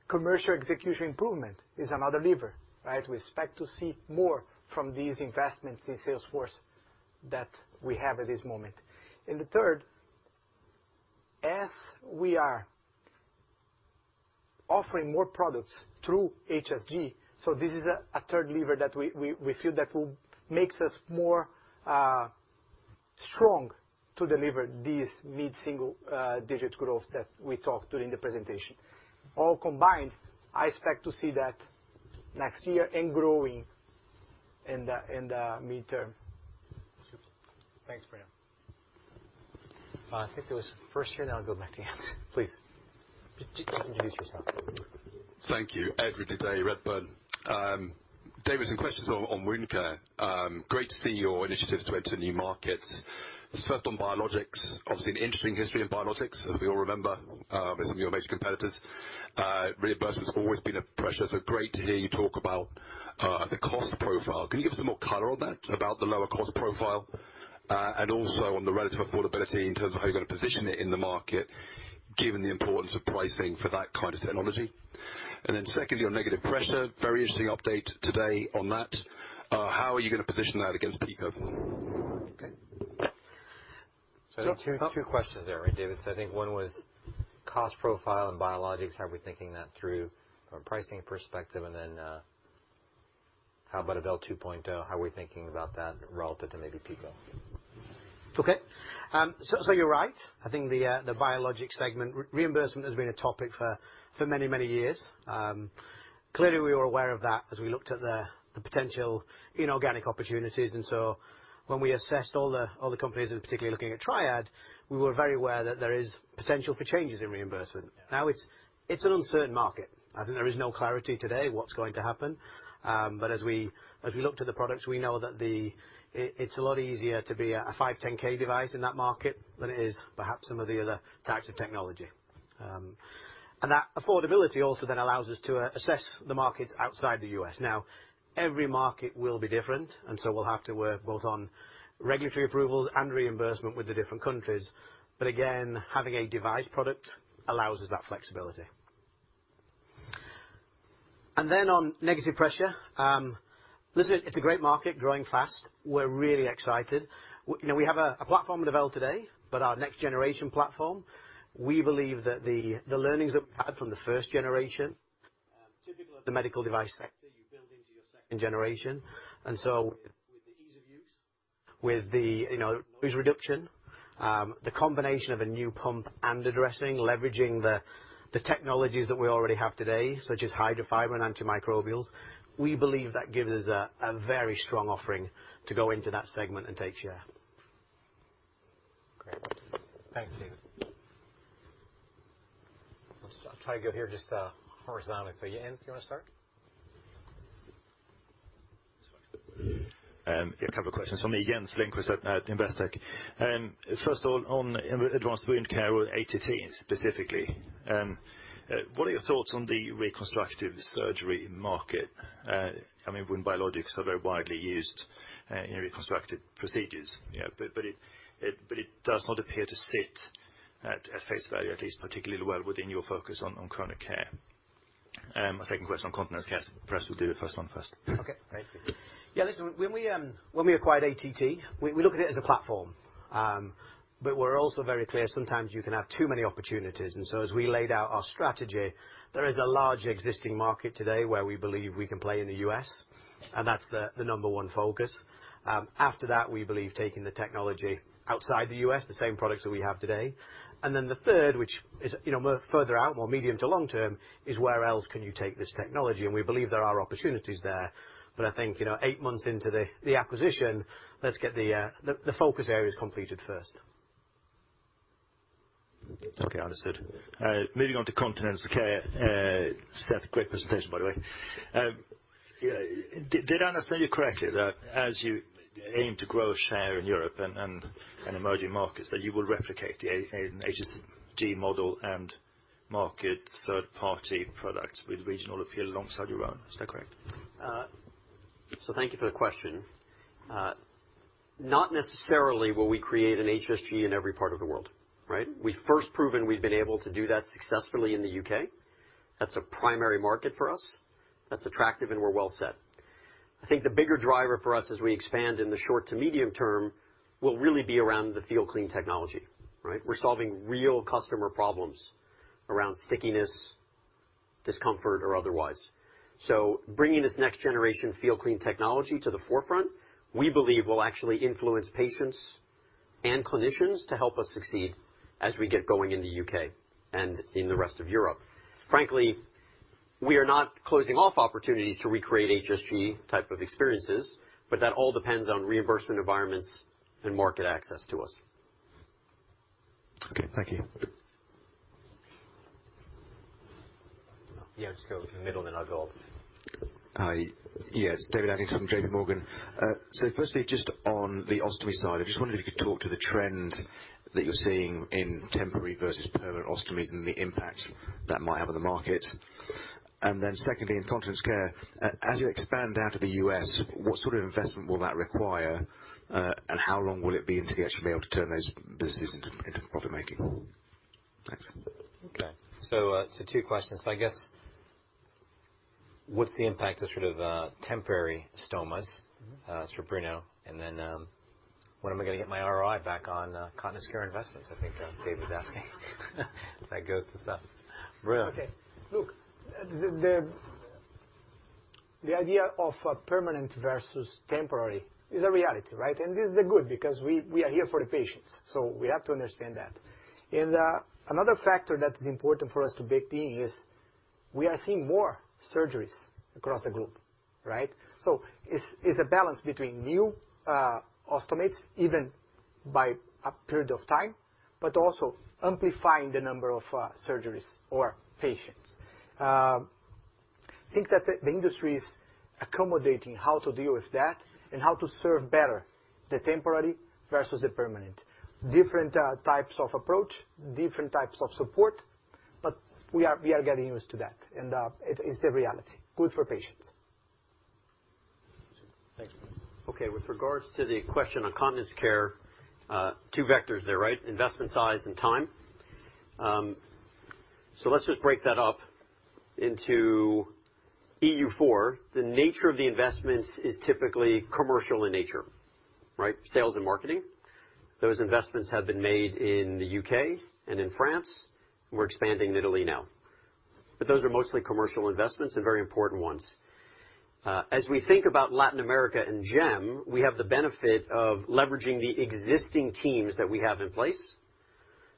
Commercial execution improvement is another lever, right? We expect to see more from these investments in sales force that we have at this moment. The third, as we are offering more products through HSG, so this is a third lever that we feel that will make us more strong to deliver this mid-single digit growth that we talked during the presentation. All combined, I expect to see that next year and growing in the midterm. Super. Thanks, Bruno. I think there was first here, now I'll go back to you. Please, just introduce yourself. Thank you. Edward, today, Redburn. David, some questions on wound care. Great to see your initiatives to enter new markets. First on biologics. Obviously an interesting history of biologics, as we all remember, with some of your major competitors. Reimbursement's always been a pressure, so great to hear you talk about the cost profile. Can you give some more color on that, about the lower cost profile? And also on the relative affordability in terms of how you're gonna position it in the market given the importance of pricing for that kind of technology. Secondly, on negative pressure, very interesting update today on that. How are you gonna position that against PICO? Okay. Two questions there, right, David? I think one was cost profile and biologics, how are we thinking that through from a pricing perspective? How about Avelle 2.0, how are we thinking about that relative to maybe PICO? You're right. I think the biologics segment reimbursement has been a topic for many years. Clearly, we were aware of that as we looked at the potential inorganic opportunities. When we assessed all the companies, and particularly looking at Triad, we were very aware that there is potential for changes in reimbursement. Now it's an uncertain market. I think there is no clarity today what's going to happen. As we look to the products, we know that it's a lot easier to be a 510(k) device in that market than it is perhaps some of the other types of technology. That affordability also then allows us to assess the markets outside the U.S. Now every market will be different, and so we'll have to work both on regulatory approvals and reimbursement with the different countries. But again, having a device product allows us that flexibility. And then on negative pressure, listen, it's a great market, growing fast. We're really excited. You know, we have a platform with Avelle today, but our next generation platform, we believe that the learnings that we've had from the first generation, typical of the medical device sector, you build into your second generation. And so With the, you know, noise reduction, the combination of a new pump and addressing, leveraging the technologies that we already have today, such as Hydrofiber and antimicrobials. We believe that gives us a very strong offering to go into that segment and take share. Great. Thanks, David. I'll try to go here just horizontally. Jens, do you wanna start? Yeah, a couple of questions from Jens Lindqvist at Investec. First of all, on Advanced Wound Care, or ATT specifically, what are your thoughts on the reconstructive surgery market? I mean, when biologics are very widely used in reconstructive procedures. You know, but it does not appear to sit at face value, at least, particularly well within your focus on chronic care. My second question on continence care. Perhaps we'll do the first one first. Okay, great. Yeah, listen, when we acquired ATT, we looked at it as a platform. We're also very clear, sometimes you can have too many opportunities. As we laid out our strategy, there is a large existing market today where we believe we can play in the U.S., and that's the number one focus. After that, we believe taking the technology outside the U.S., the same products that we have today. The third, which is, you know, more further out, more medium to long term, is where else can you take this technology? We believe there are opportunities there. I think, you know, 8 months into the acquisition, let's get the focus areas completed first. Okay, understood. Moving on to Continence Care. Seth, great presentation, by the way. Did I understand you correctly, that as you aim to grow a share in Europe and emerging markets, that you will replicate the HSG model and market third-party products with regional appeal alongside your own? Is that correct? Thank you for the question. Not necessarily will we create an HSG in every part of the world, right? We've first proven we've been able to do that successfully in the UK. That's a primary market for us. That's attractive and we're well set. I think the bigger driver for us as we expand in the short to medium term, will really be around the FeelClean technology, right? We're solving real customer problems around stickiness, discomfort or otherwise. Bringing this next generation FeelClean technology to the forefront, we believe will actually influence patients and clinicians to help us succeed as we get going in the UK and in the rest of Europe. Frankly, we are not closing off opportunities to recreate HSG type of experiences, but that all depends on reimbursement environments and market access to us. Okay, thank you. Yeah, just go middle, then I'll go up. Hi. Yes, David Adlington from J.P. Morgan. Firstly, just on the ostomy side, I just wondered if you could talk to the trend that you're seeing in temporary versus permanent ostomies and the impact that might have on the market. Secondly, in continence care, as you expand out of the U.S., what sort of investment will that require? How long will it be until you actually be able to turn those businesses into profit making? Thanks. Two questions. I guess what's the impact of sort of temporary stomas? That's for Bruno. When am I gonna get my ROI back on Continence Care investments, I think Dave is asking. That goes to Seth. Bruno. Okay. Look, the idea of permanent versus temporary is a reality, right? This is good because we are here for the patients, so we have to understand that. Another factor that is important for us to bake in is we are seeing more surgeries across the group, right? It's a balance between new ostomates, even over a period of time, but also amplifying the number of surgeries or patients. I think that the industry is accommodating how to deal with that and how to serve better the temporary versus the permanent. Different types of approach, different types of support, but we are getting used to that and it is the reality. Good for patients. Thank you. Okay, with regards to the question on Continence Care, 2 vectors there, right? Investment size and time. So let's just break that up into EU four. The nature of the investments is typically commercial in nature, right? Sales and marketing. Those investments have been made in the UK and in France. We're expanding Italy now. But those are mostly commercial investments and very important ones. As we think about Latin America and GEM, we have the benefit of leveraging the existing teams that we have in place.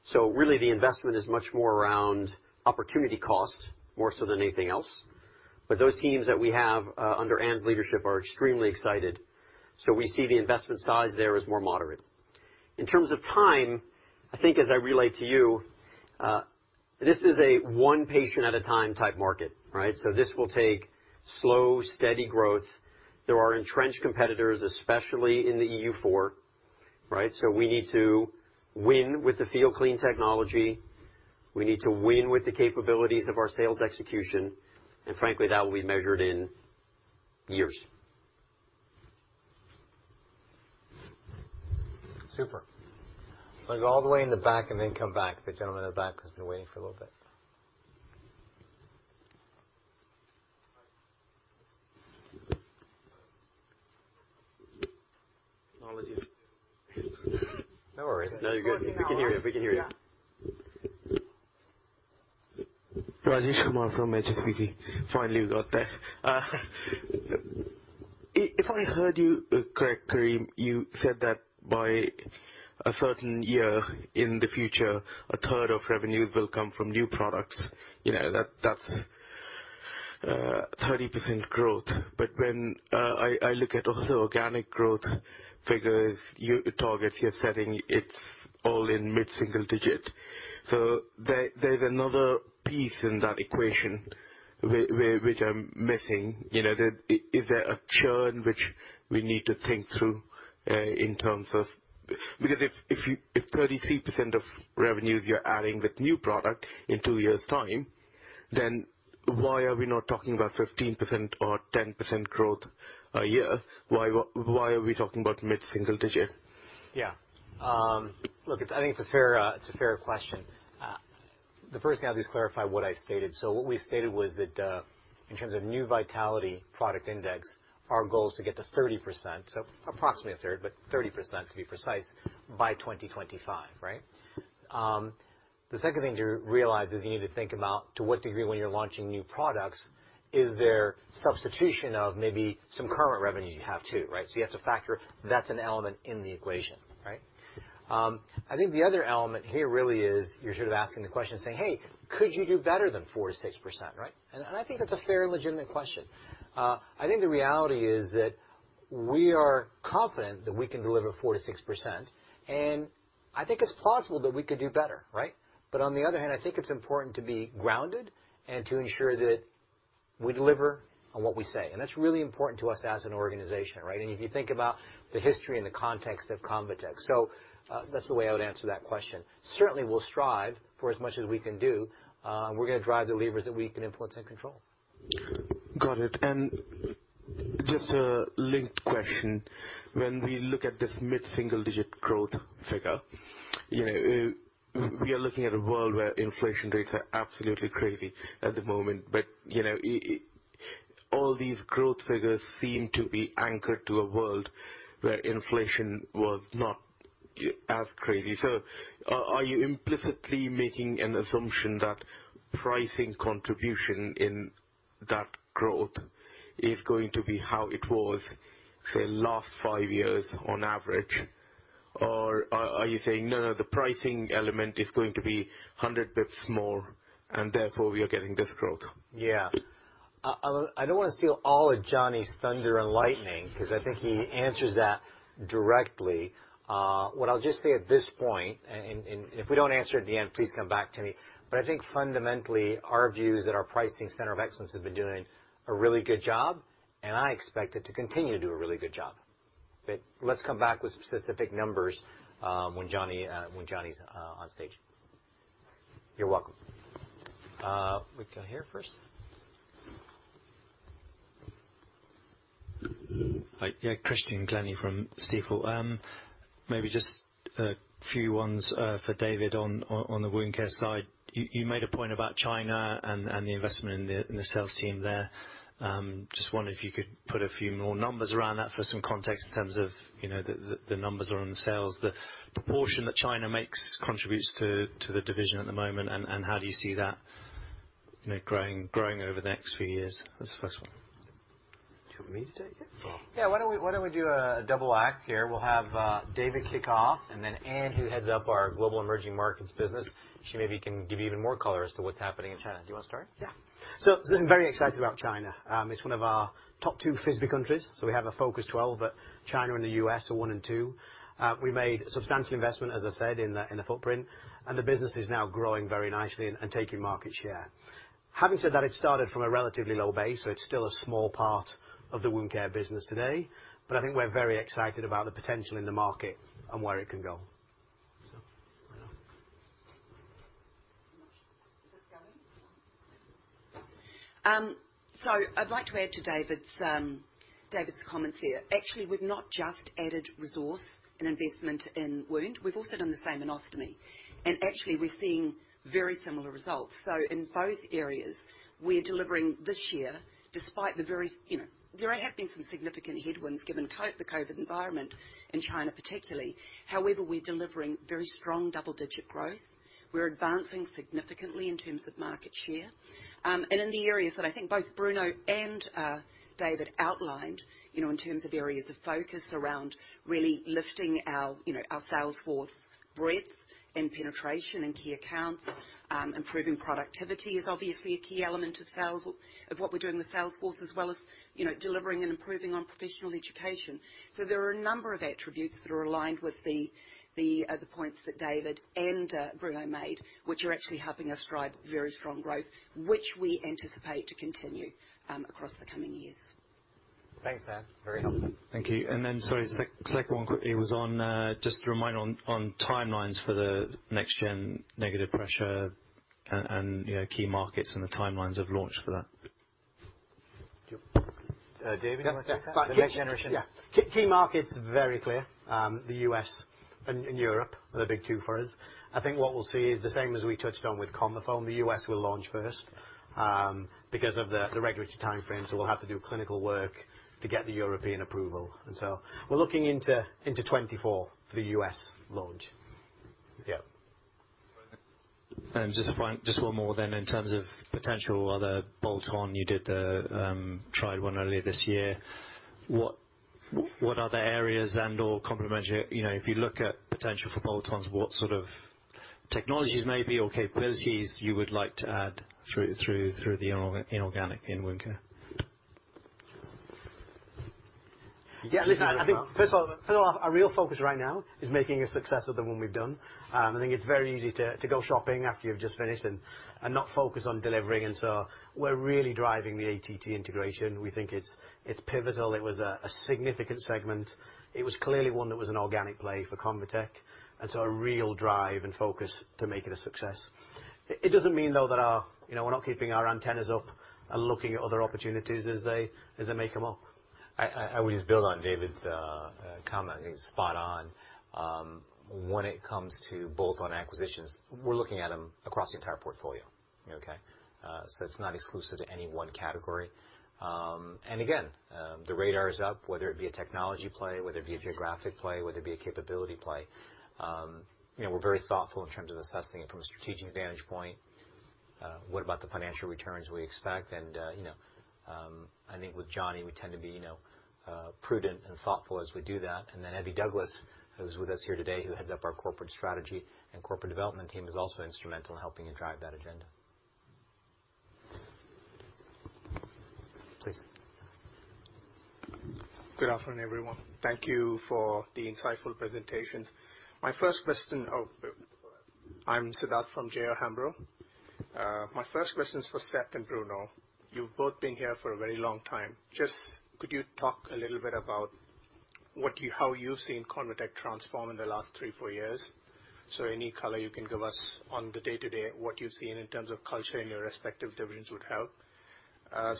So really the investment is much more around opportunity costs more so than anything else. But those teams that we have, under Ann's leadership are extremely excited, so we see the investment size there as more moderate. In terms of time, I think as I relate to you, this is a one patient at a time type market, right? This will take slow, steady growth. There are entrenched competitors, especially in the EU four, right? We need to win with the FeelClean technology. We need to win with the capabilities of our sales execution. And frankly, that will be measured in years. Super. Let's go all the way in the back and then come back. The gentleman in the back has been waiting for a little bit. Hi. Sorry. No worries. No, you're good. We can hear you. We can hear you. Yeah. Rajesh Kumar from HSBC. Finally, we got there. If I heard you correctly, you said that by a certain year in the future, a third of revenue will come from new products. You know, that's 30% growth. But when I look at the organic growth figures, you, the targets you're setting, it's all in mid-single-digit. So there's another piece in that equation which I'm missing. You know, is there a churn which we need to think through in terms of. Because if 33% of revenues you're adding with new product in two years' time, then why are we not talking about 15% or 10% growth a year? Why are we talking about mid-single-digit? Yeah. Look, I think it's a fair question. The first thing I'll just clarify what I stated. What we stated was that, in terms of New Product Vitality Index, our goal is to get to 30%, so approximately a third, but 30% to be precise, by 2025, right? The second thing to realize is you need to think about to what degree when you're launching new products, is there substitution of maybe some current revenues you have, too, right? You have to factor that's an element in the equation, right? I think the other element here really is you're sort of asking the question saying, "Hey, could you do better than 4%-6%," right? I think that's a fair and legitimate question. I think the reality is that we are confident that we can deliver 4%-6%, and I think it's plausible that we could do better, right? On the other hand, I think it's important to be grounded and to ensure that we deliver on what we say. That's really important to us as an organization, right? If you think about the history and the context of ConvaTec. That's the way I would answer that question. Certainly, we'll strive for as much as we can do. We're gonna drive the levers that we can influence and control. Got it. Just a linked question. When we look at this mid-single digit growth figure, you know, we are looking at a world where inflation rates are absolutely crazy at the moment. But, you know, all these growth figures seem to be anchored to a world where inflation was not as crazy. Are you implicitly making an assumption that pricing contribution in that growth is going to be how it was, say, last five years on average? Or are you saying, no, the pricing element is going to be 100 basis points more, and therefore, we are getting this growth? Yeah. I don't wanna steal all of Jonny's thunder and lightning 'cause I think he answers that directly. What I'll just say at this point, and if we don't answer at the end, please come back to me. I think fundamentally, our view is that our pricing center of excellence has been doing a really good job, and I expect it to continue to do a really good job. Let's come back with specific numbers when Jonny's on stage. You're welcome. We go here first. Hi. Yeah, Christian Glennie from Stifel. Maybe just a few ones for David on the Wound Care side. You made a point about China and the investment in the sales team there. Just wondering if you could put a few more numbers around that for some context in terms of you know the numbers around the sales, the proportion that China contributes to the division at the moment, and how do you see that you know growing over the next few years? That's the first one. Do you want me to take it? Sure. Yeah. Why don't we do a double act here? We'll have David kick off, and then Anne, who heads up our global emerging markets business. She maybe can give you even more color as to what's happening in China. Do you wanna start? Yeah. Listen, I'm very excited about China. It's one of our top two FISBE countries, so we have a focus, too, but China and the U.S. are one and two. We made substantial investment, as I said, in the footprint, and the business is now growing very nicely and taking market share. Having said that, it started from a relatively low base, so it's still a small part of the Wound Care business today, but I think we're very excited about the potential in the market and where it can go. Why not? I'd like to add to David's comments here. Actually, we've not just added resource and investment in wound. We've also done the same in ostomy. Actually, we're seeing very similar results. In both areas we're delivering this year, despite the COVID environment in China particularly. However, we're delivering very strong double-digit growth. We're advancing significantly in terms of market share. In the areas that I think both Bruno and David outlined, in terms of areas of focus around really lifting our sales force breadth and penetration in key accounts, improving productivity is obviously a key element of sales, of what we're doing with sales force as well as delivering and improving on professional education. There are a number of attributes that are aligned with the points that David and Bruno made, which are actually helping us drive very strong growth, which we anticipate to continue across the coming years. Thanks, Anne. Very helpful. Thank you. Sorry, second one quickly was on just a reminder on timelines for the next gen negative pressure and you know key markets and the timelines of launch for that. David, do you want to take that? Yeah. The next generation. Key markets, very clear. The U.S. and Europe are the big two for us. I think what we'll see is the same as we touched on with ConvaFoam. The U.S. will launch first, because of the regulatory timeframes. We'll have to do clinical work to get the European approval. We're looking into 2024 for the U.S. launch. Just one more, then, in terms of potential other bolt-on you did the Triad earlier this year. What other areas and/or complementary, you know, if you look at potential for bolt-ons, what sort of technologies maybe or capabilities you would like to add through the inorganic in wound care? Yeah. Listen, I think first of all, first off, our real focus right now is making a success of the one we've done. I think it's very easy to go shopping after you've just finished and not focus on delivering. We're really driving the ATT integration. We think it's pivotal. It was a significant segment. It was clearly one that was an organic play for ConvaTec, and so a real drive and focus to make it a success. It doesn't mean though that our, you know, we're not keeping our antennas up and looking at other opportunities as they may come up. I would just build on David's comment. He's spot on. When it comes to bolt-on acquisitions, we're looking at them across the entire portfolio. Okay? So it's not exclusive to any one category. Again, the radar is up, whether it be a technology play, whether it be a geographic play, whether it be a capability play. You know, we're very thoughtful in terms of assessing it from a strategic vantage point. What about the financial returns we expect? You know, I think with Jonny, we tend to be, you know, prudent and thoughtful as we do that. Then Evelyn Douglas, who's with us here today, who heads up our corporate strategy and corporate development team, is also instrumental in helping you drive that agenda. Please. Good afternoon, everyone. Thank you for the insightful presentations. Oh, I'm Siddharth from J O Hambro. My first question is for Seth and Bruno. You've both been here for a very long time. Just could you talk a little bit about how you've seen ConvaTec transform in the last three, four years? So any color you can give us on the day-to-day, what you've seen in terms of culture in your respective divisions would help.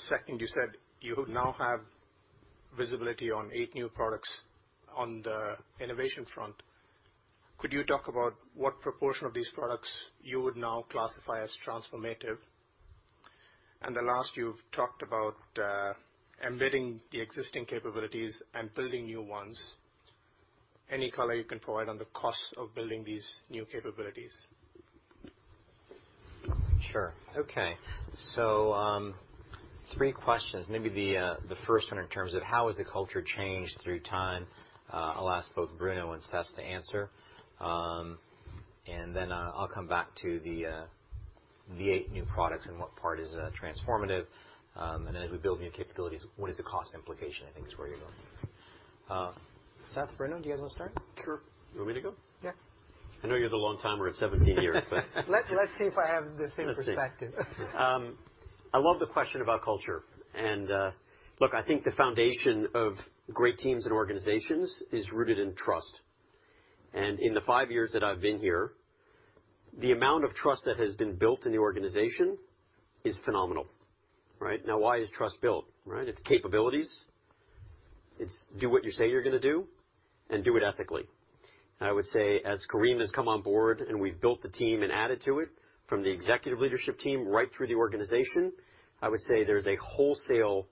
Second, you said you now have visibility on 8 new products on the innovation front. Could you talk about what proportion of these products you would now classify as transformative? The last, you've talked about embedding the existing capabilities and building new ones. Any color you can provide on the cost of building these new capabilities? Sure. Okay. Three questions. Maybe the first one in terms of how has the culture changed through time. I'll ask both Bruno and Seth to answer. And then, I'll come back to the eight new products and what part is transformative. And then as we build new capabilities, what is the cost implication. I think is where you're going. Seth, Bruno, do you guys wanna start? Sure. You want me to go? Yeah. I know you're the long-timer at 17 years, but Let's see if I have the same perspective. Let's see. I love the question about culture. Look, I think the foundation of great teams and organizations is rooted in trust. In the five years that I've been here, the amount of trust that has been built in the organization is phenomenal, right? Now, why is trust built, right? It's capabilities. It's do what you say you're gonna do and do it ethically. I would say as Karim has come on board, and we've built the team and added to it, from the executive leadership team right through the organization, I would say there's a wholesale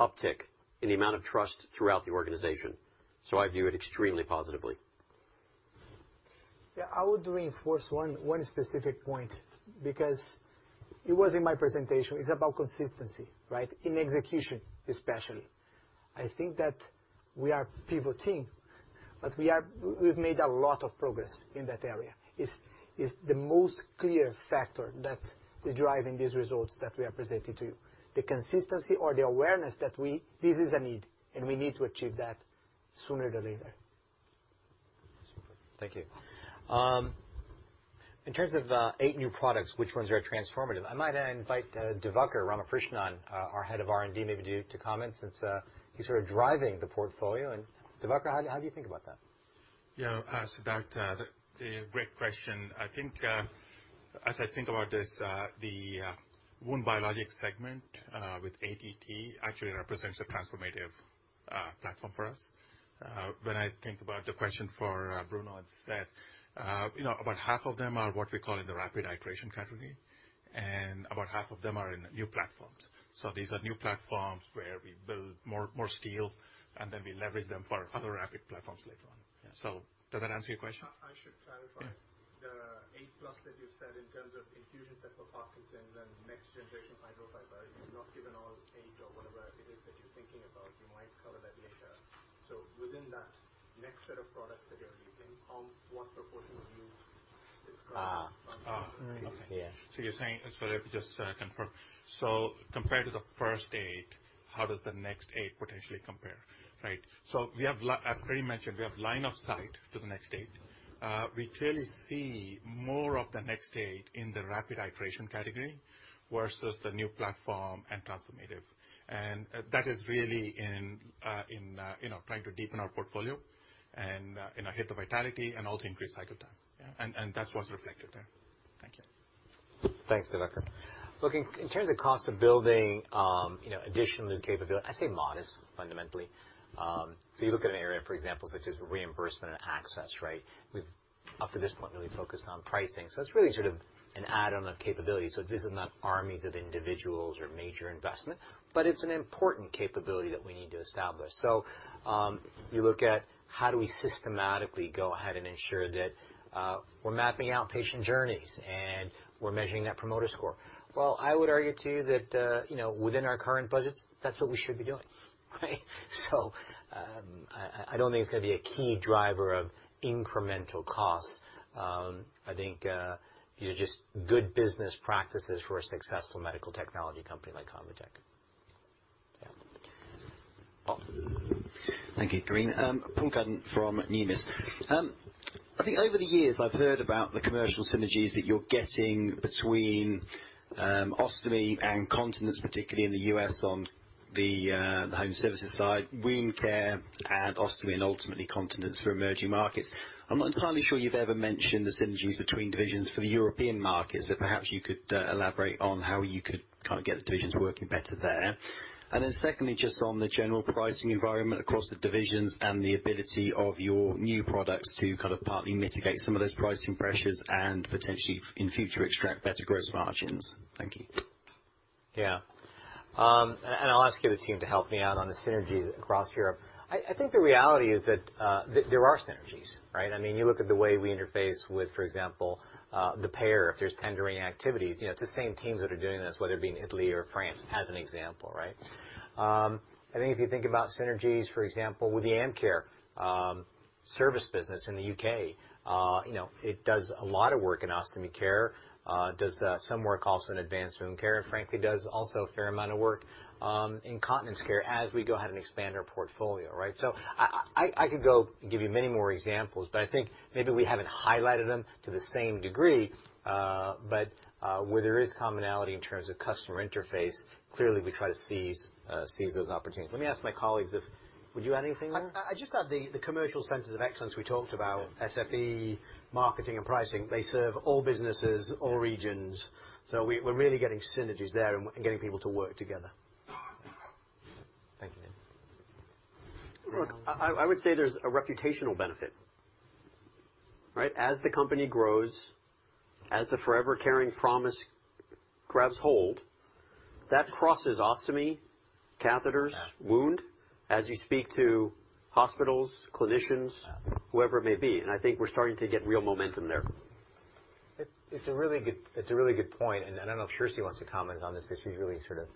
uptick in the amount of trust throughout the organization. I view it extremely positively. Yeah, I would reinforce one specific point because it was in my presentation. It's about consistency, right? In execution, especially. I think that we are pivoting, but we've made a lot of progress in that area. It's the most clear factor that is driving these results that we are presenting to you. The consistency or the awareness that this is a need, and we need to achieve that sooner than later. Super. Thank you. In terms of eight new products, which ones are transformative? I might invite Divakar Ramakrishnan, our head of R&D, maybe to comment since he's sort of driving the portfolio. Divakar, how do you think about that? Yeah. As a matter of fact, great question. I think, as I think about this, the wound biologics segment with ATT actually represents a transformative platform for us. When I think about the question for Bruno and Seth, you know, about half of them are what we call in the rapid iteration category, and about half of them are in new platforms. These are new platforms where we build more skill, and then we leverage them for other rapid platforms later on. Yeah. Does that answer your question? I should clarify. Yeah. The 8+ that you said in terms of infusion set for Parkinson's and next generation Hydrofiber, you've not given all 8 or whatever it is that you're thinking about. You might color that later. Within that next set of products that you're using, what proportion of new is coming? Okay. Yeah. You're saying, sorry, just to confirm. Compared to the first eight, how does the next eight potentially compare, right? As Karim mentioned, we have line of sight to the next eight. We clearly see more of the next eight in the rapid iteration category versus the new platform and transformative. That is really in you know, trying to deepen our portfolio and you know, hit the vitality and also increase cycle time. Yeah. That's what's reflected there. Thank you. Thanks, Divakar. Look, in terms of cost of building, you know, additional capability, I say modest fundamentally. So you look at an area, for example, such as reimbursement and access, right? Up to this point, really focused on pricing. So it's really sort of an add-on of capabilities. So this is not armies of individuals or major investment, but it's an important capability that we need to establish. So you look at how do we systematically go ahead and ensure that we're mapping out patient journeys, and we're measuring that promoter score. Well, I would argue too that, you know, within our current budgets, that's what we should be doing, right? So I don't think it's gonna be a key driver of incremental costs. I think these are just good business practices for a successful medical technology company like ConvaTec. Yeah. Paul. Thank you, Karim. Paul Cuddon from Numis. I think over the years, I've heard about the commercial synergies that you're getting between ostomy and continence, particularly in the U.S. on the home services side, wound care and ostomy, and ultimately continence for emerging markets. I'm not entirely sure you've ever mentioned the synergies between divisions for the European markets. Perhaps you could elaborate on how you could kind of get the divisions working better there. Then secondly, just on the general pricing environment across the divisions and the ability of your new products to kind of partly mitigate some of those pricing pressures and potentially, in future, extract better gross margins. Thank you. Yeah. I'll ask the team to help me out on the synergies across Europe. I think the reality is that there are synergies, right? I mean, you look at the way we interface with, for example, the payer. If there's tendering activities, you know, it's the same teams that are doing this, whether it be in Italy or France, as an example, right? I think if you think about synergies, for example, with the Amcare service business in the UK. You know, it does a lot of work in Ostomy Care, does some work also in Advanced Wound Care, and frankly, does also a fair amount of work in Continence Care as we go ahead and expand our portfolio, right? I could go and give you many more examples, but I think maybe we haven't highlighted them to the same degree. Where there is commonality in terms of customer interface, clearly we try to seize those opportunities. Let me ask my colleagues. Would you add anything there? I just had the commercial centers of excellence we talked about. Yeah. SFE, marketing, and pricing, they serve all businesses. Yeah. All regions. We're really getting synergies there and getting people to work together. Thank you. Look, I would say there's a reputational benefit, right? As the company grows, as the Forever Caring promise grabs hold, that crosses ostomy, catheters- Yeah. wound, as you speak to hospitals, clinicians. Yeah. whoever it may be, and I think we're starting to get real momentum there. It's a really good point, and I don't know if Kjersti wants to comment on this 'cause she's really sort of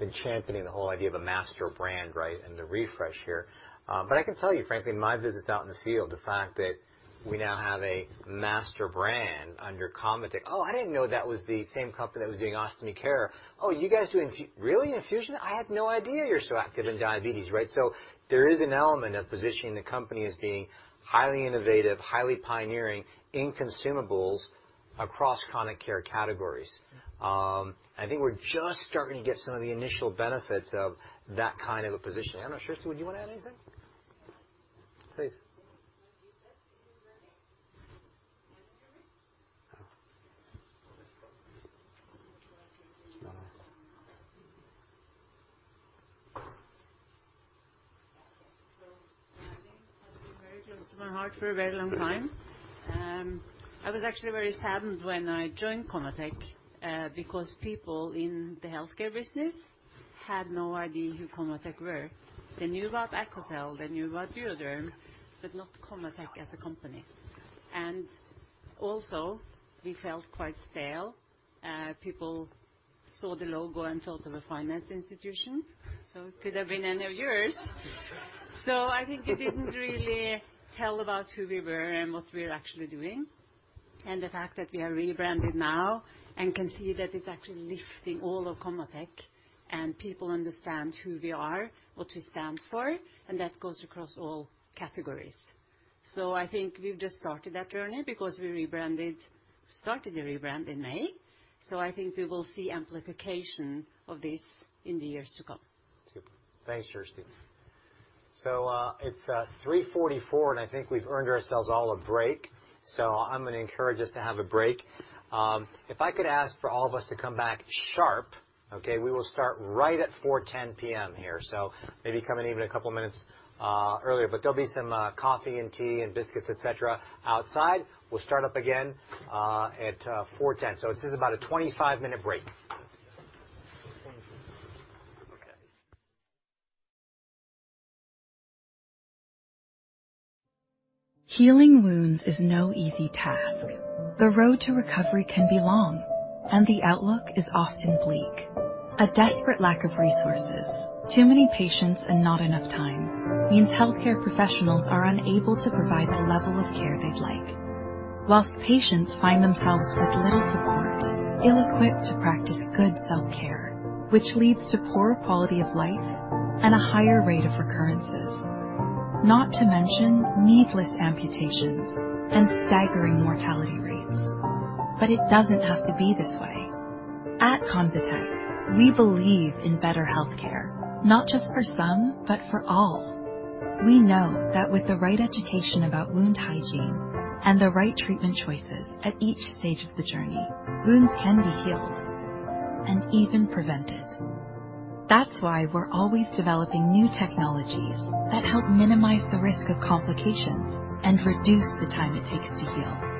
been championing the whole idea of a master brand, right, and the refresh here. I can tell you, frankly, my visits out in the field, the fact that we now have a master brand under ConvaTec. "Oh, I didn't know that was the same company that was doing Ostomy Care. Oh, you guys do infusion? Really? I had no idea you're so active in diabetes," right? There is an element of positioning the company as being highly innovative, highly pioneering in consumables across chronic care categories. I think we're just starting to get some of the initial benefits of that kind of a positioning. I don't know, Kjersti, would you wanna add anything? Please. Branding has been very close to my heart for a very long time. I was actually very saddened when I joined ConvaTec, because people in the healthcare business had no idea who ConvaTec were. They knew about AQUACEL, they knew about DuoDERM, but not ConvaTec as a company. Also, we felt quite stale. People saw the logo and thought it was a finance institution. It could have been any of yours. I think it didn't really tell about who we were and what we're actually doing. The fact that we are rebranded now and can see that it's actually lifting all of ConvaTec and people understand who we are, what we stand for, and that goes across all categories. I think we've just started that journey because we started the rebrand in May. I think we will see amplification of this in the years to come. Super. Thanks, Kjersti. It's 3:44 P.M., and I think we've earned ourselves all a break. I'm gonna encourage us to have a break. If I could ask for all of us to come back sharp, okay? We will start right at 4:10 P.M. here. Maybe come in even a couple minutes earlier. But there'll be some coffee and tea and biscuits, etc., outside. We'll start up again at 4:10. This is about a 25-minute break. Okay. Healing wounds is no easy task. The road to recovery can be long, and the outlook is often bleak. A desperate lack of resources, too many patients, and not enough time means healthcare professionals are unable to provide the level of care they'd like. While patients find themselves with little support, ill-equipped to practice good self-care, which leads to poor quality of life and a higher rate of recurrences. Not to mention needless amputations and staggering mortality rates. It doesn't have to be this way. At ConvaTec, we believe in better healthcare, not just for some, but for all. We know that with the right education about wound hygiene and the right treatment choices at each stage of the journey, wounds can be healed and even prevented. That's why we're always developing new technologies that help minimize the risk of complications and reduce the time it takes to heal.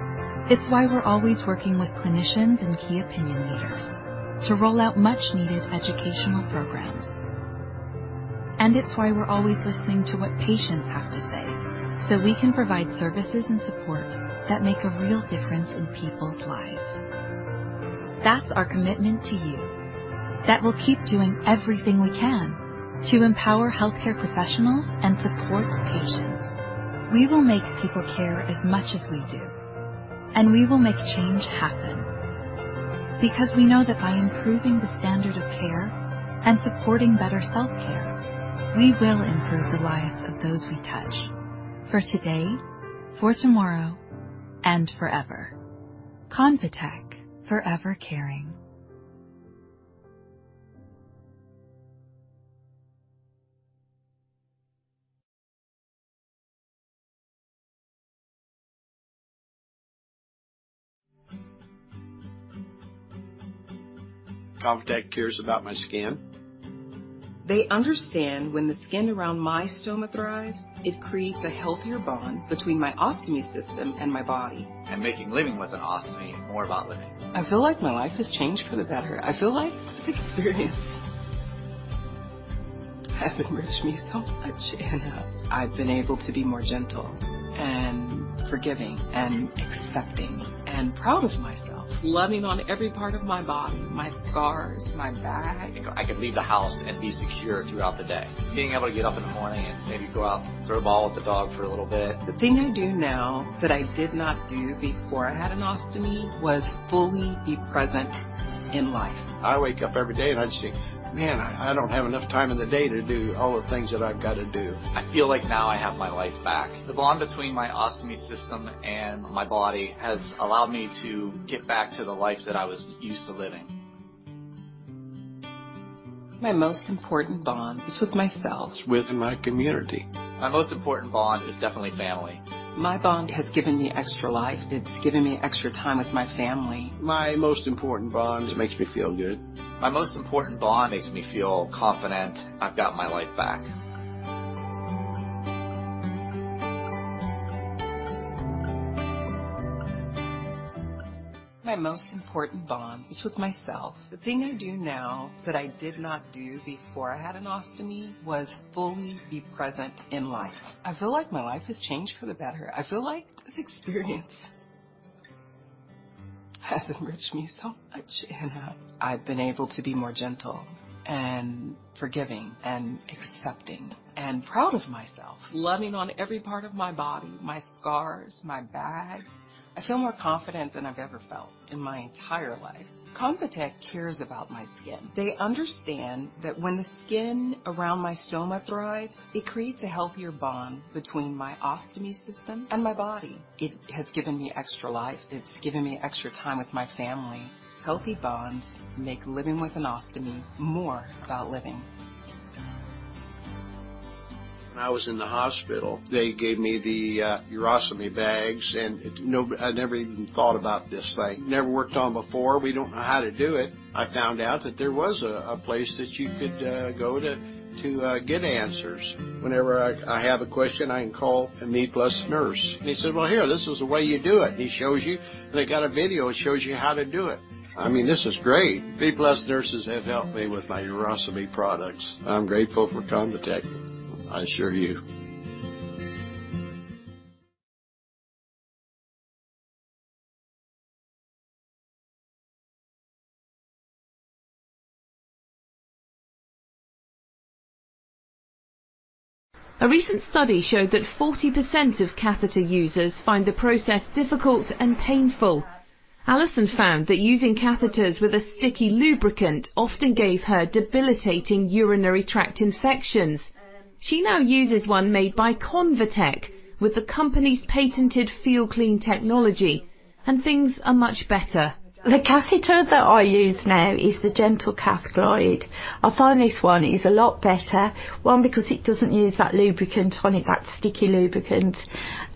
It's why we're always working with clinicians and key opinion leaders to roll out much-needed educational programs. It's why we're always listening to what patients have to say so we can provide services and support that make a real difference in people's lives. That's our commitment to you that we'll keep doing everything we can to empower healthcare professionals and support patients. We will make people care as much as we do, and we will make change happen because we know that by improving the standard of care and supporting better self-care, we will improve the lives of those we touch for today, for tomorrow, and forever. ConvaTec. Forever Caring. ConvaTec cares about my skin. They understand when the skin around my stoma thrives, it creates a healthier bond between my ostomy system and my body. Making living with an ostomy more about living. I feel like my life has changed for the better. I feel like this experience has enriched me so much, and I've been able to be more gentle and forgiving and accepting and proud of myself, loving on every part of my body, my scars, my bag. I could leave the house and be secure throughout the day. Being able to get up in the morning and maybe go out, throw a ball with the dog for a little bit. The thing I do now that I did not do before I had an ostomy was fully be present in life. I wake up every day and I just think, man, I don't have enough time in the day to do all the things that I've got to do. I feel like now I have my life back. The bond between my ostomy system and my body has allowed me to get back to the life that I was used to living. My most important bond is with myself. With my community. My most important bond is definitely family. My bond has given me extra life. It's given me extra time with my family. My most important bond makes me feel good. My most important bond makes me feel confident. I've got my life back. My most important bond is with myself. The thing I do now that I did not do before I had an ostomy was fully be present in life. I feel like my life has changed for the better. I feel like this experience has enriched me so much, and I've been able to be more gentle and forgiving and accepting and proud of myself, loving on every part of my body, my scars, my bag. I feel more confident than I've ever felt in my entire life. ConvaTec cares about my skin. They understand that when the skin around my stoma thrives, it creates a healthier bond between my ostomy system and my body. It has given me extra life. It's given me extra time with my family. Healthy bonds make living with an ostomy more about living. When I was in the hospital, they gave me the urostomy bags, and I'd never even thought about this thing. Never worked on before. We don't know how to do it. I found out that there was a place that you could go to get answers. Whenever I have a question, I can call a me+ nurse, and he said, "Well, here, this is the way you do it." He shows you. They got a video that shows you how to do it. I mean, this is great. me+ nurses have helped me with my urostomy products. I'm grateful for ConvaTec, I assure you. A recent study showed that 40% of catheter users find the process difficult and painful. Allison found that using catheters with a sticky lubricant often gave her debilitating urinary tract infections. She now uses one made by ConvaTec with the company's patented FeelClean technology, and things are much better. The catheter that I use now is the GentleCath Glide. I find this one is a lot better, one, because it doesn't use that lubricant on it, that sticky lubricant,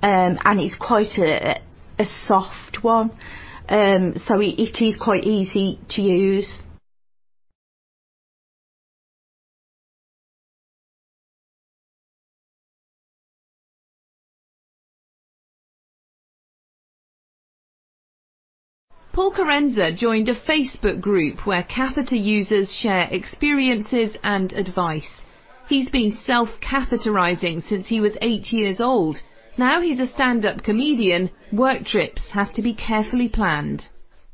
and it's quite a soft one. It is quite easy to use. Paul Carenza joined a Facebook group where catheter users share experiences and advice. He's been self-catheterizing since he was eight years old. Now he's a stand-up comedian. Work trips have to be carefully planned.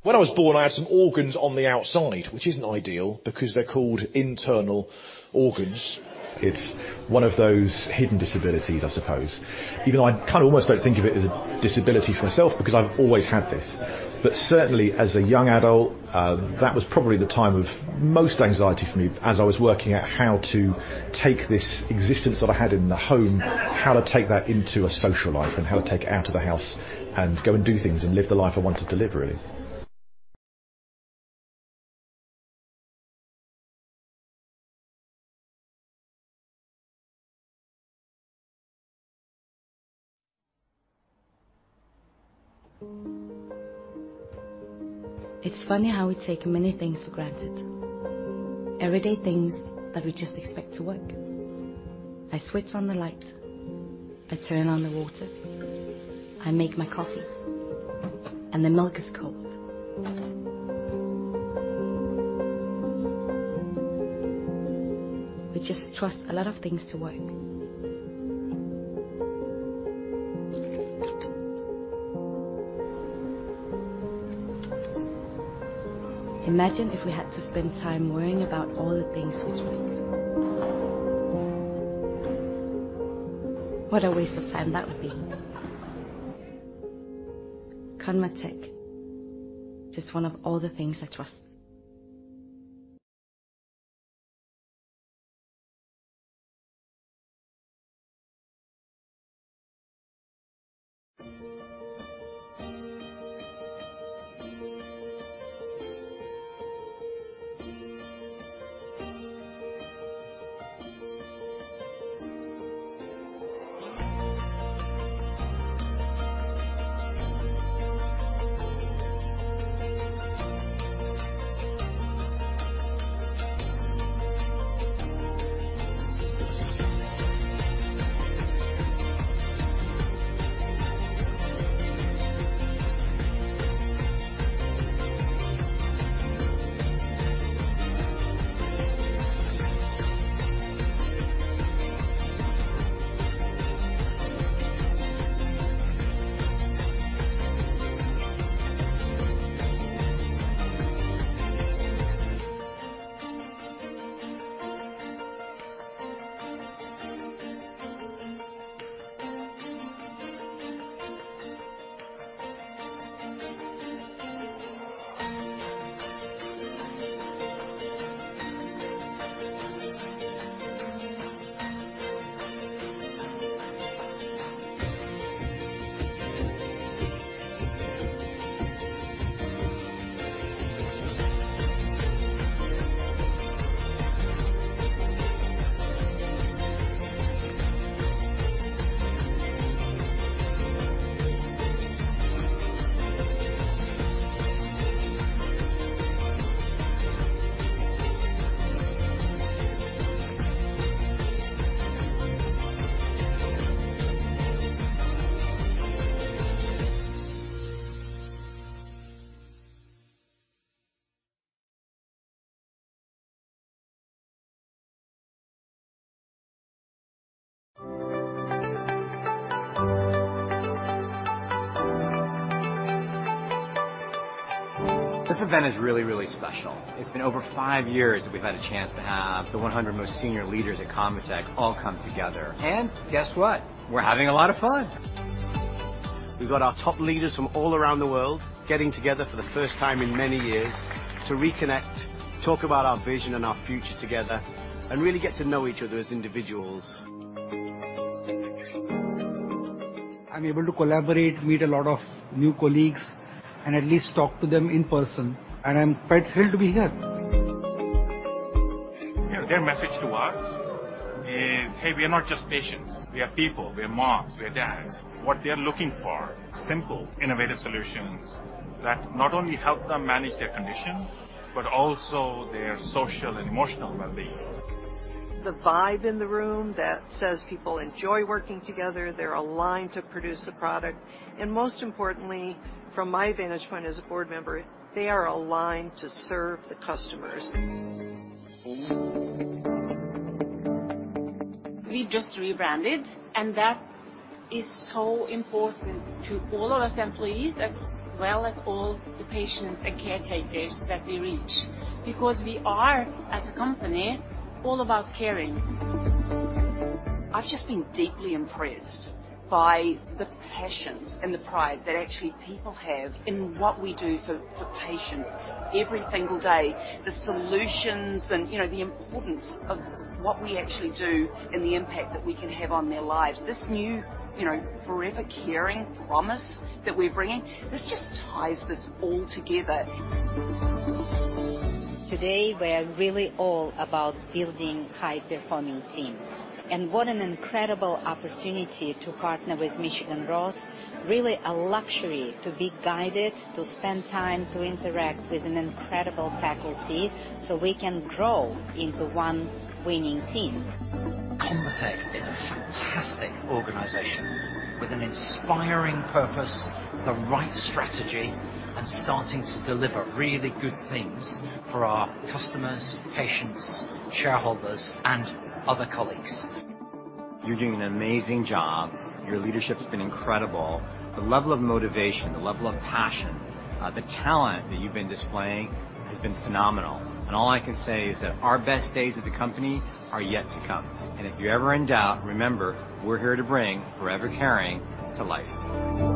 When I was born, I had some organs on the outside, which isn't ideal because they're called internal organs. It's one of those hidden disabilities, I suppose, even though I kind of almost don't think of it as a disability for myself because I've always had this. Certainly, as a young adult, that was probably the time of most anxiety for me as I was working out how to take this existence that I had in the home, how to take that into a social life, and how to take it out of the house and go and do things and live the life I wanted to live, really. It's funny how we take many things for granted. Everyday things that we just expect to work. I switch on the light, I turn on the water, I make my coffee, and the milk is cold. We just trust a lot of things to work. Imagine if we had to spend time worrying about all the things we trusted. What a waste of time that would be. ConvaTec, just one of all the things I trust. This event is really, really special. It's been over five years that we've had a chance to have the 100 most senior leaders at ConvaTec all come together. Guess what? We're having a lot of fun. We've got our top leaders from all around the world getting together for the first time in many years to reconnect, talk about our vision and our future together, and really get to know each other as individuals. I'm able to collaborate, meet a lot of new colleagues, and at least talk to them in person, and I'm quite thrilled to be here. You know, their message to us is, "Hey, we are not just patients. We are people. We are moms. We are dads." What they are looking for, simple, innovative solutions that not only help them manage their condition, but also their social and emotional well-being. The vibe in the room that says people enjoy working together, they're aligned to produce a product, and most importantly, from my vantage point as a board member, they are aligned to serve the customers. We just rebranded, and that is so important to all of us employees as well as all the patients and caretakers that we reach because we are, as a company, all about caring. I've just been deeply impressed by the passion and the pride that actually people have in what we do for patients every single day. The solutions and, you know, the importance of what we actually do and the impact that we can have on their lives. This new, you know, Forever Caring promise that we're bringing. This just ties this all together. Today, we're really all about building high-performing team. What an incredible opportunity to partner with Michigan Ross. Really a luxury to be guided, to spend time to interact with an incredible faculty so we can grow into one winning team. ConvaTec is a fantastic organization with an inspiring purpose, the right strategy, and starting to deliver really good things for our customers, patients, shareholders, and other colleagues. You're doing an amazing job. Your leadership's been incredible. The level of motivation, the level of passion, the talent that you've been displaying has been phenomenal. All I can say is that our best days as a company are yet to come. If you're ever in doubt, remember, we're here to bring Forever Caring to life.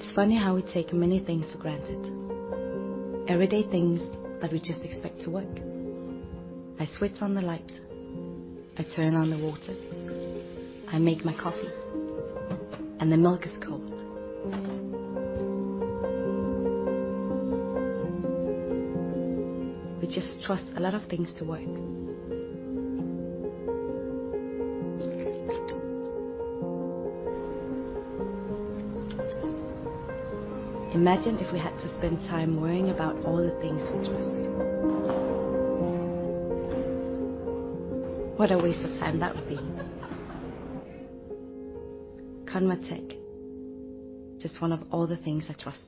It's funny how we take many things for granted. Everyday things that we just expect to work. I switch on the light, I turn on the water, I make my coffee, and the milk is cold. We just trust a lot of things to work. Imagine if we had to spend time worrying about all the things we trusted. What a waste of time that would be. ConvaTec, just one of all the things I trust.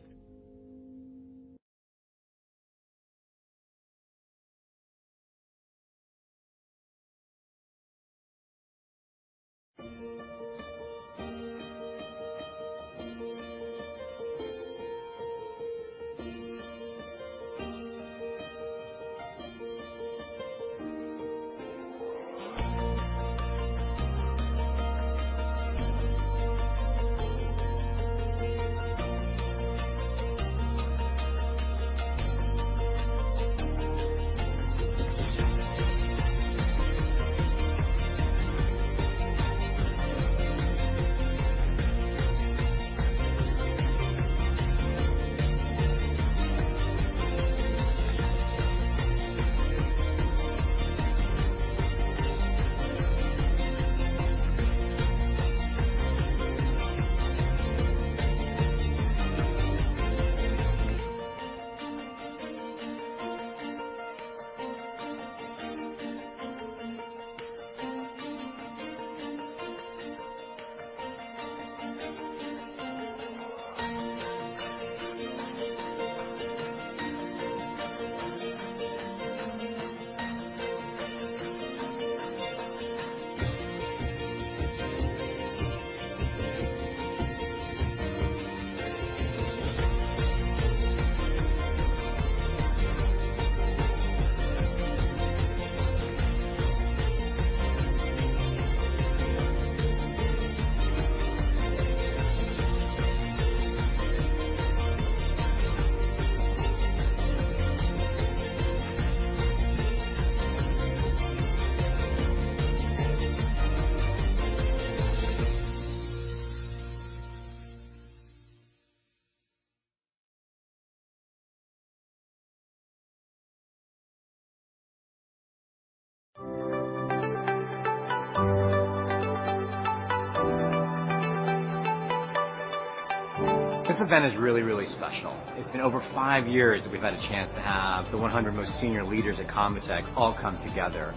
This event is really, really special. It's been over five years that we've had a chance to have the 100 most senior leaders at ConvaTec all come together.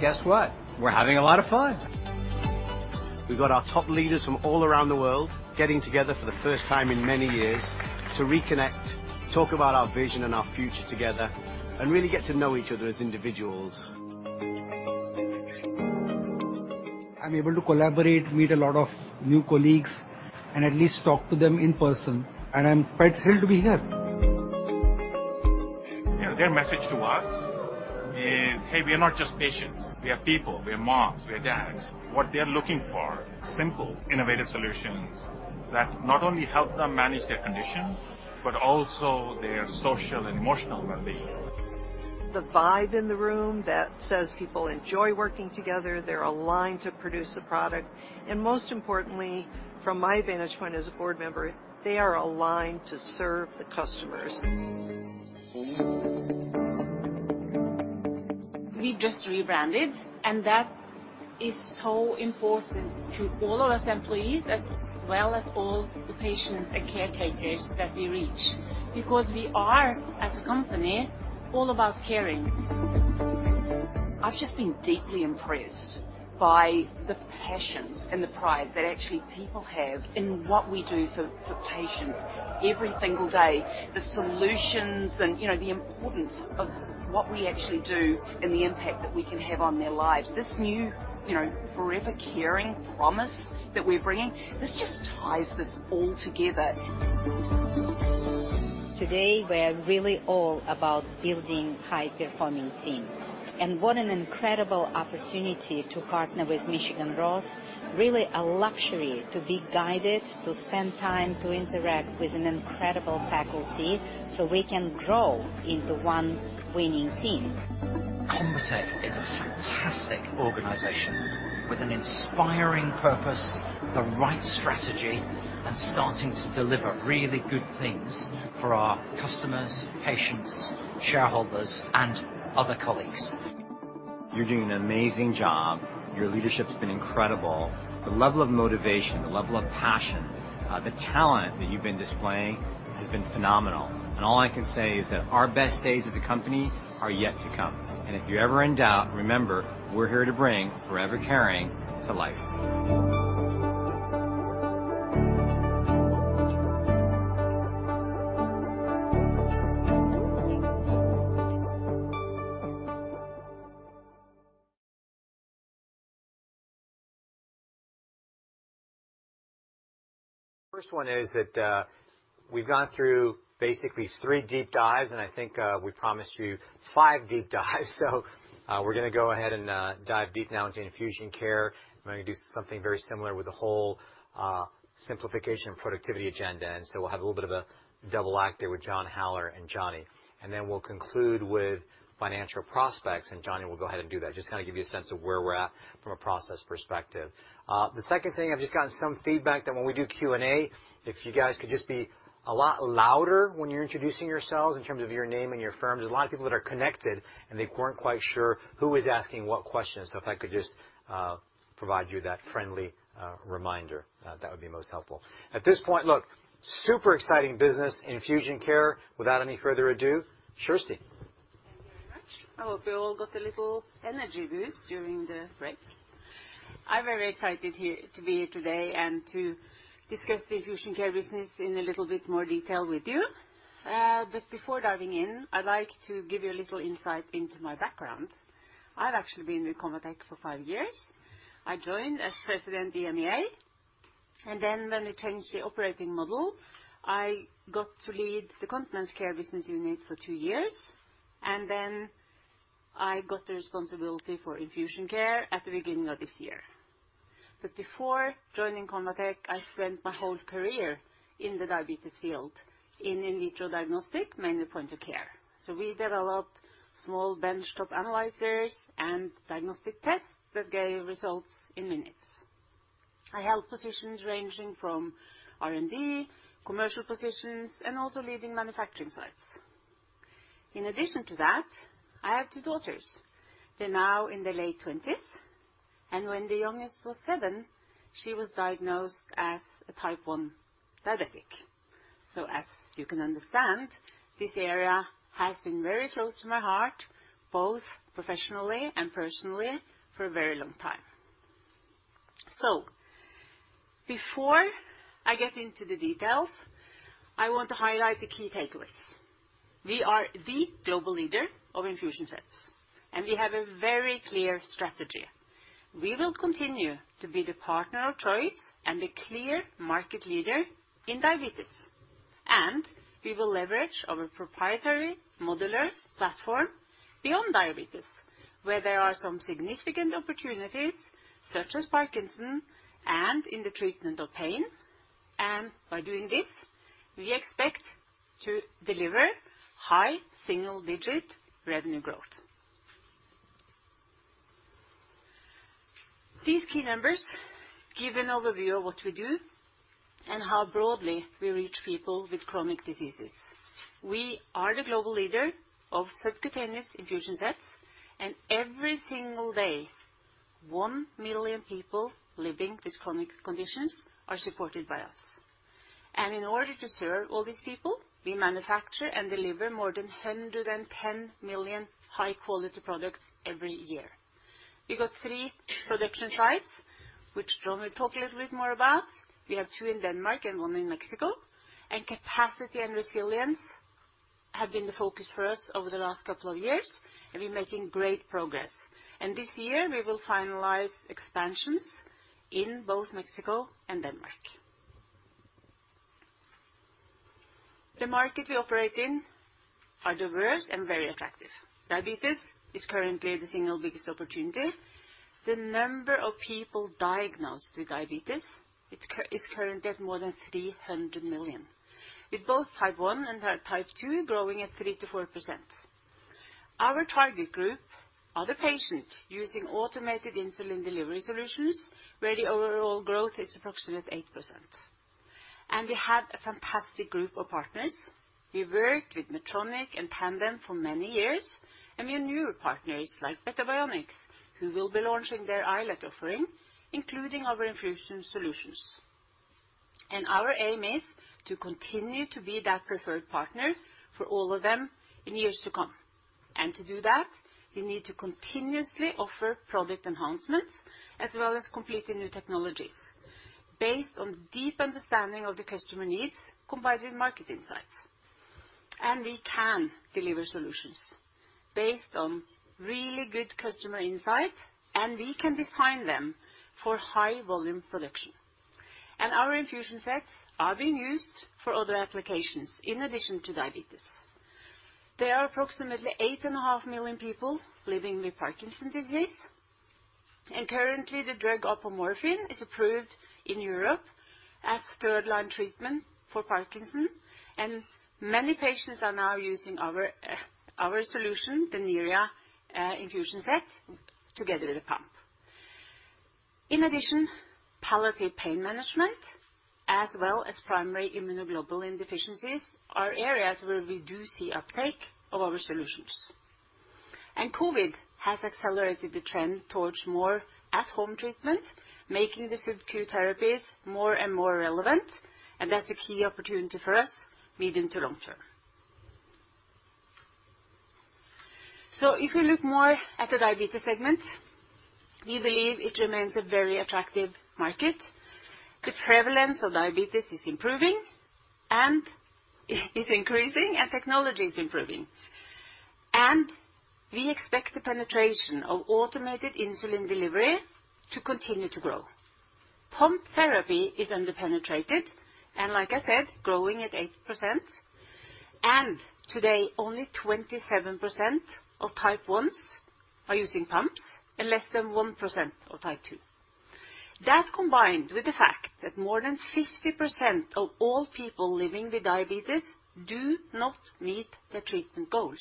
Guess what? We're having a lot of fun. We've got our top leaders from all around the world getting together for the first time in many years to reconnect, talk about our vision and our future together, and really get to know each other as individuals. I'm able to collaborate, meet a lot of new colleagues, and at least talk to them in person, and I'm quite thrilled to be here. You know, their message to us is, "Hey, we are not just patients. We are people. We are moms. We are dads." What they are looking for, simple, innovative solutions that not only help them manage their condition, but also their social and emotional wellbeing. The vibe in the room that says people enjoy working together, they're aligned to produce a product, and most importantly, from my vantage point as a board member, they are aligned to serve the customers. We just rebranded, and that is so important to all of us employees as well as all the patients and caretakers that we reach because we are, as a company, all about caring. I've just been deeply impressed by the passion and the pride that actually people have in what we do for patients every single day. The solutions and, you know, the importance of what we actually do and the impact that we can have on their lives. This new, you know, Forever Caring promise that we're bringing. This just ties this all together. Today we're really all about building high-performing team. What an incredible opportunity to partner with Michigan Ross. Really a luxury to be guided, to spend time to interact with an incredible faculty so we can grow into one winning team. ConvaTec is a fantastic organization with an inspiring purpose, the right strategy, and starting to deliver really good things for our customers, patients, shareholders, and other colleagues. You're doing an amazing job. Your leadership's been incredible. The level of motivation, the level of passion, the talent that you've been displaying has been phenomenal. All I can say is that our best days as a company are yet to come. If you're ever in doubt, remember, we're here to bring Forever Caring to life. First one is that. We've gone through basically three deep dives, and I think we promised you five deep dives. We're gonna go ahead and dive deep now into Infusion Care. I'm gonna do something very similar with the whole simplification and productivity agenda. We'll have a little bit of a double act there with John Haller and Jonny. We'll conclude with financial prospects, and Jonny will go ahead and do that. Just kind of give you a sense of where we're at from a process perspective. The second thing, I've just gotten some feedback that when we do Q&A, if you guys could just be a lot louder when you're introducing yourselves in terms of your name and your firms. There's a lot of people that are connected, and they weren't quite sure who was asking what questions. If I could just provide you that friendly reminder that would be most helpful. At this point, look, super exciting business, Infusion Care. Without any further ado, Kjersti. Thank you very much. I hope you all got a little energy boost during the break. I'm very excited here to be here today and to discuss the Infusion Care business in a little bit more detail with you. Before diving in, I'd like to give you a little insight into my background. I've actually been with ConvaTec for five years. I joined as President EMEA, and then when we changed the operating model, I got to lead the Continence Care business unit for two years. I got the responsibility for Infusion Care at the beginning of this year. Before joining ConvaTec, I spent my whole career in the diabetes field in vitro diagnostic, mainly point of care. We developed small benchtop analyzers and diagnostic tests that gave results in minutes. I held positions ranging from R&D, commercial positions, and also leading manufacturing sites. In addition to that, I have two daughters. They're now in their late twenties, and when the youngest was seven, she was diagnosed as a type 1 diabetic. As you can understand, this area has been very close to my heart, both professionally and personally, for a very long time. Before I get into the details, I want to highlight the key takeaways. We are the global leader of infusion sets, and we have a very clear strategy. We will continue to be the partner of choice and the clear market leader in diabetes. We will leverage our proprietary modular platform beyond diabetes, where there are some significant opportunities, such as Parkinson's and in the treatment of pain. By doing this, we expect to deliver high single-digit revenue growth. These key numbers give an overview of what we do and how broadly we reach people with chronic diseases. We are the global leader of subcutaneous infusion sets, and every single day, 1 million people living with chronic conditions are supported by us. In order to serve all these people, we manufacture and deliver more than 110 million high-quality products every year. We got 3 production sites, which John will talk a little bit more about. We have 2 in Denmark and 1 in Mexico. Capacity and resilience have been the focus for us over the last couple of years, and we're making great progress. This year, we will finalize expansions in both Mexico and Denmark. The market we operate in are diverse and very attractive. Diabetes is currently the single biggest opportunity. The number of people diagnosed with diabetes, it is currently at more than 300 million, with both Type 1 and Type 2 growing at 3%-4%. Our target group are the patients using automated insulin delivery solutions, where the overall growth is approximately 8%. We have a fantastic group of partners. We work with Medtronic and Tandem for many years, and we have newer partners like Beta Bionics, who will be launching their iLet offering, including our infusion solutions. Our aim is to continue to be that preferred partner for all of them in years to come. To do that, we need to continuously offer product enhancements as well as completely new technologies based on deep understanding of the customer needs combined with market insights. We can deliver solutions based on really good customer insight, and we can design them for high volume production. Our infusion sets are being used for other applications in addition to diabetes. There are approximately 8.5 million people living with Parkinson's disease, and currently, the drug apomorphine is approved in Europe as third-line treatment for Parkinson's. Many patients are now using our solution, the Neria infusion set together with a pump. In addition, palliative pain management as well as primary immunoglobulin deficiencies are areas where we do see uptake of our solutions. COVID has accelerated the trend towards more at home treatment, making the subcutaneous therapies more and more relevant, and that's a key opportunity for us medium to long term. If we look more at the diabetes segment, we believe it remains a very attractive market. The prevalence of diabetes is improving, and is increasing, and technology is improving. We expect the penetration of automated insulin delivery to continue to grow. Pump therapy is under-penetrated and like I said, growing at 8%. Today, only 27% of type ones are using pumps and less than 1% of type two. That combined with the fact that more than 50% of all people living with diabetes do not meet the treatment goals,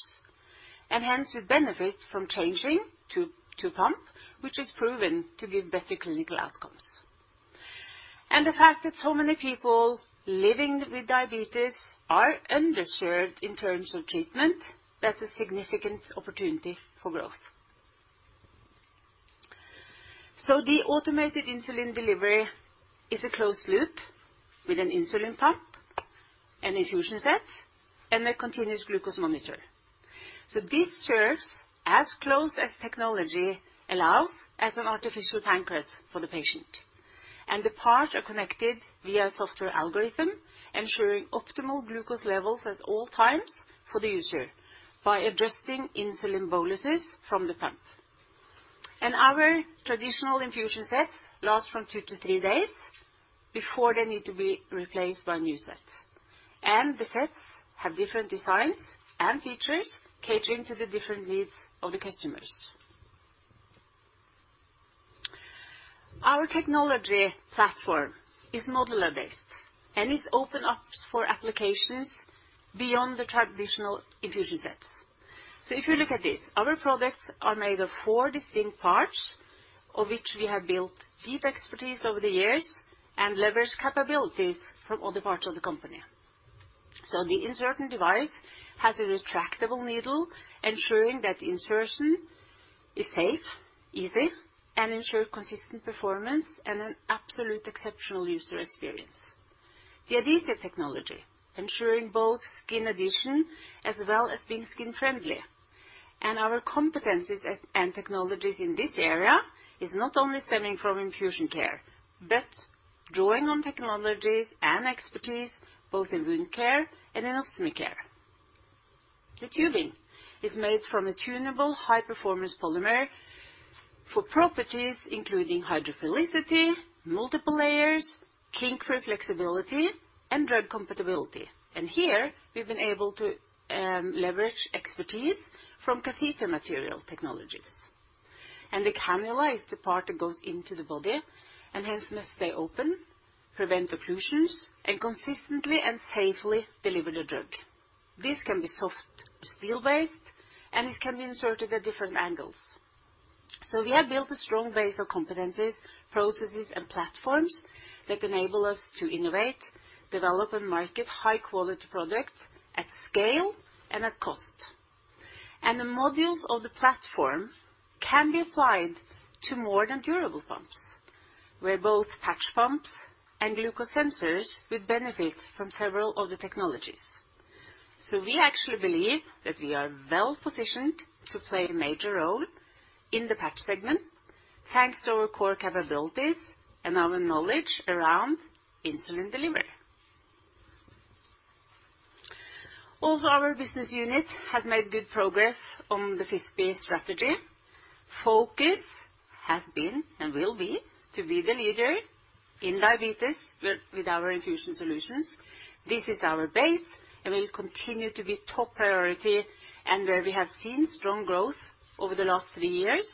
and hence would benefit from changing to pump, which is proven to give better clinical outcomes. The fact that so many people living with diabetes are underserved in terms of treatment, that's a significant opportunity for growth. The automated insulin delivery is a closed loop with an insulin pump, an infusion set, and a continuous glucose monitor. This serves as close as technology allows as an artificial pancreas for the patient, and the parts are connected via software algorithm, ensuring optimal glucose levels at all times for the user by adjusting insulin boluses from the pump. Our traditional infusion sets last from 2-3 days before they need to be replaced by a new set. The sets have different designs and features catering to the different needs of the customers. Our technology platform is modular-based, and it opens up for applications beyond the traditional infusion sets. If you look at this, our products are made of four distinct parts, of which we have built deep expertise over the years and leverage capabilities from other parts of the company. The inserting device has a retractable needle, ensuring that insertion is safe, easy, and ensure consistent performance and an absolutely exceptional user experience. The adhesive technology, ensuring both skin adhesion as well as being skin-friendly. Our competencies and technologies in this area is not only stemming from Infusion Care, but drawing on technologies and expertise both in Wound Care and in Ostomy Care. The tubing is made from a tunable high-performance polymer for properties including hydrophilicity, multiple layers, kink-free flexibility, and drug compatibility. Here we've been able to, leverage expertise from catheter material technologies. The cannula is the part that goes into the body and hence must stay open, prevent occlusions, and consistently and safely deliver the drug. This can be soft steel-based, and it can be inserted at different angles. We have built a strong base of competencies, processes, and platforms that enable us to innovate, develop, and market high-quality products at scale and at cost. The modules of the platform can be applied to more than durable pumps, where both patch pumps and glucose sensors will benefit from several of the technologies. We actually believe that we are well-positioned to play a major role in the patch segment, thanks to our core capabilities and our knowledge around insulin delivery. Also, our business unit has made good progress on the FISBE strategy. Focus has been and will be to be the leader in diabetes with our infusion solutions. This is our base and will continue to be top priority, and where we have seen strong growth over the last three years.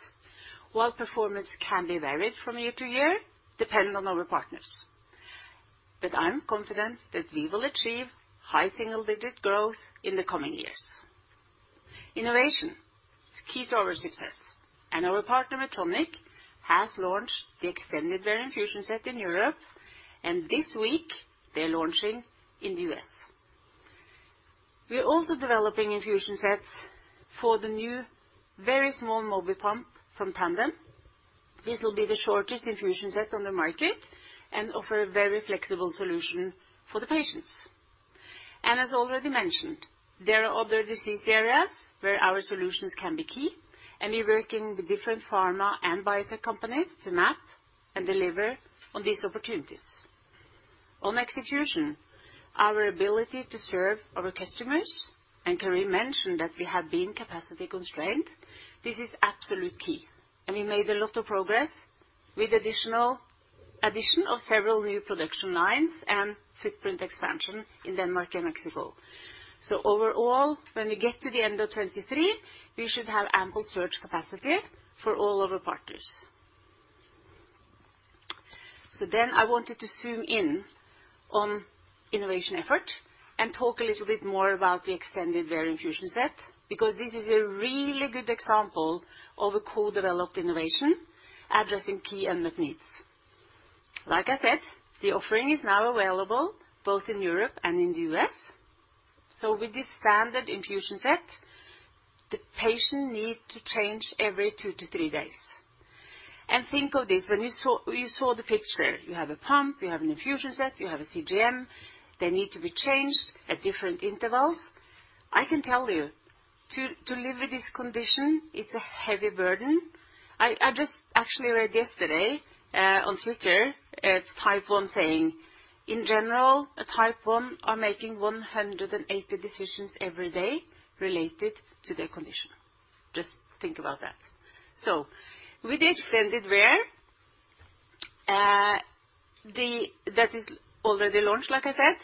While performance can be varied from year to year, depending on our partners. I'm confident that we will achieve high single-digit growth in the coming years. Innovation is key to our success, and our partner, Atomic, has launched the extended wear infusion set in Europe, and this week they're launching in the U.S. We are also developing infusion sets for the new very small Mobi from Tandem. This will be the shortest infusion set on the market and offer a very flexible solution for the patients. As already mentioned, there are other disease areas where our solutions can be key, and we're working with different pharma and biotech companies to map and deliver on these opportunities. On execution, our ability to serve our customers, and can we mention that we have been capacity-constrained, this is absolute key, and we made a lot of progress with addition of several new production lines and footprint expansion in Denmark and Mexico. Overall, when we get to the end of 2023, we should have ample surge capacity for all of our partners. I wanted to zoom in on innovation effort and talk a little bit more about the extended wear infusion set, because this is a really good example of a co-developed innovation addressing key unmet needs. Like I said, the offering is now available both in Europe and in the US. With this standard infusion set, the patient need to change every 2-3 days. Think of this, when you saw the picture. You have a pump, you have an infusion set, you have a CGM. They need to be changed at different intervals. I can tell you to live with this condition, it's a heavy burden. I just actually read yesterday on Twitter, it's Type 1 saying, in general, a Type 1 are making 180 decisions every day related to their condition. Just think about that. With the extended wear that is already launched, like I said.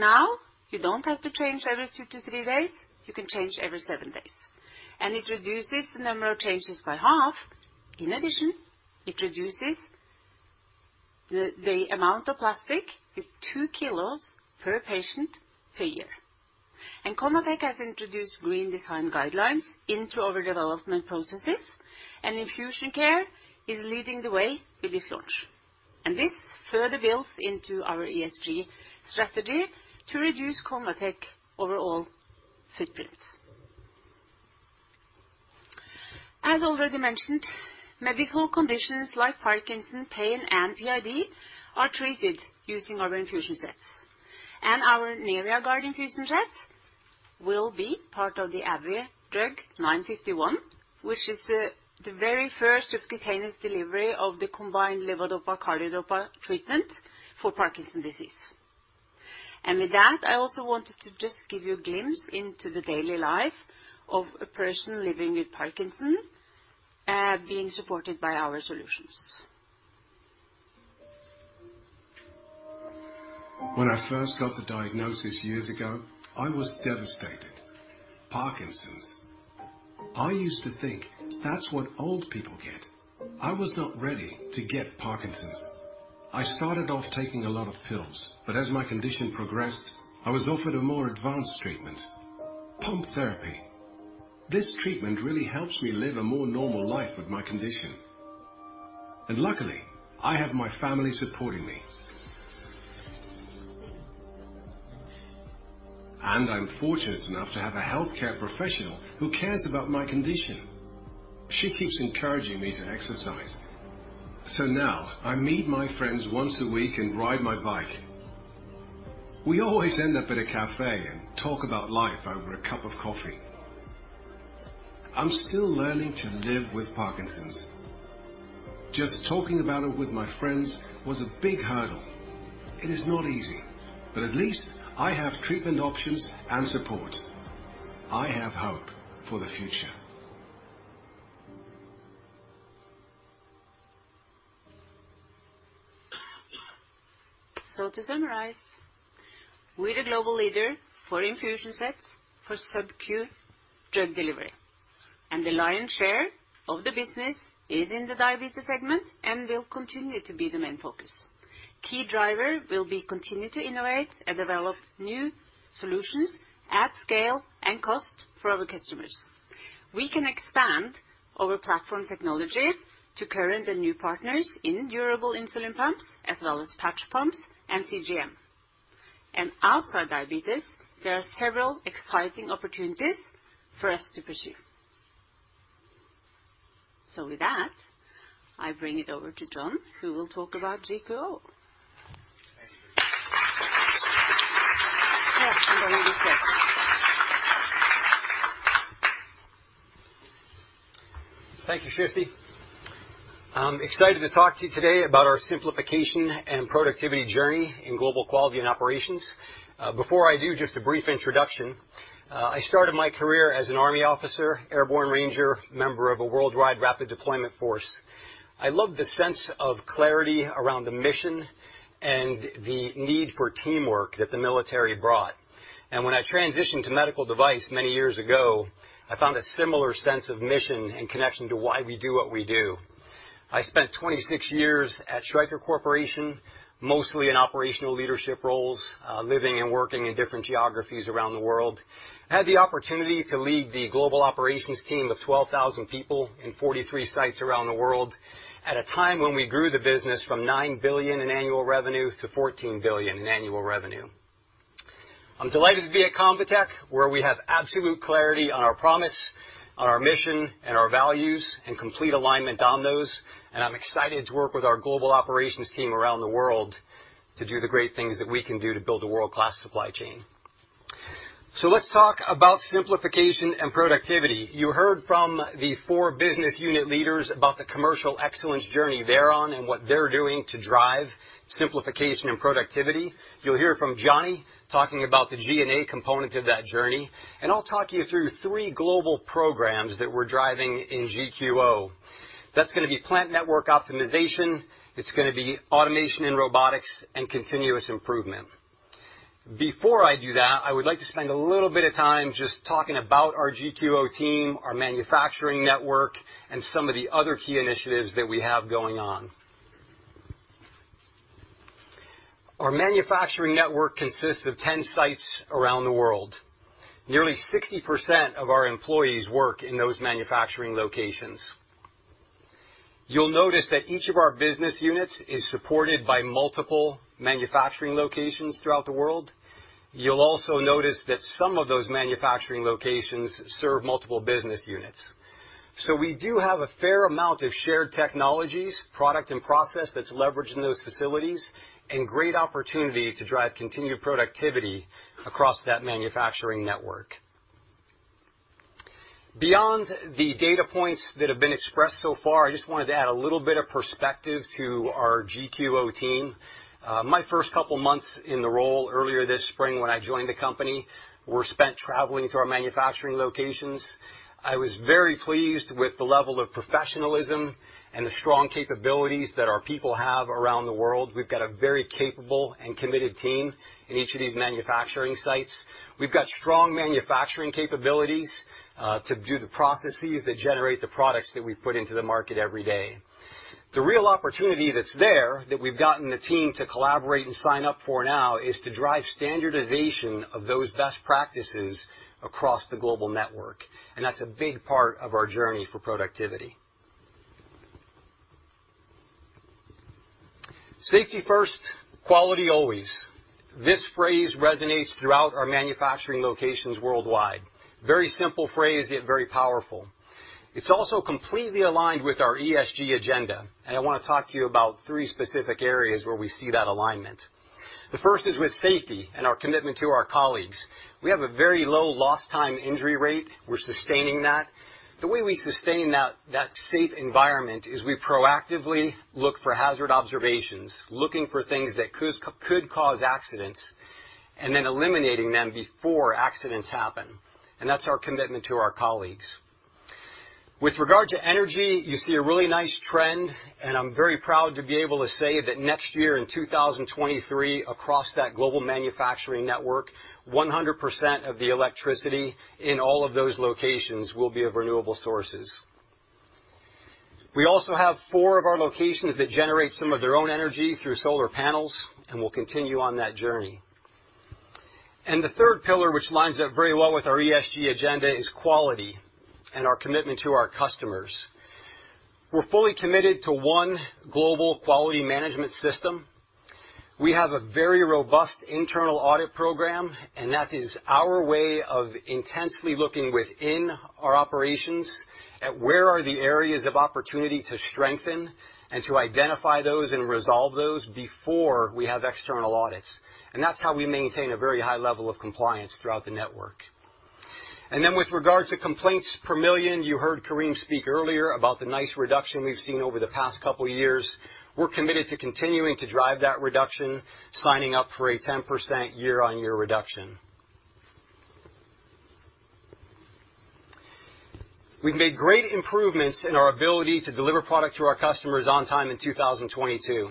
Now you don't have to change every 2-3 days, you can change every 7 days. It reduces the number of changes by half. In addition, it reduces the amount of plastic with 2 kg per patient per year. ConvaTec has introduced green design guidelines into our development processes, and Infusion Care is leading the way with this launch. This further builds into our ESG strategy to reduce ConvaTec overall footprint. As already mentioned, medical conditions like Parkinson, pain, and PID are treated using our infusion sets. Our Neria Guard infusion sets will be part of the AbbVie drug 951, which is the very first subcutaneous delivery of the combined levodopa/carbidopa treatment for Parkinson's disease. With that, I also wanted to just give you a glimpse into the daily life of a person living with Parkinson's, being supported by our solutions. When I first got the diagnosis years ago, I was devastated. Parkinson's. I used to think that's what old people get. I was not ready to get Parkinson's. I started off taking a lot of pills, but as my condition progressed, I was offered a more advanced treatment: pump therapy. This treatment really helps me live a more normal life with my condition. Luckily, I have my family supporting me. I'm fortunate enough to have a healthcare professional who cares about my condition. She keeps encouraging me to exercise. Now I meet my friends once a week and ride my bike. We always end up at a cafe and talk about life over a cup of coffee. I'm still learning to live with Parkinson's. Just talking about it with my friends was a big hurdle. It is not easy, but at least I have treatment options and support. I have hope for the future. To summarize, we're a global leader for infusion sets for sub-q drug delivery. The lion's share of the business is in the diabetes segment and will continue to be the main focus. Key driver will be continue to innovate and develop new solutions at scale and cost for our customers. We can expand our platform technology to current and new partners in durable insulin pumps as well as patch pumps and CGM. Outside diabetes, there are several exciting opportunities for us to pursue. With that, I bring it over to John, who will talk about GQO. Oh, I'm going to be quick. Thank you, Kjersti. I'm excited to talk to you today about our simplification and productivity journey in global quality and operations. Before I do, just a brief introduction. I started my career as an Army officer, airborne ranger, member of a worldwide rapid deployment force. I loved the sense of clarity around the mission and the need for teamwork that the military brought. When I transitioned to medical device many years ago, I found a similar sense of mission in connection to why we do what we do. I spent 26 years at Stryker Corporation, mostly in operational leadership roles, living and working in different geographies around the world. Had the opportunity to lead the global operations team of 12,000 people in 43 sites around the world at a time when we grew the business from $9 billion in annual revenue to $14 billion in annual revenue. I'm delighted to be at ConvaTec, where we have absolute clarity on our promise, on our mission and our values, and complete alignment on those. I'm excited to work with our global operations team around the world to do the great things that we can do to build a world-class supply chain. Let's talk about simplification and productivity. You heard from the four business unit leaders about the commercial excellence journey they're on and what they're doing to drive simplification and productivity. You'll hear from Jonny talking about the G&A component of that journey. I'll talk you through three global programs that we're driving in GQO. That's gonna be plant network optimization, it's gonna be automation and robotics, and continuous improvement. Before I do that, I would like to spend a little bit of time just talking about our GQO team, our manufacturing network, and some of the other key initiatives that we have going on. Our manufacturing network consists of 10 sites around the world. Nearly 60% of our employees work in those manufacturing locations. You'll notice that each of our business units is supported by multiple manufacturing locations throughout the world. You'll also notice that some of those manufacturing locations serve multiple business units. We do have a fair amount of shared technologies, product, and process that's leveraged in those facilities and great opportunity to drive continued productivity across that manufacturing network. Beyond the data points that have been expressed so far, I just wanted to add a little bit of perspective to our GQO team. My first couple months in the role earlier this spring when I joined the company were spent traveling to our manufacturing locations. I was very pleased with the level of professionalism and the strong capabilities that our people have around the world. We've got a very capable and committed team in each of these manufacturing sites. We've got strong manufacturing capabilities to do the processes that generate the products that we put into the market every day. The real opportunity that's there that we've gotten the team to collaborate and sign up for now is to drive standardization of those best practices across the global network, and that's a big part of our journey for productivity. Safety first, quality always. This phrase resonates throughout our manufacturing locations worldwide. Very simple phrase, yet very powerful. It's also completely aligned with our ESG agenda, and I wanna talk to you about three specific areas where we see that alignment. The first is with safety and our commitment to our colleagues. We have a very low lost time injury rate. We're sustaining that. The way we sustain that safe environment is we proactively look for hazard observations, looking for things that could cause accidents, and then eliminating them before accidents happen, and that's our commitment to our colleagues. With regard to energy, you see a really nice trend, and I'm very proud to be able to say that next year in 2023, across that global manufacturing network, 100% of the electricity in all of those locations will be of renewable sources. We also have four of our locations that generate some of their own energy through solar panels, and we'll continue on that journey. The third pillar, which lines up very well with our ESG agenda, is quality and our commitment to our customers. We're fully committed to one global quality management system. We have a very robust internal audit program, and that is our way of intensely looking within our operations at where are the areas of opportunity to strengthen and to identify those and resolve those before we have external audits, and that's how we maintain a very high level of compliance throughout the network. Then with regards to complaints per million, you heard Karim speak earlier about the nice reduction we've seen over the past couple years. We're committed to continuing to drive that reduction, signing up for a 10% year-on-year reduction. We've made great improvements in our ability to deliver product to our customers on time in 2022.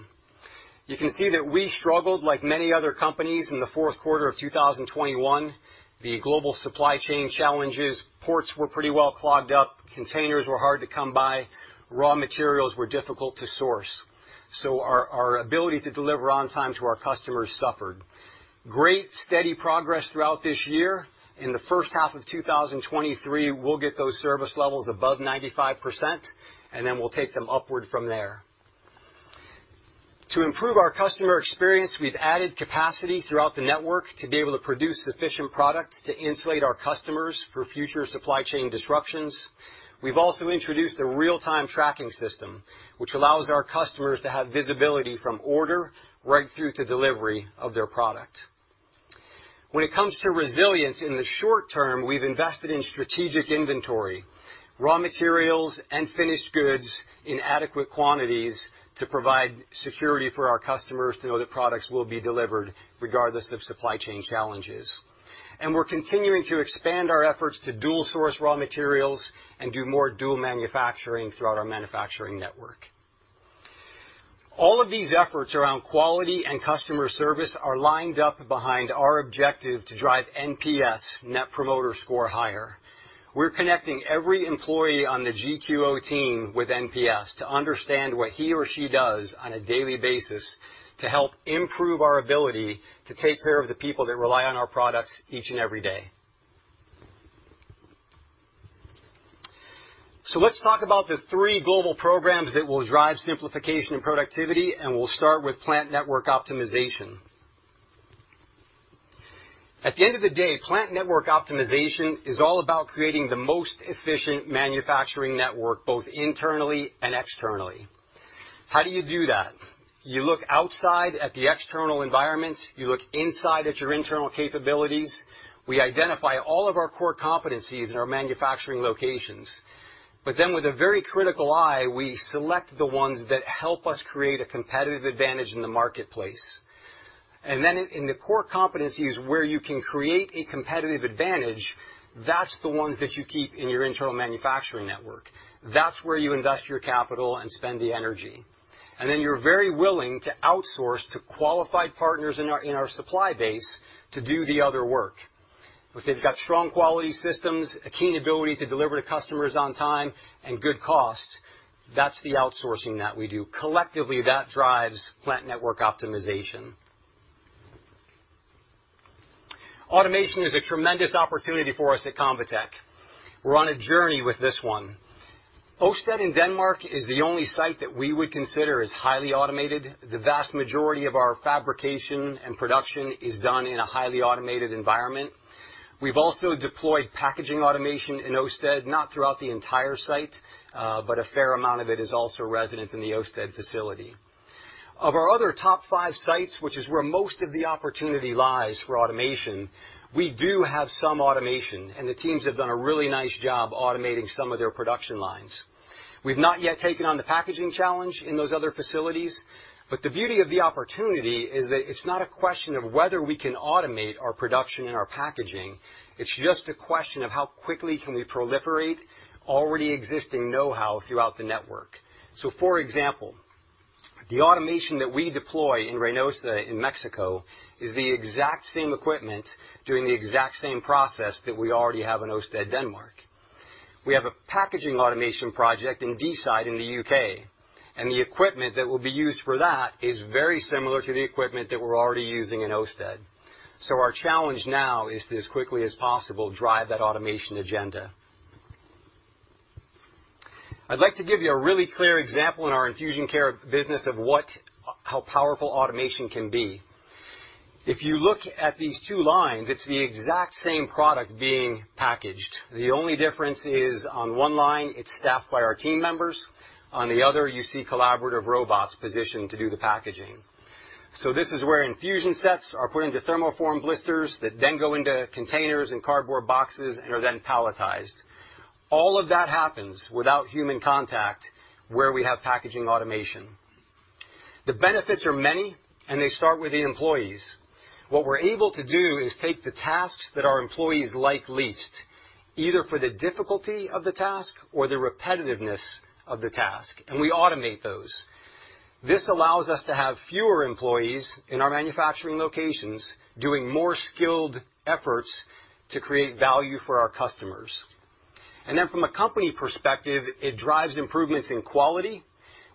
You can see that we struggled like many other companies in the fourth quarter of 2021. The global supply chain challenges. Ports were pretty well clogged up. Containers were hard to come by. Raw materials were difficult to source, so our ability to deliver on time to our customers suffered. Great, steady progress throughout this year. In the first half of 2023, we'll get those service levels above 95%, and then we'll take them upward from there. To improve our customer experience, we've added capacity throughout the network to be able to produce sufficient product to insulate our customers for future supply chain disruptions. We've also introduced a real-time tracking system, which allows our customers to have visibility from order right through to delivery of their product. When it comes to resilience, in the short term, we've invested in strategic inventory, raw materials, and finished goods in adequate quantities to provide security for our customers to know that products will be delivered regardless of supply chain challenges. We're continuing to expand our efforts to dual source raw materials and do more dual manufacturing throughout our manufacturing network. All of these efforts around quality and customer service are lined up behind our objective to drive NPS, net promoter score, higher. We're connecting every employee on the GQO team with NPS to understand what he or she does on a daily basis to help improve our ability to take care of the people that rely on our products each and every day. Let's talk about the three global programs that will drive simplification and productivity, and we'll start with plant network optimization. At the end of the day, plant network optimization is all about creating the most efficient manufacturing network, both internally and externally. How do you do that? You look outside at the external environment. You look inside at your internal capabilities. We identify all of our core competencies in our manufacturing locations, but then with a very critical eye, we select the ones that help us create a competitive advantage in the marketplace. Then in the core competencies where you can create a competitive advantage, that's the ones that you keep in your internal manufacturing network. That's where you invest your capital and spend the energy. Then you're very willing to outsource to qualified partners in our supply base to do the other work. If they've got strong quality systems, a keen ability to deliver to customers on time, and good cost, that's the outsourcing that we do. Collectively, that drives plant network optimization. Automation is a tremendous opportunity for us at ConvaTec. We're on a journey with this one. Østed in Denmark is the only site that we would consider as highly automated. The vast majority of our fabrication and production is done in a highly automated environment. We've also deployed packaging automation in Østed, not throughout the entire site, but a fair amount of it is also resident in the Østed facility. Of our other top five sites, which is where most of the opportunity lies for automation, we do have some automation, and the teams have done a really nice job automating some of their production lines. We've not yet taken on the packaging challenge in those other facilities, but the beauty of the opportunity is that it's not a question of whether we can automate our production and our packaging. It's just a question of how quickly can we proliferate already existing know-how throughout the network. For example, the automation that we deploy in Reynosa in Mexico is the exact same equipment doing the exact same process that we already have in Osted, Denmark. We have a packaging automation project in Deeside in the UK, and the equipment that will be used for that is very similar to the equipment that we're already using in Osted. Our challenge now is to, as quickly as possible, drive that automation agenda. I'd like to give you a really clear example in our Infusion Care business of how powerful automation can be. If you look at these two lines, it's the exact same product being packaged. The only difference is on one line, it's staffed by our team members. On the other, you see collaborative robots positioned to do the packaging. This is where infusion sets are put into thermoform blisters that then go into containers and cardboard boxes and are then palletized. All of that happens without human contact where we have packaging automation. The benefits are many, and they start with the employees. What we're able to do is take the tasks that our employees like least, either for the difficulty of the task or the repetitiveness of the task, and we automate those. This allows us to have fewer employees in our manufacturing locations doing more skilled efforts to create value for our customers. From a company perspective, it drives improvements in quality.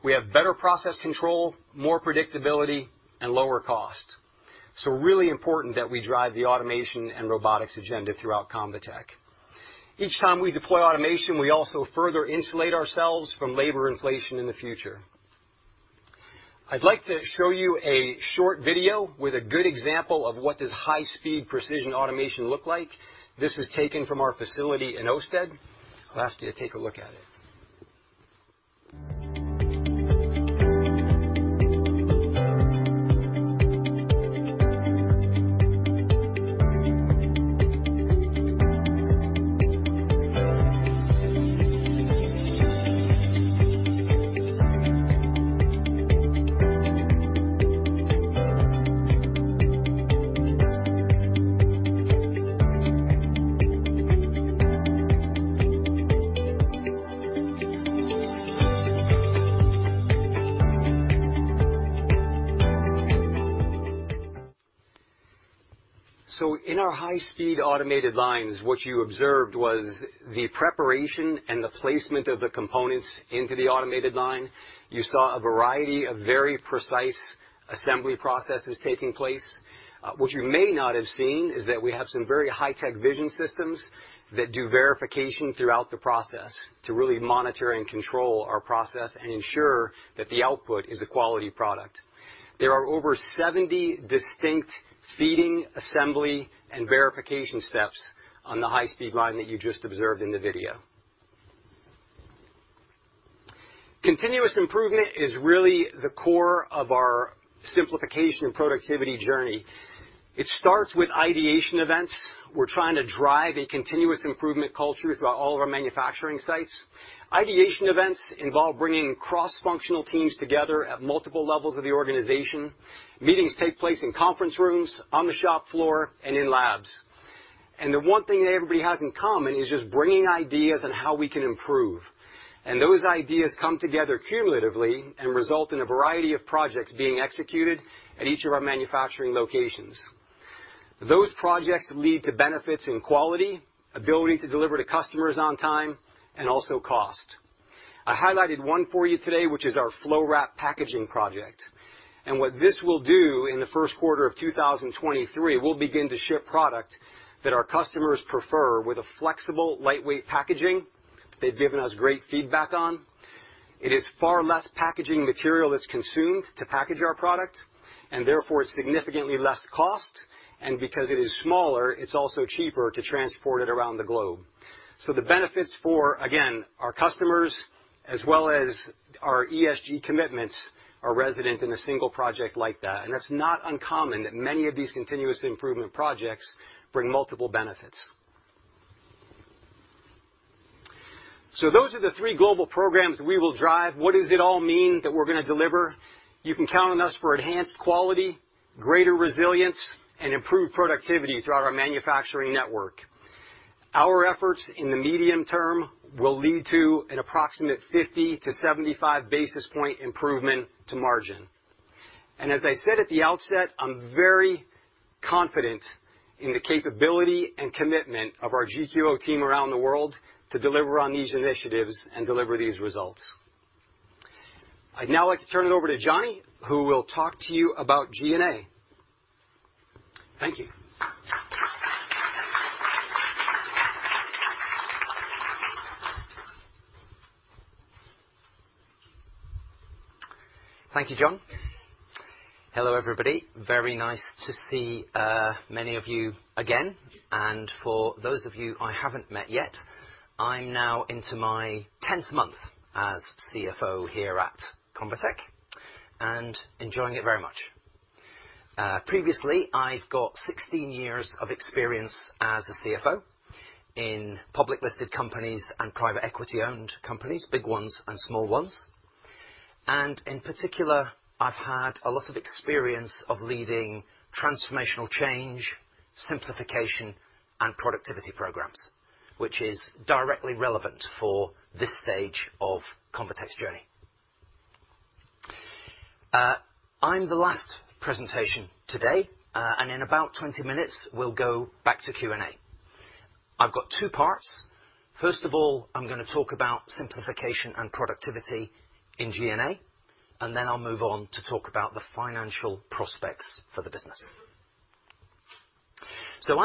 We have better process control, more predictability, and lower cost. Really important that we drive the automation and robotics agenda throughout ConvaTec. Each time we deploy automation, we also further insulate ourselves from labor inflation in the future. I'd like to show you a short video with a good example of what this high-speed precision automation look like. This is taken from our facility in Osted. I'll ask you to take a look at it. In our high-speed automated lines, what you observed was the preparation and the placement of the components into the automated line. You saw a variety of very precise assembly processes taking place. What you may not have seen is that we have some very high-tech vision systems that do verification throughout the process to really monitor and control our process and ensure that the output is a quality product. There are over 70 distinct feeding, assembly, and verification steps on the high-speed line that you just observed in the video. Continuous improvement is really the core of our simplification and productivity journey. It starts with ideation events. We're trying to drive a continuous improvement culture throughout all of our manufacturing sites. Ideation events involve bringing cross-functional teams together at multiple levels of the organization. Meetings take place in conference rooms, on the shop floor, and in labs. The one thing that everybody has in common is just bringing ideas on how we can improve. Those ideas come together cumulatively and result in a variety of projects being executed at each of our manufacturing locations. Those projects lead to benefits in quality, ability to deliver to customers on time, and also cost. I highlighted one for you today, which is our FlowWrap packaging project. What this will do in the first quarter of 2023, we'll begin to ship product that our customers prefer with a flexible, lightweight packaging they've given us great feedback on. It is far less packaging material that's consumed to package our product, and therefore, significantly less cost. Because it is smaller, it's also cheaper to transport it around the globe. The benefits for, again, our customers as well as our ESG commitments are resident in a single project like that. That's not uncommon that many of these continuous improvement projects bring multiple benefits. Those are the three global programs we will drive. What does it all mean that we're gonna deliver? You can count on us for enhanced quality, greater resilience, and improved productivity throughout our manufacturing network. Our efforts in the medium term will lead to an approximate 50-75 basis point improvement to margin. As I said at the outset, I'm very confident in the capability and commitment of our GQO team around the world to deliver on these initiatives and deliver these results. I'd now like to turn it over to Jonny, who will talk to you about G&A. Thank you. Thank you, John. Hello, everybody. Very nice to see many of you again. For those of you I haven't met yet, I'm now into my tenth month as CFO here at ConvaTec, and enjoying it very much. Previously, I've got 16 years of experience as a CFO in public listed companies and private equity-owned companies, big ones and small ones. In particular, I've had a lot of experience of leading transformational change, simplification, and productivity programs, which is directly relevant for this stage of ConvaTec's journey. I'm the last presentation today, and in about 20 minutes, we'll go back to Q&A. I've got two parts. First of all, I'm gonna talk about simplification and productivity in G&A, and then I'll move on to talk about the financial prospects for the business.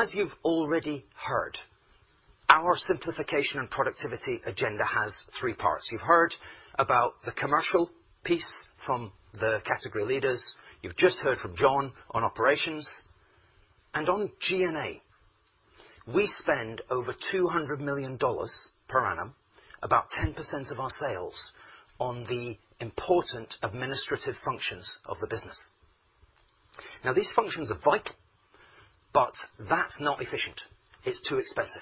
As you've already heard, our simplification and productivity agenda has three parts. You've heard about the commercial piece from the category leaders. You've just heard from John on operations. On G&A, we spend over $200 million per annum, about 10% of our sales, on the important administrative functions of the business. Now these functions are vital, but that's not efficient. It's too expensive.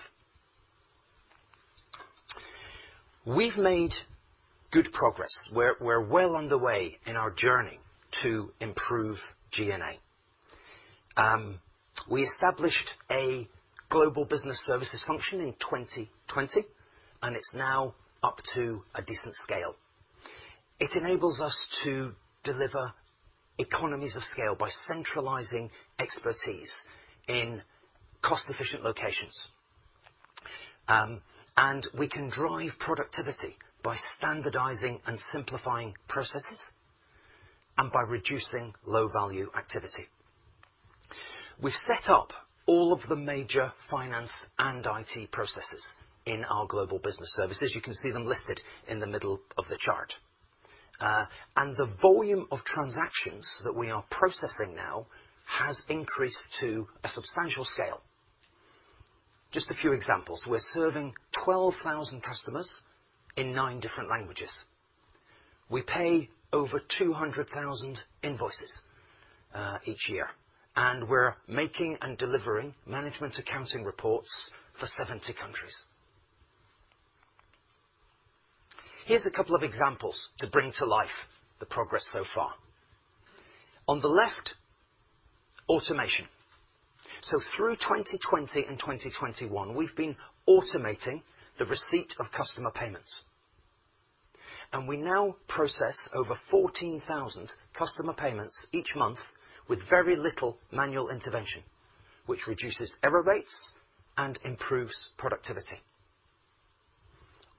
We've made good progress. We're well on the way in our journey to improve G&A. We established a global business services function in 2020, and it's now up to a decent scale. It enables us to deliver economies of scale by centralizing expertise in cost-efficient locations. We can drive productivity by standardizing and simplifying processes and by reducing low-value activity. We've set up all of the major finance and IT processes in our global business services. You can see them listed in the middle of the chart. The volume of transactions that we are processing now has increased to a substantial scale. Just a few examples. We're serving 12,000 customers in nine different languages. We pay over 200,000 invoices each year, and we're making and delivering management accounting reports for 70 countries. Here's a couple of examples to bring to life the progress so far. On the left, automation. Through 2020 and 2021, we've been automating the receipt of customer payments. We now process over 14,000 customer payments each month with very little manual intervention, which reduces error rates and improves productivity.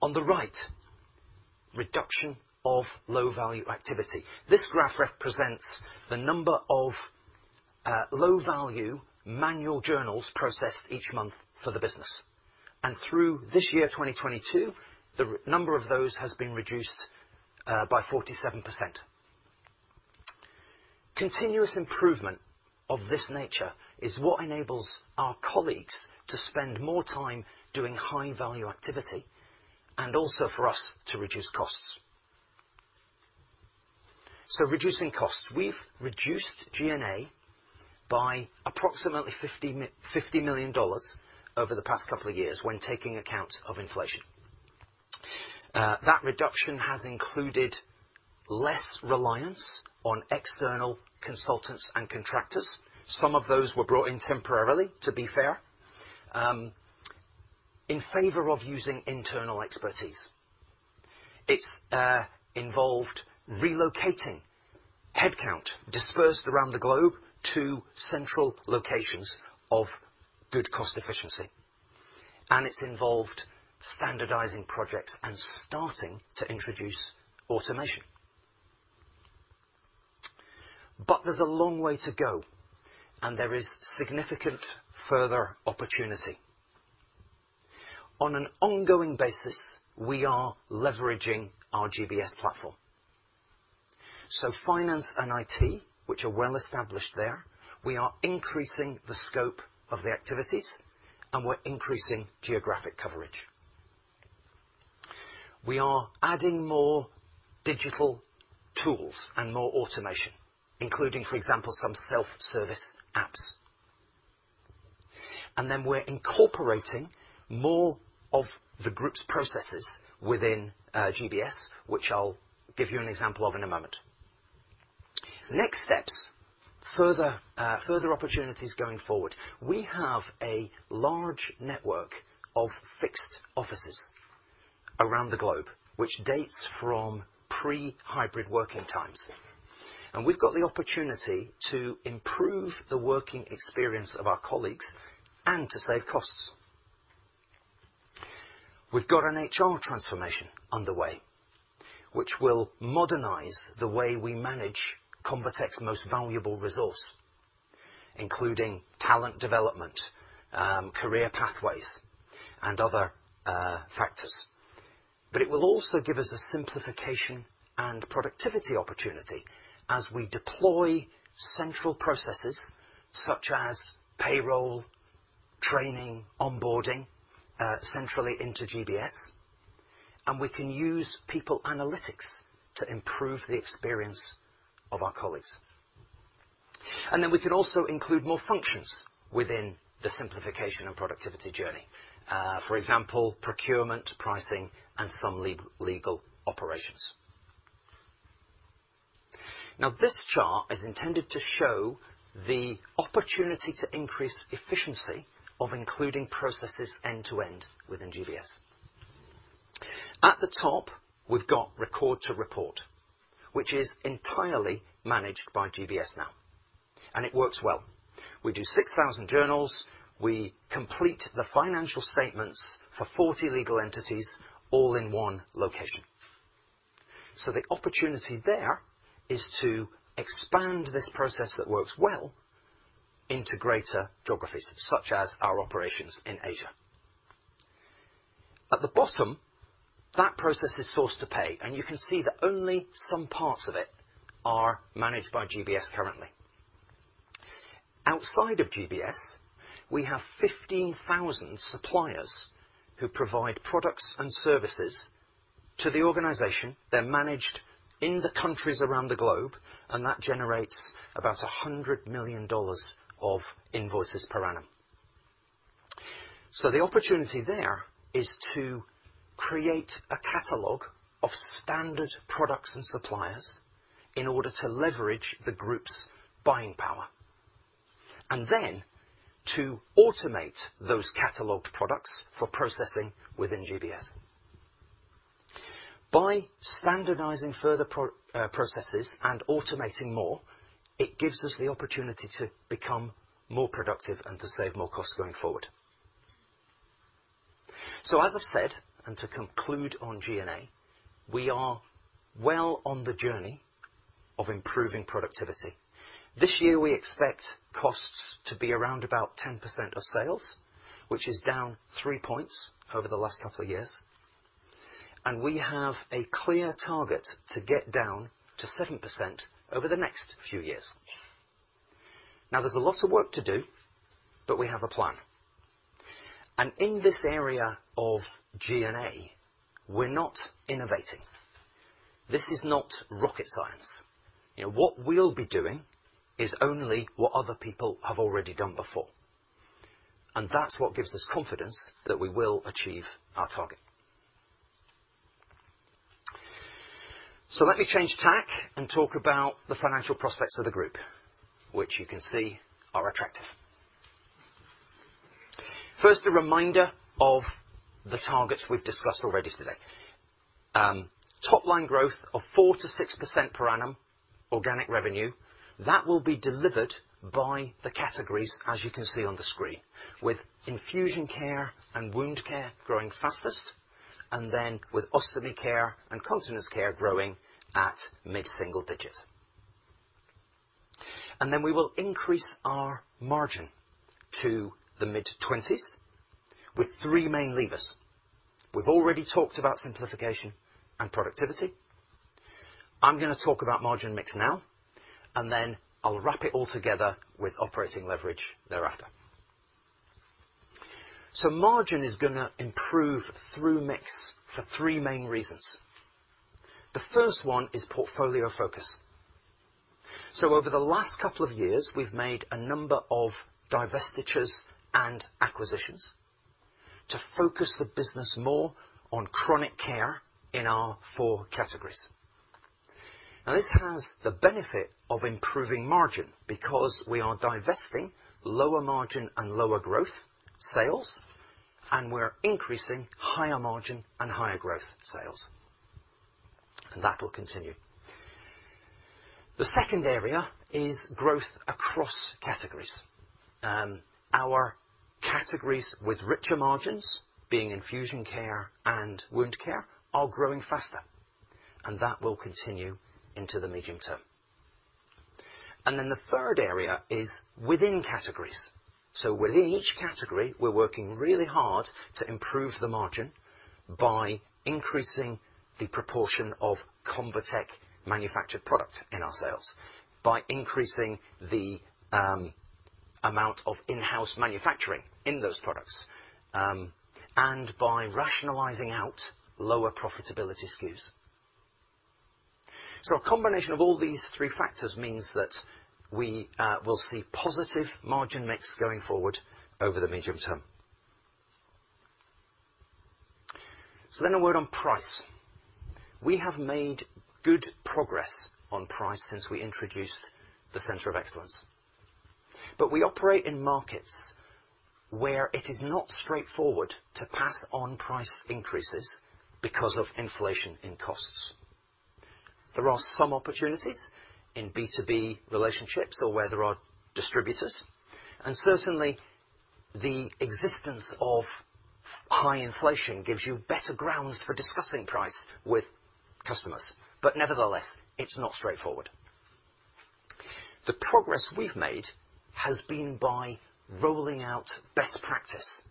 On the right, reduction of low-value activity. This graph represents the number of low-value manual journals processed each month for the business. Through this year, 2022, the number of those has been reduced by 47%. Continuous improvement of this nature is what enables our colleagues to spend more time doing high-value activity and also for us to reduce costs. Reducing costs. We've reduced G&A by approximately $50 million over the past couple of years when taking account of inflation. That reduction has included less reliance on external consultants and contractors. Some of those were brought in temporarily, to be fair, in favor of using internal expertise. It's involved relocating headcount dispersed around the globe to central locations of good cost efficiency. It's involved standardizing projects and starting to introduce automation. There's a long way to go, and there is significant further opportunity. On an ongoing basis, we are leveraging our GBS platform. Finance and IT, which are well established there, we are increasing the scope of the activities, and we're increasing geographic coverage. We are adding more digital tools and more automation, including, for example, some self-service apps. We're incorporating more of the group's processes within GBS, which I'll give you an example of in a moment. Next steps, further opportunities going forward. We have a large network of fixed offices around the globe, which dates from pre-hybrid working times. We've got the opportunity to improve the working experience of our colleagues and to save costs. We've got an HR transformation underway, which will modernize the way we manage ConvaTec's most valuable resource. Including talent development, career pathways, and other factors. It will also give us a simplification and productivity opportunity as we deploy central processes such as payroll, training, onboarding centrally into GBS, and we can use people analytics to improve the experience of our colleagues. We can also include more functions within the simplification and productivity journey. For example, procurement, pricing, and some legal operations. Now this chart is intended to show the opportunity to increase efficiency of including processes end to end within GBS. At the top, we've got record to report, which is entirely managed by GBS now, and it works well. We do 6,000 journals, we complete the financial statements for 40 legal entities all in one location. The opportunity there is to expand this process that works well into greater geographies, such as our operations in Asia. At the bottom, that process is source to pay, and you can see that only some parts of it are managed by GBS currently. Outside of GBS, we have 15,000 suppliers who provide products and services to the organization. They're managed in the countries around the globe, and that generates about $100 million of invoices per annum. The opportunity there is to create a catalog of standard products and suppliers in order to leverage the group's buying power, and then to automate those cataloged products for processing within GBS. By standardizing further processes and automating more, it gives us the opportunity to become more productive and to save more costs going forward. As I've said, and to conclude on G&A, we are well on the journey of improving productivity. This year we expect costs to be around about 10% of sales, which is down three points over the last couple of years, and we have a clear target to get down to 7% over the next few years. Now there's a lot of work to do, but we have a plan. In this area of G&A, we're not innovating. This is not rocket science. You know, what we'll be doing is only what other people have already done before. That's what gives us confidence that we will achieve our target. Let me change tack and talk about the financial prospects of the group, which you can see are attractive. First, a reminder of the targets we've discussed already today. Top line growth of 4%-6% per annum organic revenue, that will be delivered by the categories as you can see on the screen, with infusion care and wound care growing fastest, and then with ostomy care and continence care growing at mid-single digits. We will increase our margin to the mid-20s with three main levers. We've already talked about simplification and productivity. I'm gonna talk about margin mix now, and then I'll wrap it all together with operating leverage thereafter. Margin is gonna improve through mix for three main reasons. The first one is portfolio focus. Over the last couple of years, we've made a number of divestitures and acquisitions to focus the business more on chronic care in our four categories. Now this has the benefit of improving margin because we are divesting lower margin and lower growth sales, and we're increasing higher margin and higher growth sales. That will continue. The second area is growth across categories. Our categories with richer margins, being Infusion Care and Wound Care, are growing faster, and that will continue into the medium term. The third area is within categories. Within each category, we're working really hard to improve the margin by increasing the proportion of ConvaTec manufactured product in our sales, by increasing the amount of in-house manufacturing in those products, and by rationalizing out lower profitability SKUs. A combination of all these three factors means that we will see positive margin mix going forward over the medium term. A word on price. We have made good progress on price since we introduced the Center of Excellence. We operate in markets where it is not straightforward to pass on price increases because of inflation in costs. There are some opportunities in B2B relationships or where there are distributors, and certainly the existence of high inflation gives you better grounds for discussing price with customers. Nevertheless, it's not straightforward. The progress we've made has been by rolling out best practice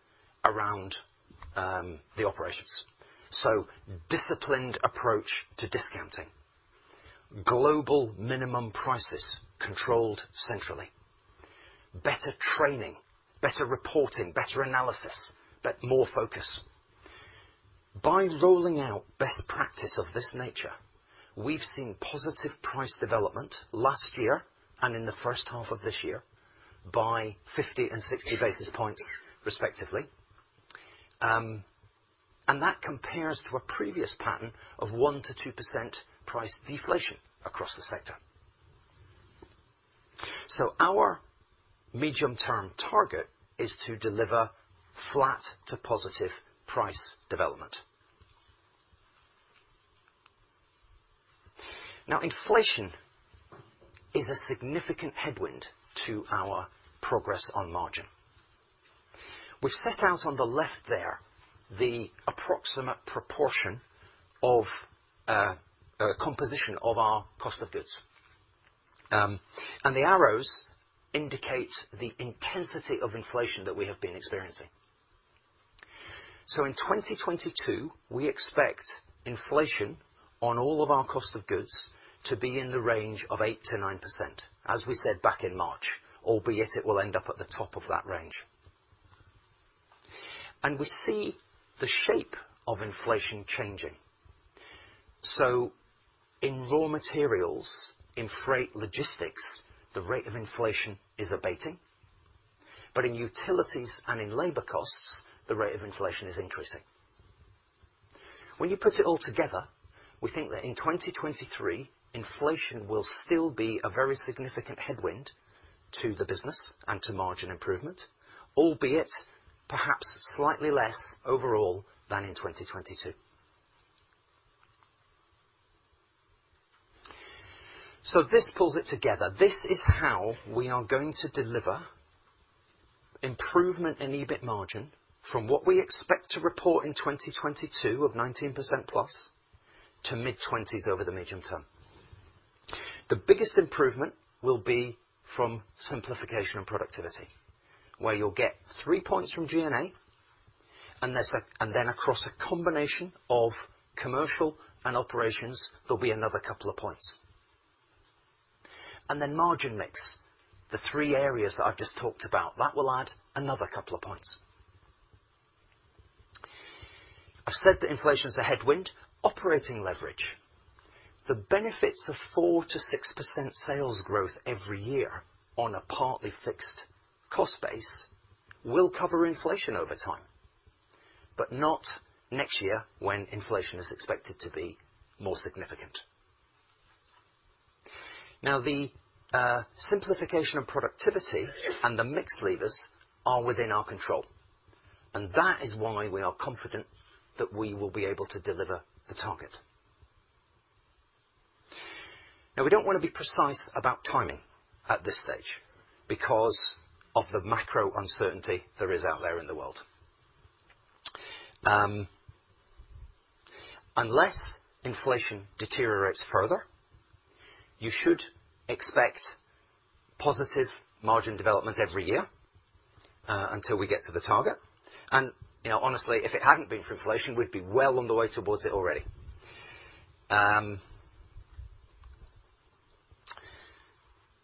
around the operations. Disciplined approach to discounting. Global minimum prices controlled centrally. Better training, better reporting, better analysis, but more focus. By rolling out best practice of this nature, we've seen positive price development last year and in the first half of this year by 50 and 60 basis points respectively. That compares to a previous pattern of 1%-2% price deflation across the sector. Our medium-term target is to deliver flat to positive price development. Now inflation is a significant headwind to our progress on margin. We've set out on the left there the approximate proportion of a composition of our cost of goods. The arrows indicate the intensity of inflation that we have been experiencing. In 2022, we expect inflation on all of our cost of goods to be in the range of 8%-9%, as we said back in March, albeit it will end up at the top of that range. We see the shape of inflation changing. In raw materials, in freight logistics, the rate of inflation is abating. In utilities and in labor costs, the rate of inflation is increasing. When you put it all together, we think that in 2023, inflation will still be a very significant headwind to the business and to margin improvement, albeit perhaps slightly less overall than in 2022. This pulls it together. This is how we are going to deliver improvement in EBIT margin from what we expect to report in 2022 of 19%+ to mid-20s over the medium term. The biggest improvement will be from simplification and productivity, where you'll get 3 points from G&A, and then across a combination of commercial and operations, there'll be another couple of points. Margin mix, the three areas that I've just talked about, that will add another couple of points. I've said that inflation is a headwind. Operating leverage. The benefits of 4%-6% sales growth every year on a partly fixed cost base will cover inflation over time, but not next year when inflation is expected to be more significant. Now the simplification of productivity and the mix levers are within our control, and that is why we are confident that we will be able to deliver the target. Now, we don't wanna be precise about timing at this stage because of the macro uncertainty there is out there in the world. Unless inflation deteriorates further, you should expect positive margin development every year until we get to the target. You know, honestly, if it hadn't been for inflation, we'd be well on the way towards it already.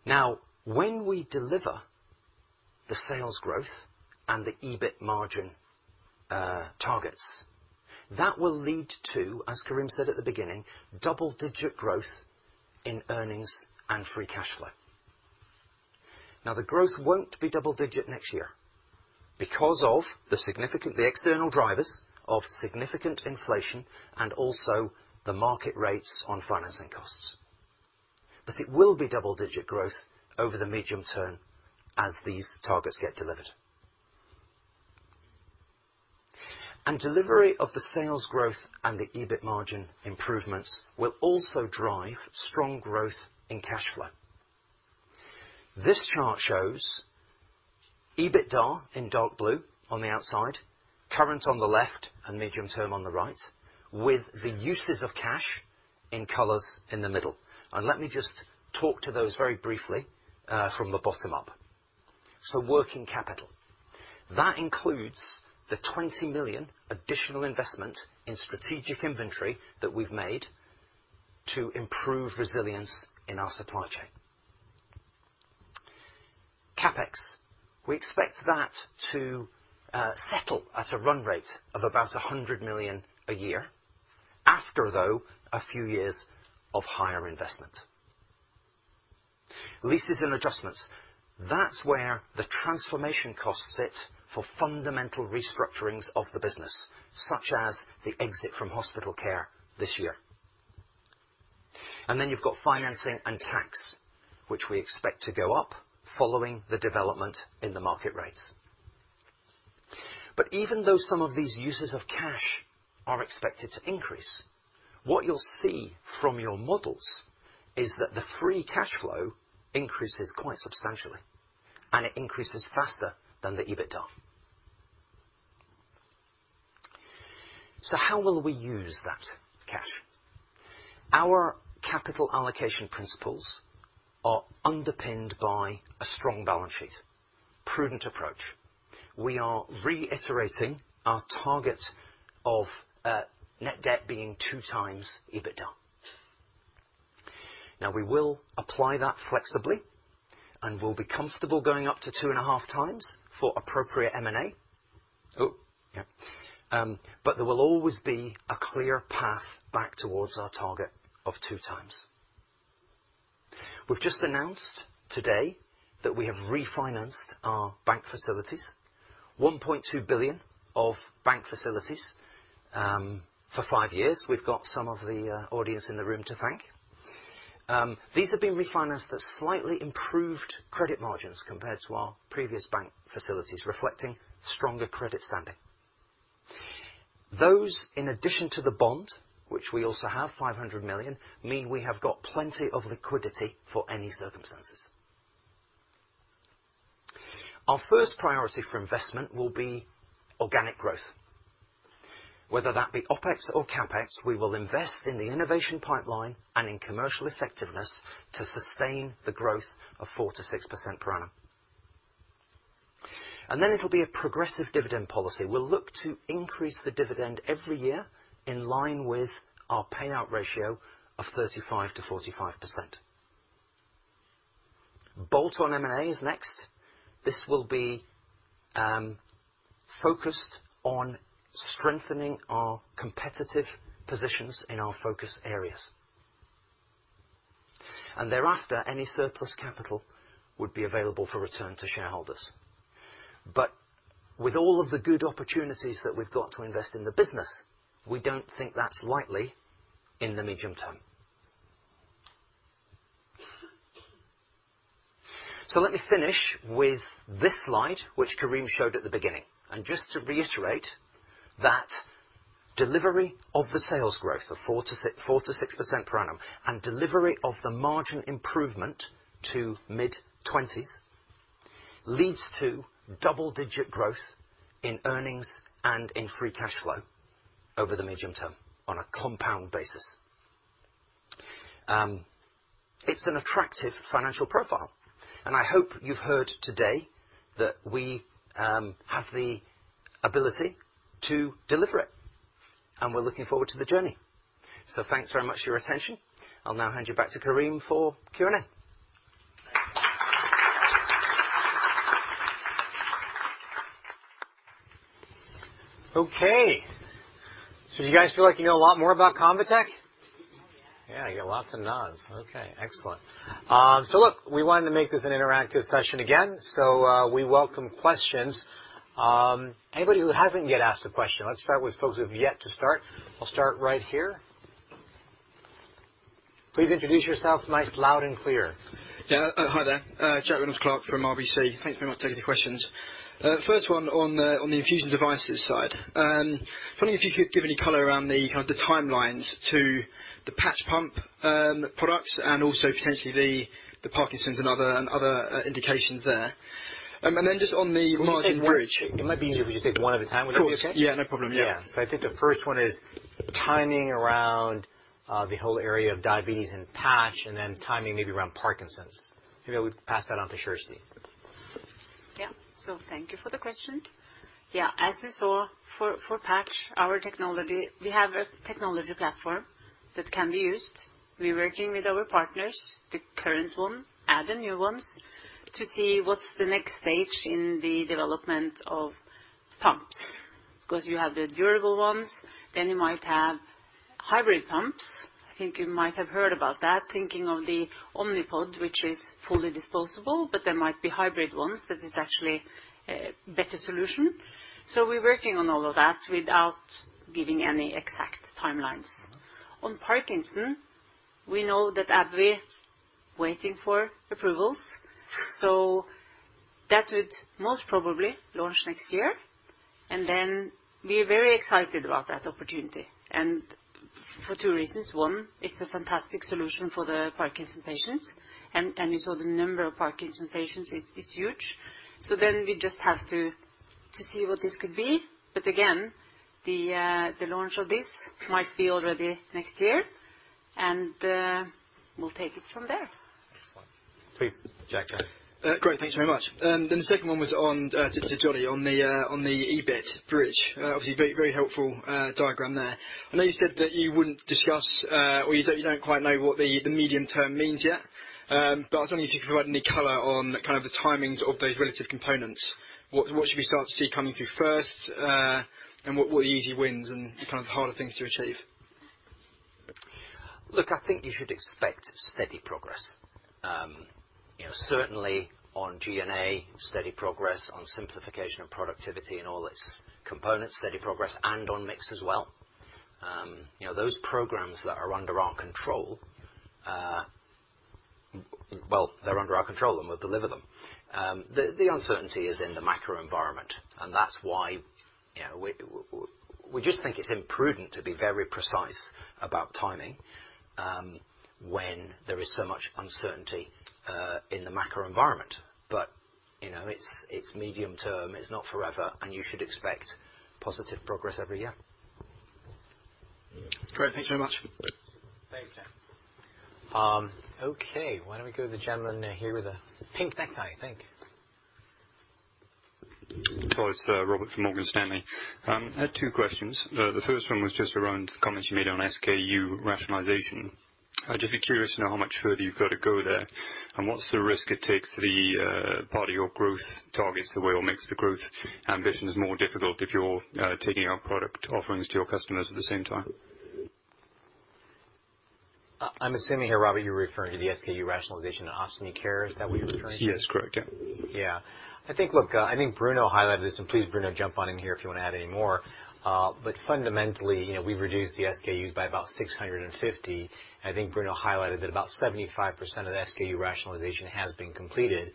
Now, when we deliver the sales growth and the EBIT margin targets, that will lead to, as Karim said at the beginning, double-digit growth in earnings and free cash flow. Now, the growth won't be double digit next year because of the external drivers of significant inflation and also the market rates on financing costs. But it will be double-digit growth over the medium term as these targets get delivered. Delivery of the sales growth and the EBIT margin improvements will also drive strong growth in cash flow. This chart shows EBITDA in dark blue on the outside, current on the left and medium term on the right, with the uses of cash in colors in the middle. Let me just talk to those very briefly, from the bottom up. Working capital. That includes the $20 million additional investment in strategic inventory that we've made to improve resilience in our supply chain. CapEx. We expect that to settle at a run rate of about $100 million a year, after, though, a few years of higher investment. Leases and adjustments. That's where the transformation costs sit for fundamental restructurings of the business, such as the exit from hospital care this year. Then you've got financing and tax, which we expect to go up following the development in the market rates. Even though some of these uses of cash are expected to increase. What you'll see from your models is that the free cash flow increases quite substantially, and it increases faster than the EBITDA. How will we use that cash? Our capital allocation principles are underpinned by a strong balance sheet, prudent approach. We are reiterating our target of net debt being 2x EBITDA. Now, we will apply that flexibly, and we'll be comfortable going up to 2.5x for appropriate M&A. There will always be a clear path back towards our target of 2x. We've just announced today that we have refinanced our bank facilities, $1.2 billion of bank facilities, for 5 years. We've got some of the audience in the room to thank. These have been refinanced at slightly improved credit margins compared to our previous bank facilities, reflecting stronger credit standing. Those, in addition to the bond, which we also have $500 million, mean we have got plenty of liquidity for any circumstances. Our first priority for investment will be organic growth, whether that be OpEx or CapEx, we will invest in the innovation pipeline and in commercial effectiveness to sustain the growth of 4%-6% per annum. It'll be a progressive dividend policy. We'll look to increase the dividend every year in line with our payout ratio of 35%-45%. Bolt-on M&A is next. This will be focused on strengthening our competitive positions in our focus areas. Thereafter, any surplus capital would be available for return to shareholders. With all of the good opportunities that we've got to invest in the business, we don't think that's likely in the medium term. Let me finish with this slide, which Karim showed at the beginning. Just to reiterate that delivery of the sales growth of 4%-6% per annum, and delivery of the margin improvement to mid-20s% leads to double-digit growth in earnings and in free cash flow over the medium term on a compound basis. It's an attractive financial profile, and I hope you've heard today that we have the ability to deliver it, and we're looking forward to the journey. Thanks very much for your attention. I'll now hand you back to Karim for Q&A. Thank you. Okay. Do you guys feel like you know a lot more about ConvaTec? Oh, yeah. Yeah, I get lots of nods. Okay, excellent. Look, we wanted to make this an interactive session again. We welcome questions. Anybody who hasn't yet asked a question. Let's start with folks who have yet to start. I'll start right here. Please introduce yourself nice, loud and clear. Yeah. Hi there. Jack Reynolds-Clark from RBC. Thanks very much for taking the questions. First one on the infusion devices side. Wondering if you could give any color around kind of the timelines to the patch pump products and also potentially the Parkinson's and other indications there. And then just on the margin bridge- Can we just take one? It might be easier if you just take them one at a time. Would that be okay? Of course. Yeah, no problem. Yeah. Yeah. I think the first one is timing around the whole area of diabetes and patch, and then timing maybe around Parkinson's. Maybe I would pass that on to Kjersti. Yeah, thank you for the question. Yeah, as we saw for patch, our technology, we have a technology platform that can be used. We're working with our partners, the current ones and the new ones, to see what's the next stage in the development of pumps. 'Cause you have the durable ones, then you might have hybrid pumps. I think you might have heard about that, thinking of the Omnipod, which is fully disposable, but there might be hybrid ones that is actually a better solution. We're working on all of that without giving any exact timelines. On Parkinson's, we know that AbbVie waiting for approvals, so that would most probably launch next year. We're very excited about that opportunity, and for two reasons. One, it's a fantastic solution for the Parkinson's patients and you saw the number of Parkinson's patients is huge. We just have to see what this could be. Again, the launch of this might be already next year, and we'll take it from there. Excellent. Please, Jack. Great. Thank you very much. The second one was on to Jonny on the EBIT bridge. Obviously very, very helpful diagram there. I know you said that you wouldn't discuss or you don't quite know what the medium term means yet. But I was wondering if you could provide any color on kind of the timings of those relative components. What should we start to see coming through first and what are the easy wins and kind of the harder things to achieve? Look, I think you should expect steady progress. You know, certainly on G&A, steady progress on simplification and productivity and all its components, steady progress, and on mix as well. You know, those programs that are under our control, well, they're under our control, and we'll deliver them. The uncertainty is in the macro environment, and that's why, you know, we just think it's imprudent to be very precise about timing, when there is so much uncertainty in the macro environment. You know, it's medium term, it's not forever, and you should expect positive progress every year. Great. Thank you so much. Thanks, Dan. Okay. Why don't we go to the gentleman here with the pink necktie, I think. It was Robert from Morgan Stanley. I had two questions. The first one was just around comments you made on SKU rationalization. I'd just be curious to know how much further you've got to go there, and what's the risk it takes the part of your growth targets away or makes the growth ambitions more difficult if you're taking on product offerings to your customers at the same time? I'm assuming here, Robert, you're referring to the SKU rationalization in Ostomy Care. Is that what you're referring to? Yes. Correct. Yeah. I think Bruno highlighted this, and please Bruno, jump on in here if you wanna add any more. Fundamentally, you know, we've reduced the SKUs by about 650. I think Bruno highlighted that about 75% of the SKU rationalization has been completed,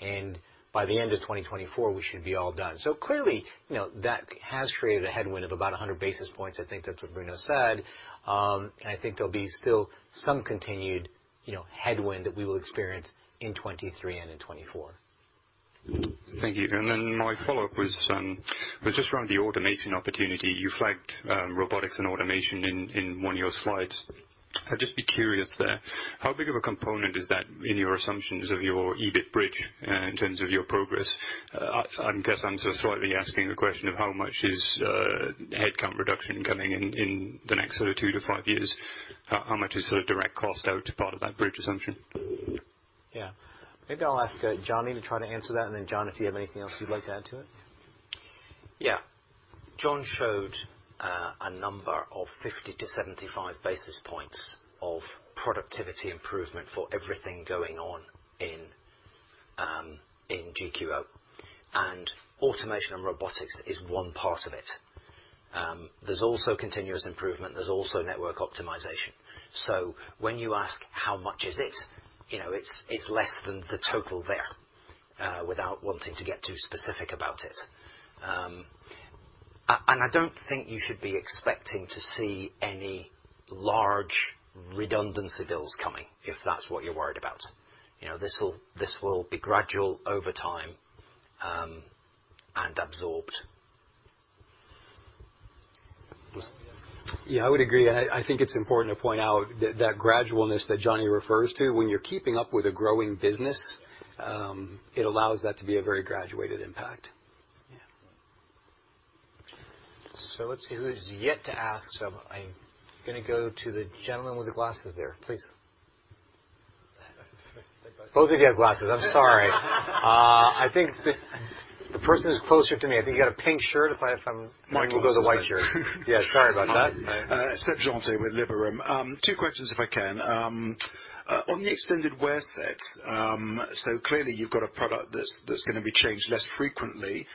and by the end of 2024, we should be all done. Clearly, you know, that has created a headwind of about 100 basis points. I think that's what Bruno said. I think there'll be still some continued, you know, headwind that we will experience in 2023 and in 2024. Thank you. My follow-up was just around the automation opportunity. You flagged robotics and automation in one of your slides. I'd just be curious there, how big of a component is that in your assumptions of your EBIT bridge in terms of your progress? I guess I'm sort of slightly asking the question of how much is headcount reduction coming in in the next sort of 2-5 years? How much is the direct cost out part of that bridge assumption? Yeah. Maybe I'll ask Jonny to try to answer that, and then, John, if you have anything else you'd like to add to it. Yeah. John showed a number of 50-75 basis points of productivity improvement for everything going on in GQO. Automation and robotics is one part of it. There's also continuous improvement. There's also network optimization. When you ask how much is it, you know, it's less than the total there, without wanting to get too specific about it. I don't think you should be expecting to see any large redundancy bills coming, if that's what you're worried about. You know, this will be gradual over time and absorbed. Yeah. I would agree. I think it's important to point out that that gradualness that Jonny refers to, when you're keeping up with a growing business, it allows that to be a very graduated impact. Yeah. Let's see who's yet to ask. I'm gonna go to the gentleman with the glasses there, please. Both of you have glasses. I'm sorry. I think the person who's closer to me. I think you got a pink shirt, if I have some. Michael Wilson. We'll go to the white shirt. Yeah, sorry about that. Hi. Sebastien Jantet with Liberum. Two questions, if I can. On the extended wear sets, so clearly you've got a product that's gonna be changed less frequently,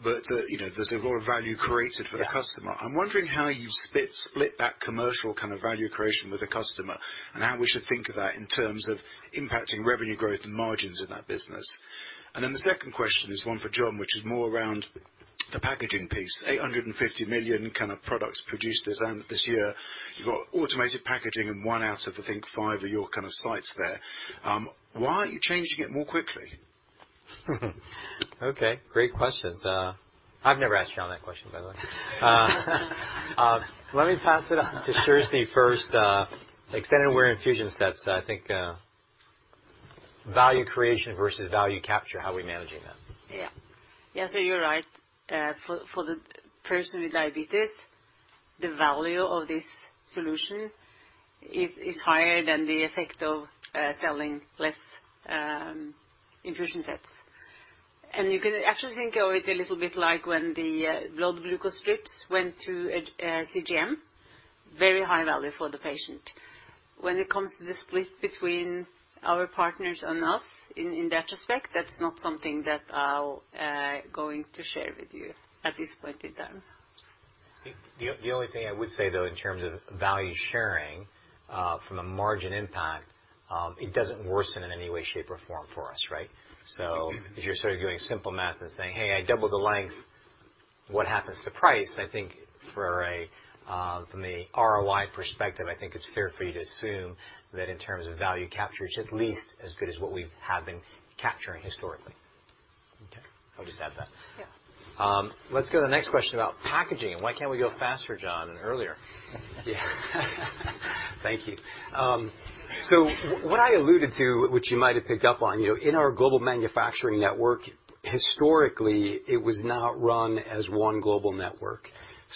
but you know, there's a lot of value created for the customer. I'm wondering how you split that commercial kind of value creation with the customer and how we should think of that in terms of impacting revenue growth and margins in that business. The second question is one for John, which is more around the packaging piece. 850 million kind of products produced this year. You've got automated packaging in one out of, I think, five of your kind of sites there. Why aren't you changing it more quickly? Okay. Great questions. I've never asked you on that question, by the way. Let me pass it on to Kjersti first. Extended wear infusion sets, I think, value creation versus value capture, how are we managing that? Yeah. You're right. For the person with diabetes, the value of this solution is higher than the effect of selling less infusion sets. You can actually think of it a little bit like when the blood glucose strips went to a CGM, very high value for the patient. When it comes to the split between our partners and us in that respect, that's not something that I'm going to share with you at this point in time. The only thing I would say, though, in terms of value sharing, from a margin impact, it doesn't worsen in any way, shape, or form for us, right? If you're sort of doing simple math and saying, "Hey, I doubled the length, what happens to price?" I think for a, from a ROI perspective, I think it's fair for you to assume that in terms of value capture, it's at least as good as what we have been capturing historically. Okay. I'll just add that. Yeah. Let's go to the next question about packaging and why can't we go faster, John, than earlier? Yeah. Thank you. What I alluded to, which you might have picked up on, you know, in our global manufacturing network, historically, it was not run as one global network.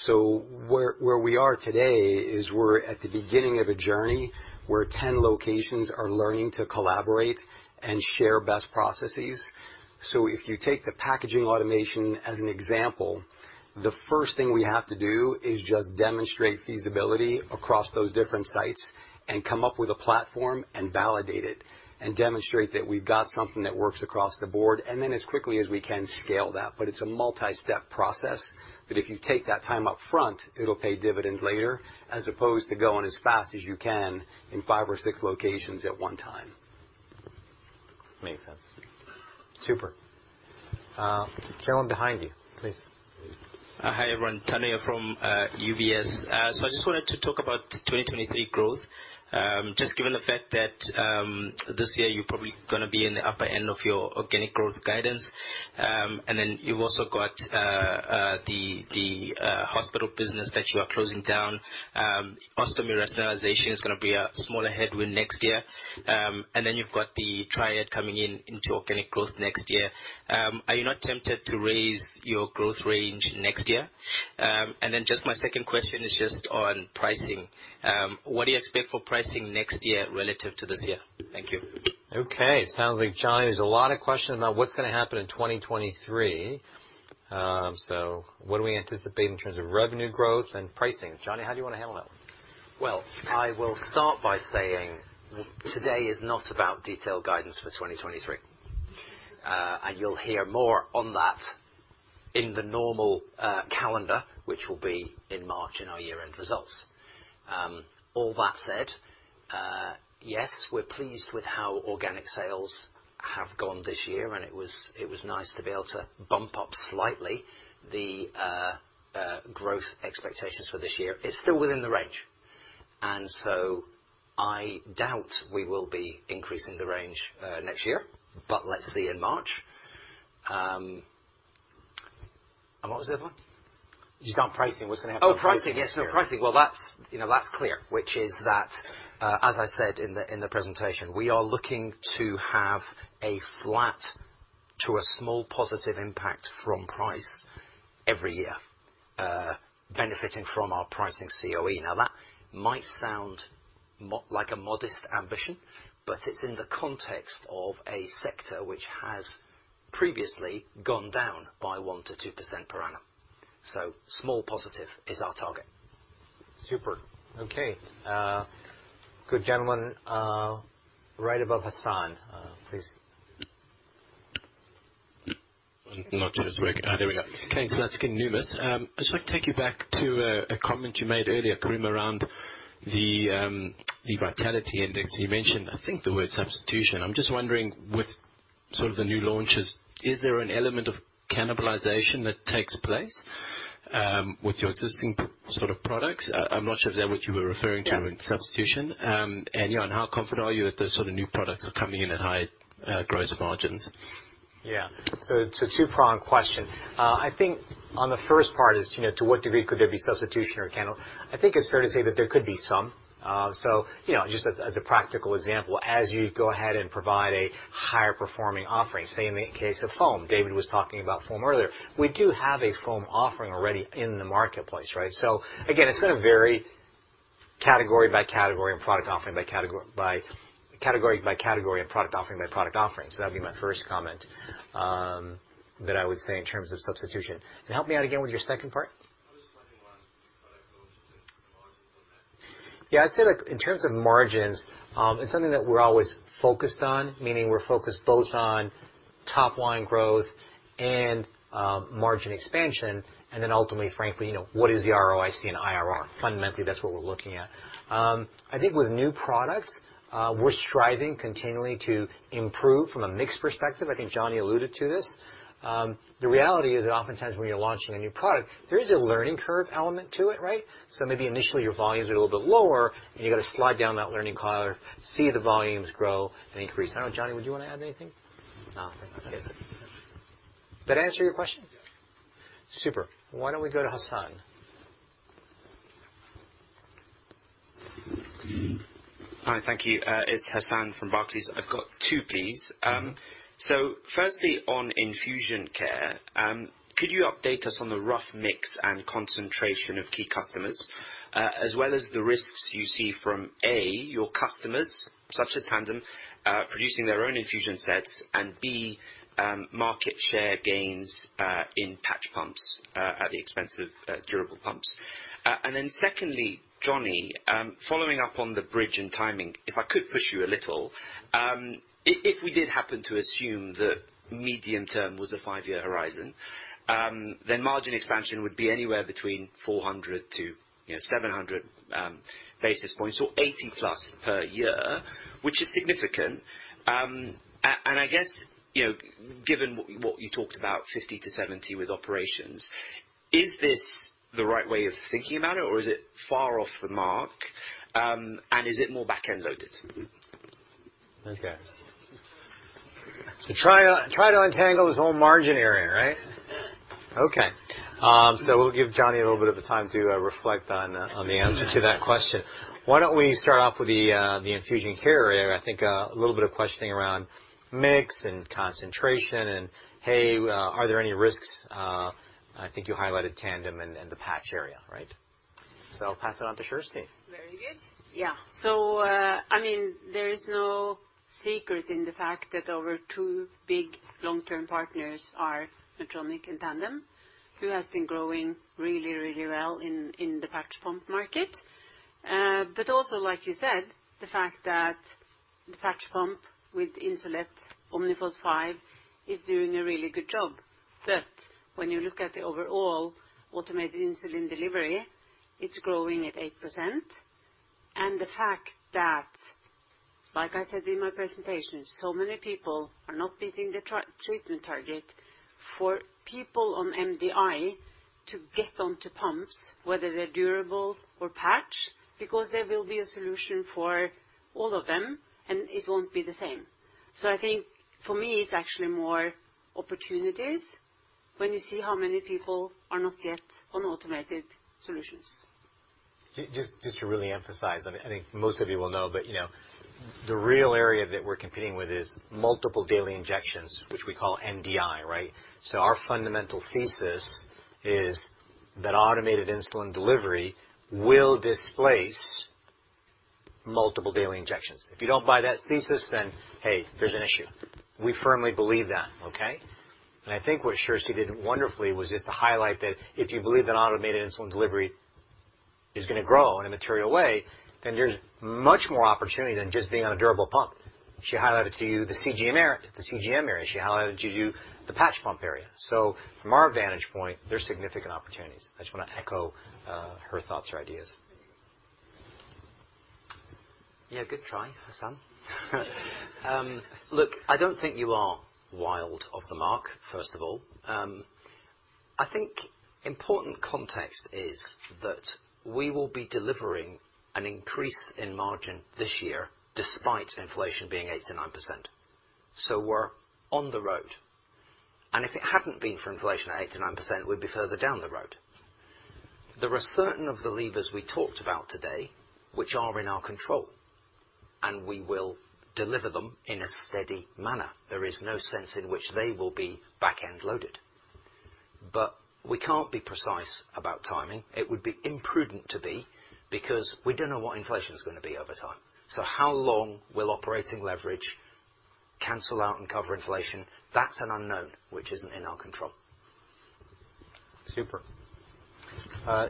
Where we are today is we're at the beginning of a journey where 10 locations are learning to collaborate and share best processes. If you take the packaging automation as an example, the first thing we have to do is just demonstrate feasibility across those different sites and come up with a platform and validate it and demonstrate that we've got something that works across the board, and then as quickly as we can scale that. It's a multi-step process, but if you take that time up front, it'll pay dividends later, as opposed to going as fast as you can in 5 or 6 locations at one time. Makes sense. Super. Gentleman behind you, please. Hi, everyone. Tanya from UBS. I just wanted to talk about 2023 growth. Just given the fact that this year you're probably gonna be in the upper end of your organic growth guidance. You've also got the hospital business that you are closing down. Ostomy rationalization is gonna be a smaller headwind next year. You've got the Triad coming into organic growth next year. Are you not tempted to raise your growth range next year? Just my second question is just on pricing. What do you expect for pricing next year relative to this year? Thank you. Okay. Sounds like Jonny, there's a lot of questions about what's gonna happen in 2023. What do we anticipate in terms of revenue growth and pricing? Jonny, how do you wanna handle that one? Well, I will start by saying today is not about detailed guidance for 2023. You'll hear more on that in the normal calendar, which will be in March in our year-end results. All that said, yes, we're pleased with how organic sales have gone this year, and it was nice to be able to bump up slightly the growth expectations for this year. It's still within the range. I doubt we will be increasing the range next year, but let's see in March. What was the other one? Just on pricing, what's gonna happen? Oh, pricing. Yes, no, pricing. Well, that's, you know, that's clear, which is that, as I said in the presentation, we are looking to have a flat to a small positive impact from price every year, benefiting from our pricing COE. Now, that might sound like a modest ambition, but it's in the context of a sector which has previously gone down by 1%-2% per annum. Small positive is our target. Super. Okay. Good gentleman, right above Hassan, please. I'm not sure it's working. There we go. Okay, so that's getting numerous. I'd just like to take you back to a comment you made earlier, Karim, around the vitality index. You mentioned I think the word substitution. I'm just wondering, with sort of the new launches, is there an element of cannibalization that takes place with your existing sort of products? I'm not sure if that's what you were referring to in substitution. You know, and how confident are you that those sort of new products are coming in at high gross margins? Yeah. It's a two-pronged question. I think on the first part is, you know, to what degree could there be substitution or cannibal? I think it's fair to say that there could be some. So, you know, just as a practical example, as you go ahead and provide a higher performing offering, say in the case of foam. David was talking about foam earlier. We do have a foam offering already in the marketplace, right? So again, it's gonna vary category by category and product offering by product offering. That'd be my first comment, that I would say in terms of substitution. Help me out again with your second part. I'm just wondering why product launches and margins on that? Yeah. I'd say, like, in terms of margins, it's something that we're always focused on, meaning we're focused both on top line growth and, margin expansion, and then ultimately, frankly, you know, what is the ROIC and IRR. Fundamentally, that's what we're looking at. I think with new products, we're striving continually to improve from a mix perspective. I think Jonny alluded to this. The reality is that oftentimes when you're launching a new product, there is a learning curve element to it, right? So maybe initially your volumes are a little bit lower, and you gotta slide down that learning curve, see the volumes grow and increase. I don't know, Jonny, would you wanna add anything? No, I think that's it. Did that answer your question? Yeah. Super. Why don't we go to Hassan? Hi. Thank you. It's Hassan from Barclays. I've got 2, please. So firstly, on Infusion Care, could you update us on the rough mix and concentration of key customers, as well as the risks you see from, A, your customers, such as Tandem, producing their own infusion sets, and B, market share gains in patch pumps at the expense of durable pumps. Secondly, Jonny, following up on the bridge and timing, if I could push you a little, if we did happen to assume that medium term was a five-year horizon, then margin expansion would be anywhere between 400 to, you know, 700 basis points or 80+ per year, which is significant. I guess, you know, given what you talked about, 50-70 with operations, is this the right way of thinking about it, or is it far off the mark? Is it more back-end loaded? To try to untangle this whole margin area, right? We'll give Jonny a little bit of time to reflect on the answer to that question. Why don't we start off with the Infusion Care area? I think a little bit of questioning around mix and concentration and, hey, are there any risks? I think you highlighted Tandem and the patch area, right? I'll pass it on to Kjersti. Very good. Yeah. I mean, there is no secret in the fact that our two big long-term partners are Medtronic and Tandem, who has been growing really, really well in the patch pump market. But also, like you said, the fact that the patch pump with Insulet Omnipod 5 is doing a really good job, but when you look at the overall automated insulin delivery, it's growing at 8%. And the fact that, like I said in my presentation, so many people are not meeting the treatment target for people on MDI to get onto pumps, whether they're durable or patch, because there will be a solution for all of them, and it won't be the same. I think for me, it's actually more opportunities when you see how many people are not yet on automated solutions. Just to really emphasize, I mean, I think most of you will know, but, you know, the real area that we're competing with is multiple daily injections, which we call MDI, right? Our fundamental thesis is that automated insulin delivery will displace multiple daily injections. If you don't buy that thesis, then hey, there's an issue. We firmly believe that, okay? I think what Kjersti did wonderfully was just to highlight that if you believe that automated insulin delivery is gonna grow in a material way, then there's much more opportunity than just being on a durable pump. She highlighted to you the CGM area. She highlighted to you the patch pump area. From our vantage point, there's significant opportunities. I just wanna echo her thoughts or ideas. Yeah, good try, Hassan. Look, I don't think you are wild off the mark, first of all. I think important context is that we will be delivering an increase in margin this year despite inflation being 8%-9%. We're on the road. If it hadn't been for inflation at 8%-9%, we'd be further down the road. There are certain of the levers we talked about today which are in our control, and we will deliver them in a steady manner. There is no sense in which they will be back-end loaded. We can't be precise about timing. It would be imprudent to be, because we don't know what inflation is gonna be over time. How long will operating leverage cancel out and cover inflation? That's an unknown, which isn't in our control. Super.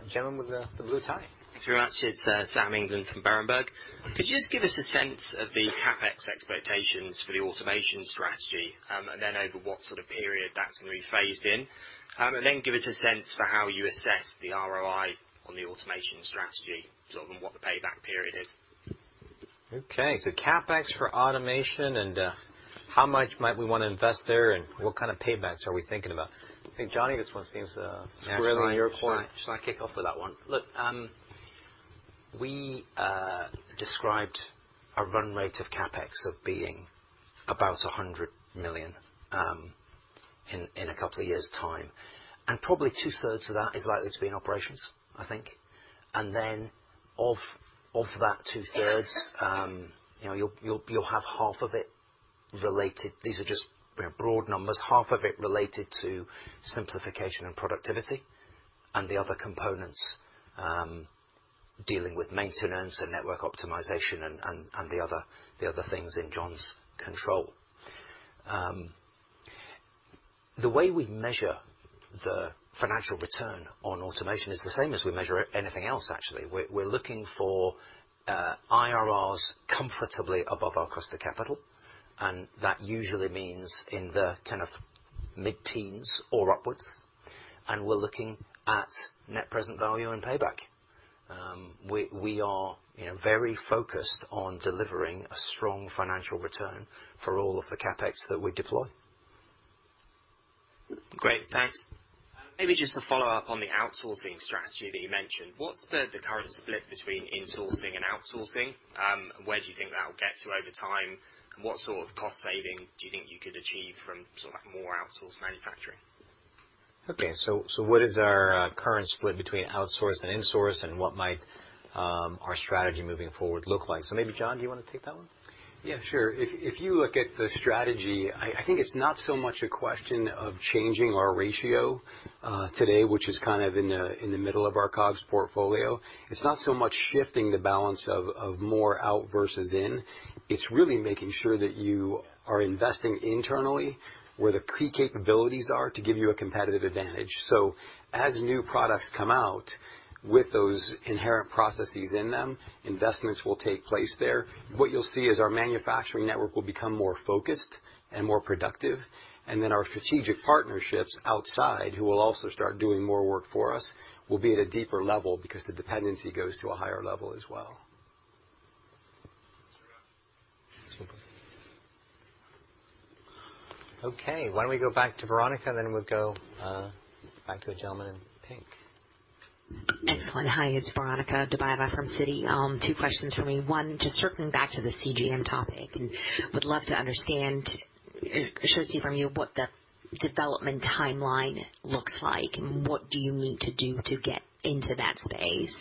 Gentleman with the blue tie. Thanks very much. It's Sam England from Berenberg. Could you just give us a sense of the CapEx expectations for the automation strategy, and then over what sort of period that's gonna be phased in? Give us a sense for how you assess the ROI on the automation strategy, sort of what the payback period is. Okay. CapEx for automation and how much might we wanna invest there, and what kind of paybacks are we thinking about? I think, Jonny, this one seems squarely your court. Shall I kick off with that one? Look, we described a run rate of CapEx of being about $100 million in a couple of years' time, and probably two-thirds of that is likely to be in operations, I think. Then of that two-thirds, you know, you'll have half of it related. These are just, you know, broad numbers. Half of it related to simplification and productivity, and the other components dealing with maintenance and network optimization and the other things in John's control. The way we measure the financial return on automation is the same as we measure anything else, actually. We're looking for IRRs comfortably above our cost of capital, and that usually means in the kind of mid-teens or upwards, and we're looking at net present value and payback. We are, you know, very focused on delivering a strong financial return for all of the CapEx that we deploy. Great. Thanks. Maybe just to follow up on the outsourcing strategy that you mentioned, what's the current split between insourcing and outsourcing? Where do you think that'll get to over time? What sort of cost saving do you think you could achieve from sort of like more outsourced manufacturing? What is our current split between outsourced and insourced, and what might our strategy moving forward look like? Maybe, John, do you wanna take that one? Yeah, sure. If you look at the strategy, I think it's not so much a question of changing our ratio in the middle of our COGS portfolio. It's not so much shifting the balance of more out versus in. It's really making sure that you are investing internally where the key capabilities are to give you a competitive advantage. As new products come out with those inherent processes in them, investments will take place there. What you'll see is our manufacturing network will become more focused and more productive, and then our strategic partnerships outside, who will also start doing more work for us, will be at a deeper level because the dependency goes to a higher level as well. Super. Okay. Why don't we go back to Veronika, and then we'll go back to the gentleman in pink. Excellent. Hi, it's Veronika Dubajova from Citigroup. Two questions from me. One, just circling back to the CGM topic, and would love to understand, Kjersti, from you, what the development timeline looks like, and what do you need to do to get into that space.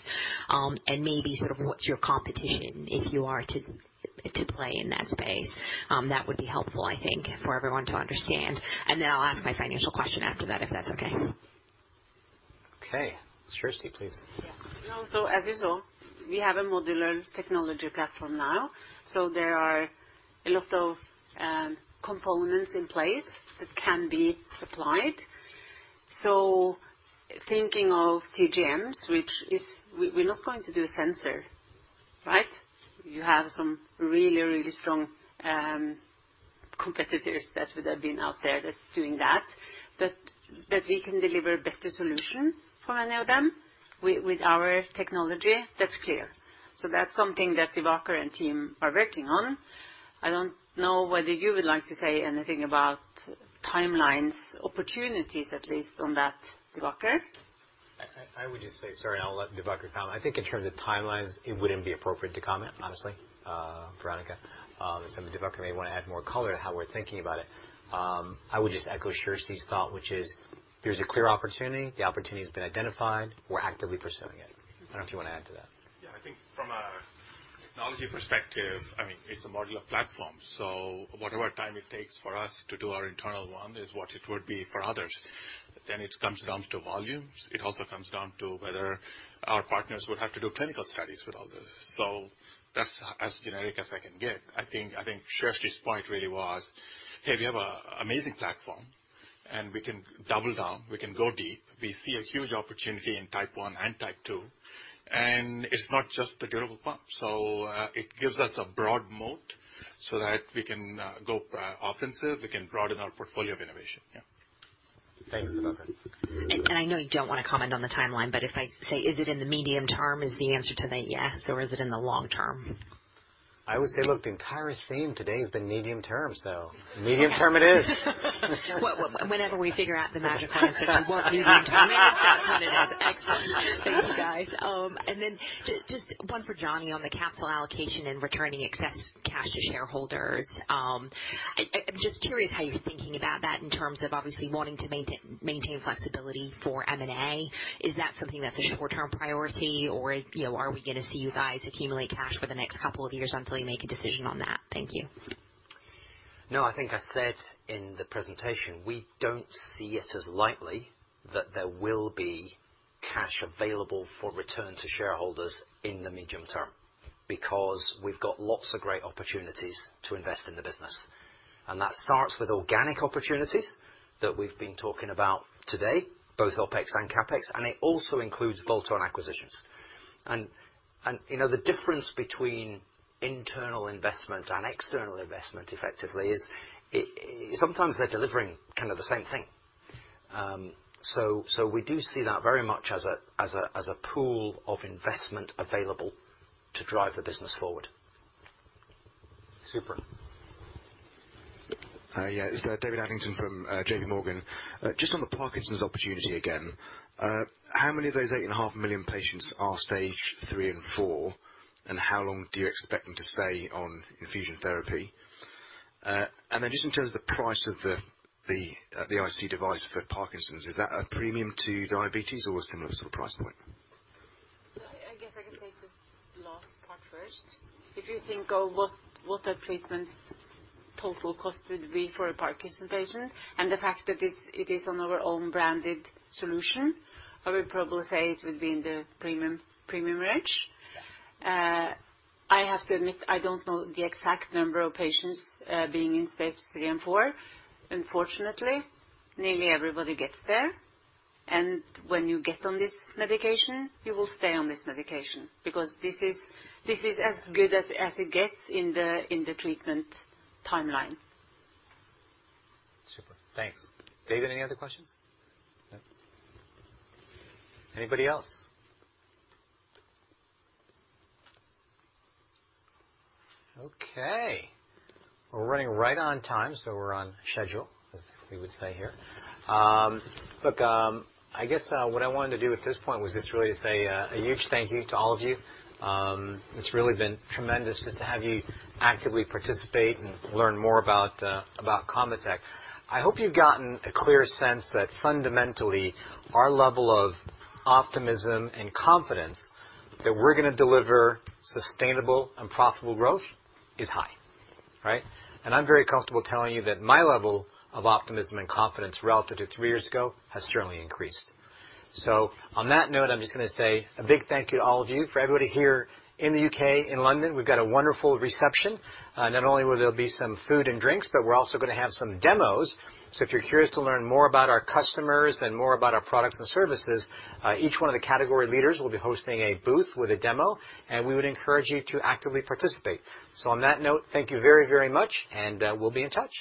Maybe sort of what's your competition, if you are to play in that space. That would be helpful, I think, for everyone to understand. I'll ask my financial question after that, if that's okay. Okay. Kjersti, please. Yeah. As you saw, we have a modular technology platform now. There are a lot of components in place that can be supplied. Thinking of CGMs, which we're not going to do a sensor, right? You have some really strong competitors that would have been out there that's doing that that we can deliver better solution for any of them with our technology, that's clear. That's something that Divakar and team are working on. I don't know whether you would like to say anything about timelines, opportunities, at least on that, Divakar. I would just say, sorry, I'll let Divakar comment. I think in terms of timelines, it wouldn't be appropriate to comment, honestly, Veronika. So Divakar may wanna add more color to how we're thinking about it. I would just echo Kjersti's thought, which is there's a clear opportunity. The opportunity has been identified. We're actively pursuing it. I don't know if you wanna add to that. Yeah. I think from a technology perspective, I mean, it's a modular platform, so whatever time it takes for us to do our internal one is what it would be for others. It comes to volumes. It also comes down to whether our partners would have to do clinical studies with all this. That's as generic as I can get. I think Kjersti's point really was, hey, we have an amazing platform, and we can double down. We can go deep. We see a huge opportunity in type one and type two, and it's not just the durable pump. It gives us a broad moat so that we can go offensive. We can broaden our portfolio of innovation. Yeah. Thanks, Divakar. I know you don't wanna comment on the timeline, but if I say, is it in the medium term? Is the answer to that yes, or is it in the long term? I would say, look, the entire theme today has been medium term, so. Medium term it is. Well, whenever we figure out the magic answer to what medium term is, that's when it is. Excellent. Thank you, guys. Just one for Jonny on the capital allocation and returning excess cash to shareholders. I'm just curious how you're thinking about that in terms of obviously wanting to maintain flexibility for M&A. Is that something that's a short-term priority, or, you know, are we gonna see you guys accumulate cash for the next couple of years until you make a decision on that? Thank you. No, I think I said in the presentation, we don't see it as likely that there will be cash available for return to shareholders in the medium term, because we've got lots of great opportunities to invest in the business. That starts with organic opportunities that we've been talking about today, both OpEx and CapEx, and it also includes bolt-on acquisitions. You know, the difference between internal investment and external investment effectively is sometimes they're delivering kind of the same thing. So we do see that very much as a pool of investment available to drive the business forward. Super. It's David Adlington from J.P. Morgan. Just on the Parkinson's opportunity again, how many of those 8.5 million patients are stage three and four, and how long do you expect them to stay on infusion therapy? And then just in terms of the price of the IC device for Parkinson's, is that a premium to diabetes or a similar sort of price point? I guess I can take the last part first. If you think of what a treatment total cost would be for a Parkinson's patient and the fact that it is on our own branded solution, I would probably say it would be in the premium range. I have to admit, I don't know the exact number of patients being in stage three and four. Unfortunately, nearly everybody gets there. When you get on this medication, you will stay on this medication because this is as good as it gets in the treatment timeline. Super. Thanks. David, any other questions? No. Anybody else? Okay. We're running right on time, so we're on schedule, as we would say here. What I wanted to do at this point was just really say a huge thank you to all of you. It's really been tremendous just to have you actively participate and learn more about ConvaTec. I hope you've gotten a clear sense that fundamentally, our level of optimism and confidence that we're gonna deliver sustainable and profitable growth is high, right? I'm very comfortable telling you that my level of optimism and confidence relative to three years ago has certainly increased. On that note, I'm just gonna say a big thank you to all of you. For everybody here in the UK, in London, we've got a wonderful reception. Not only will there be some food and drinks, but we're also gonna have some demos. If you're curious to learn more about our customers and more about our products and services, each one of the category leaders will be hosting a booth with a demo, and we would encourage you to actively participate. On that note, thank you very, very much, and we'll be in touch.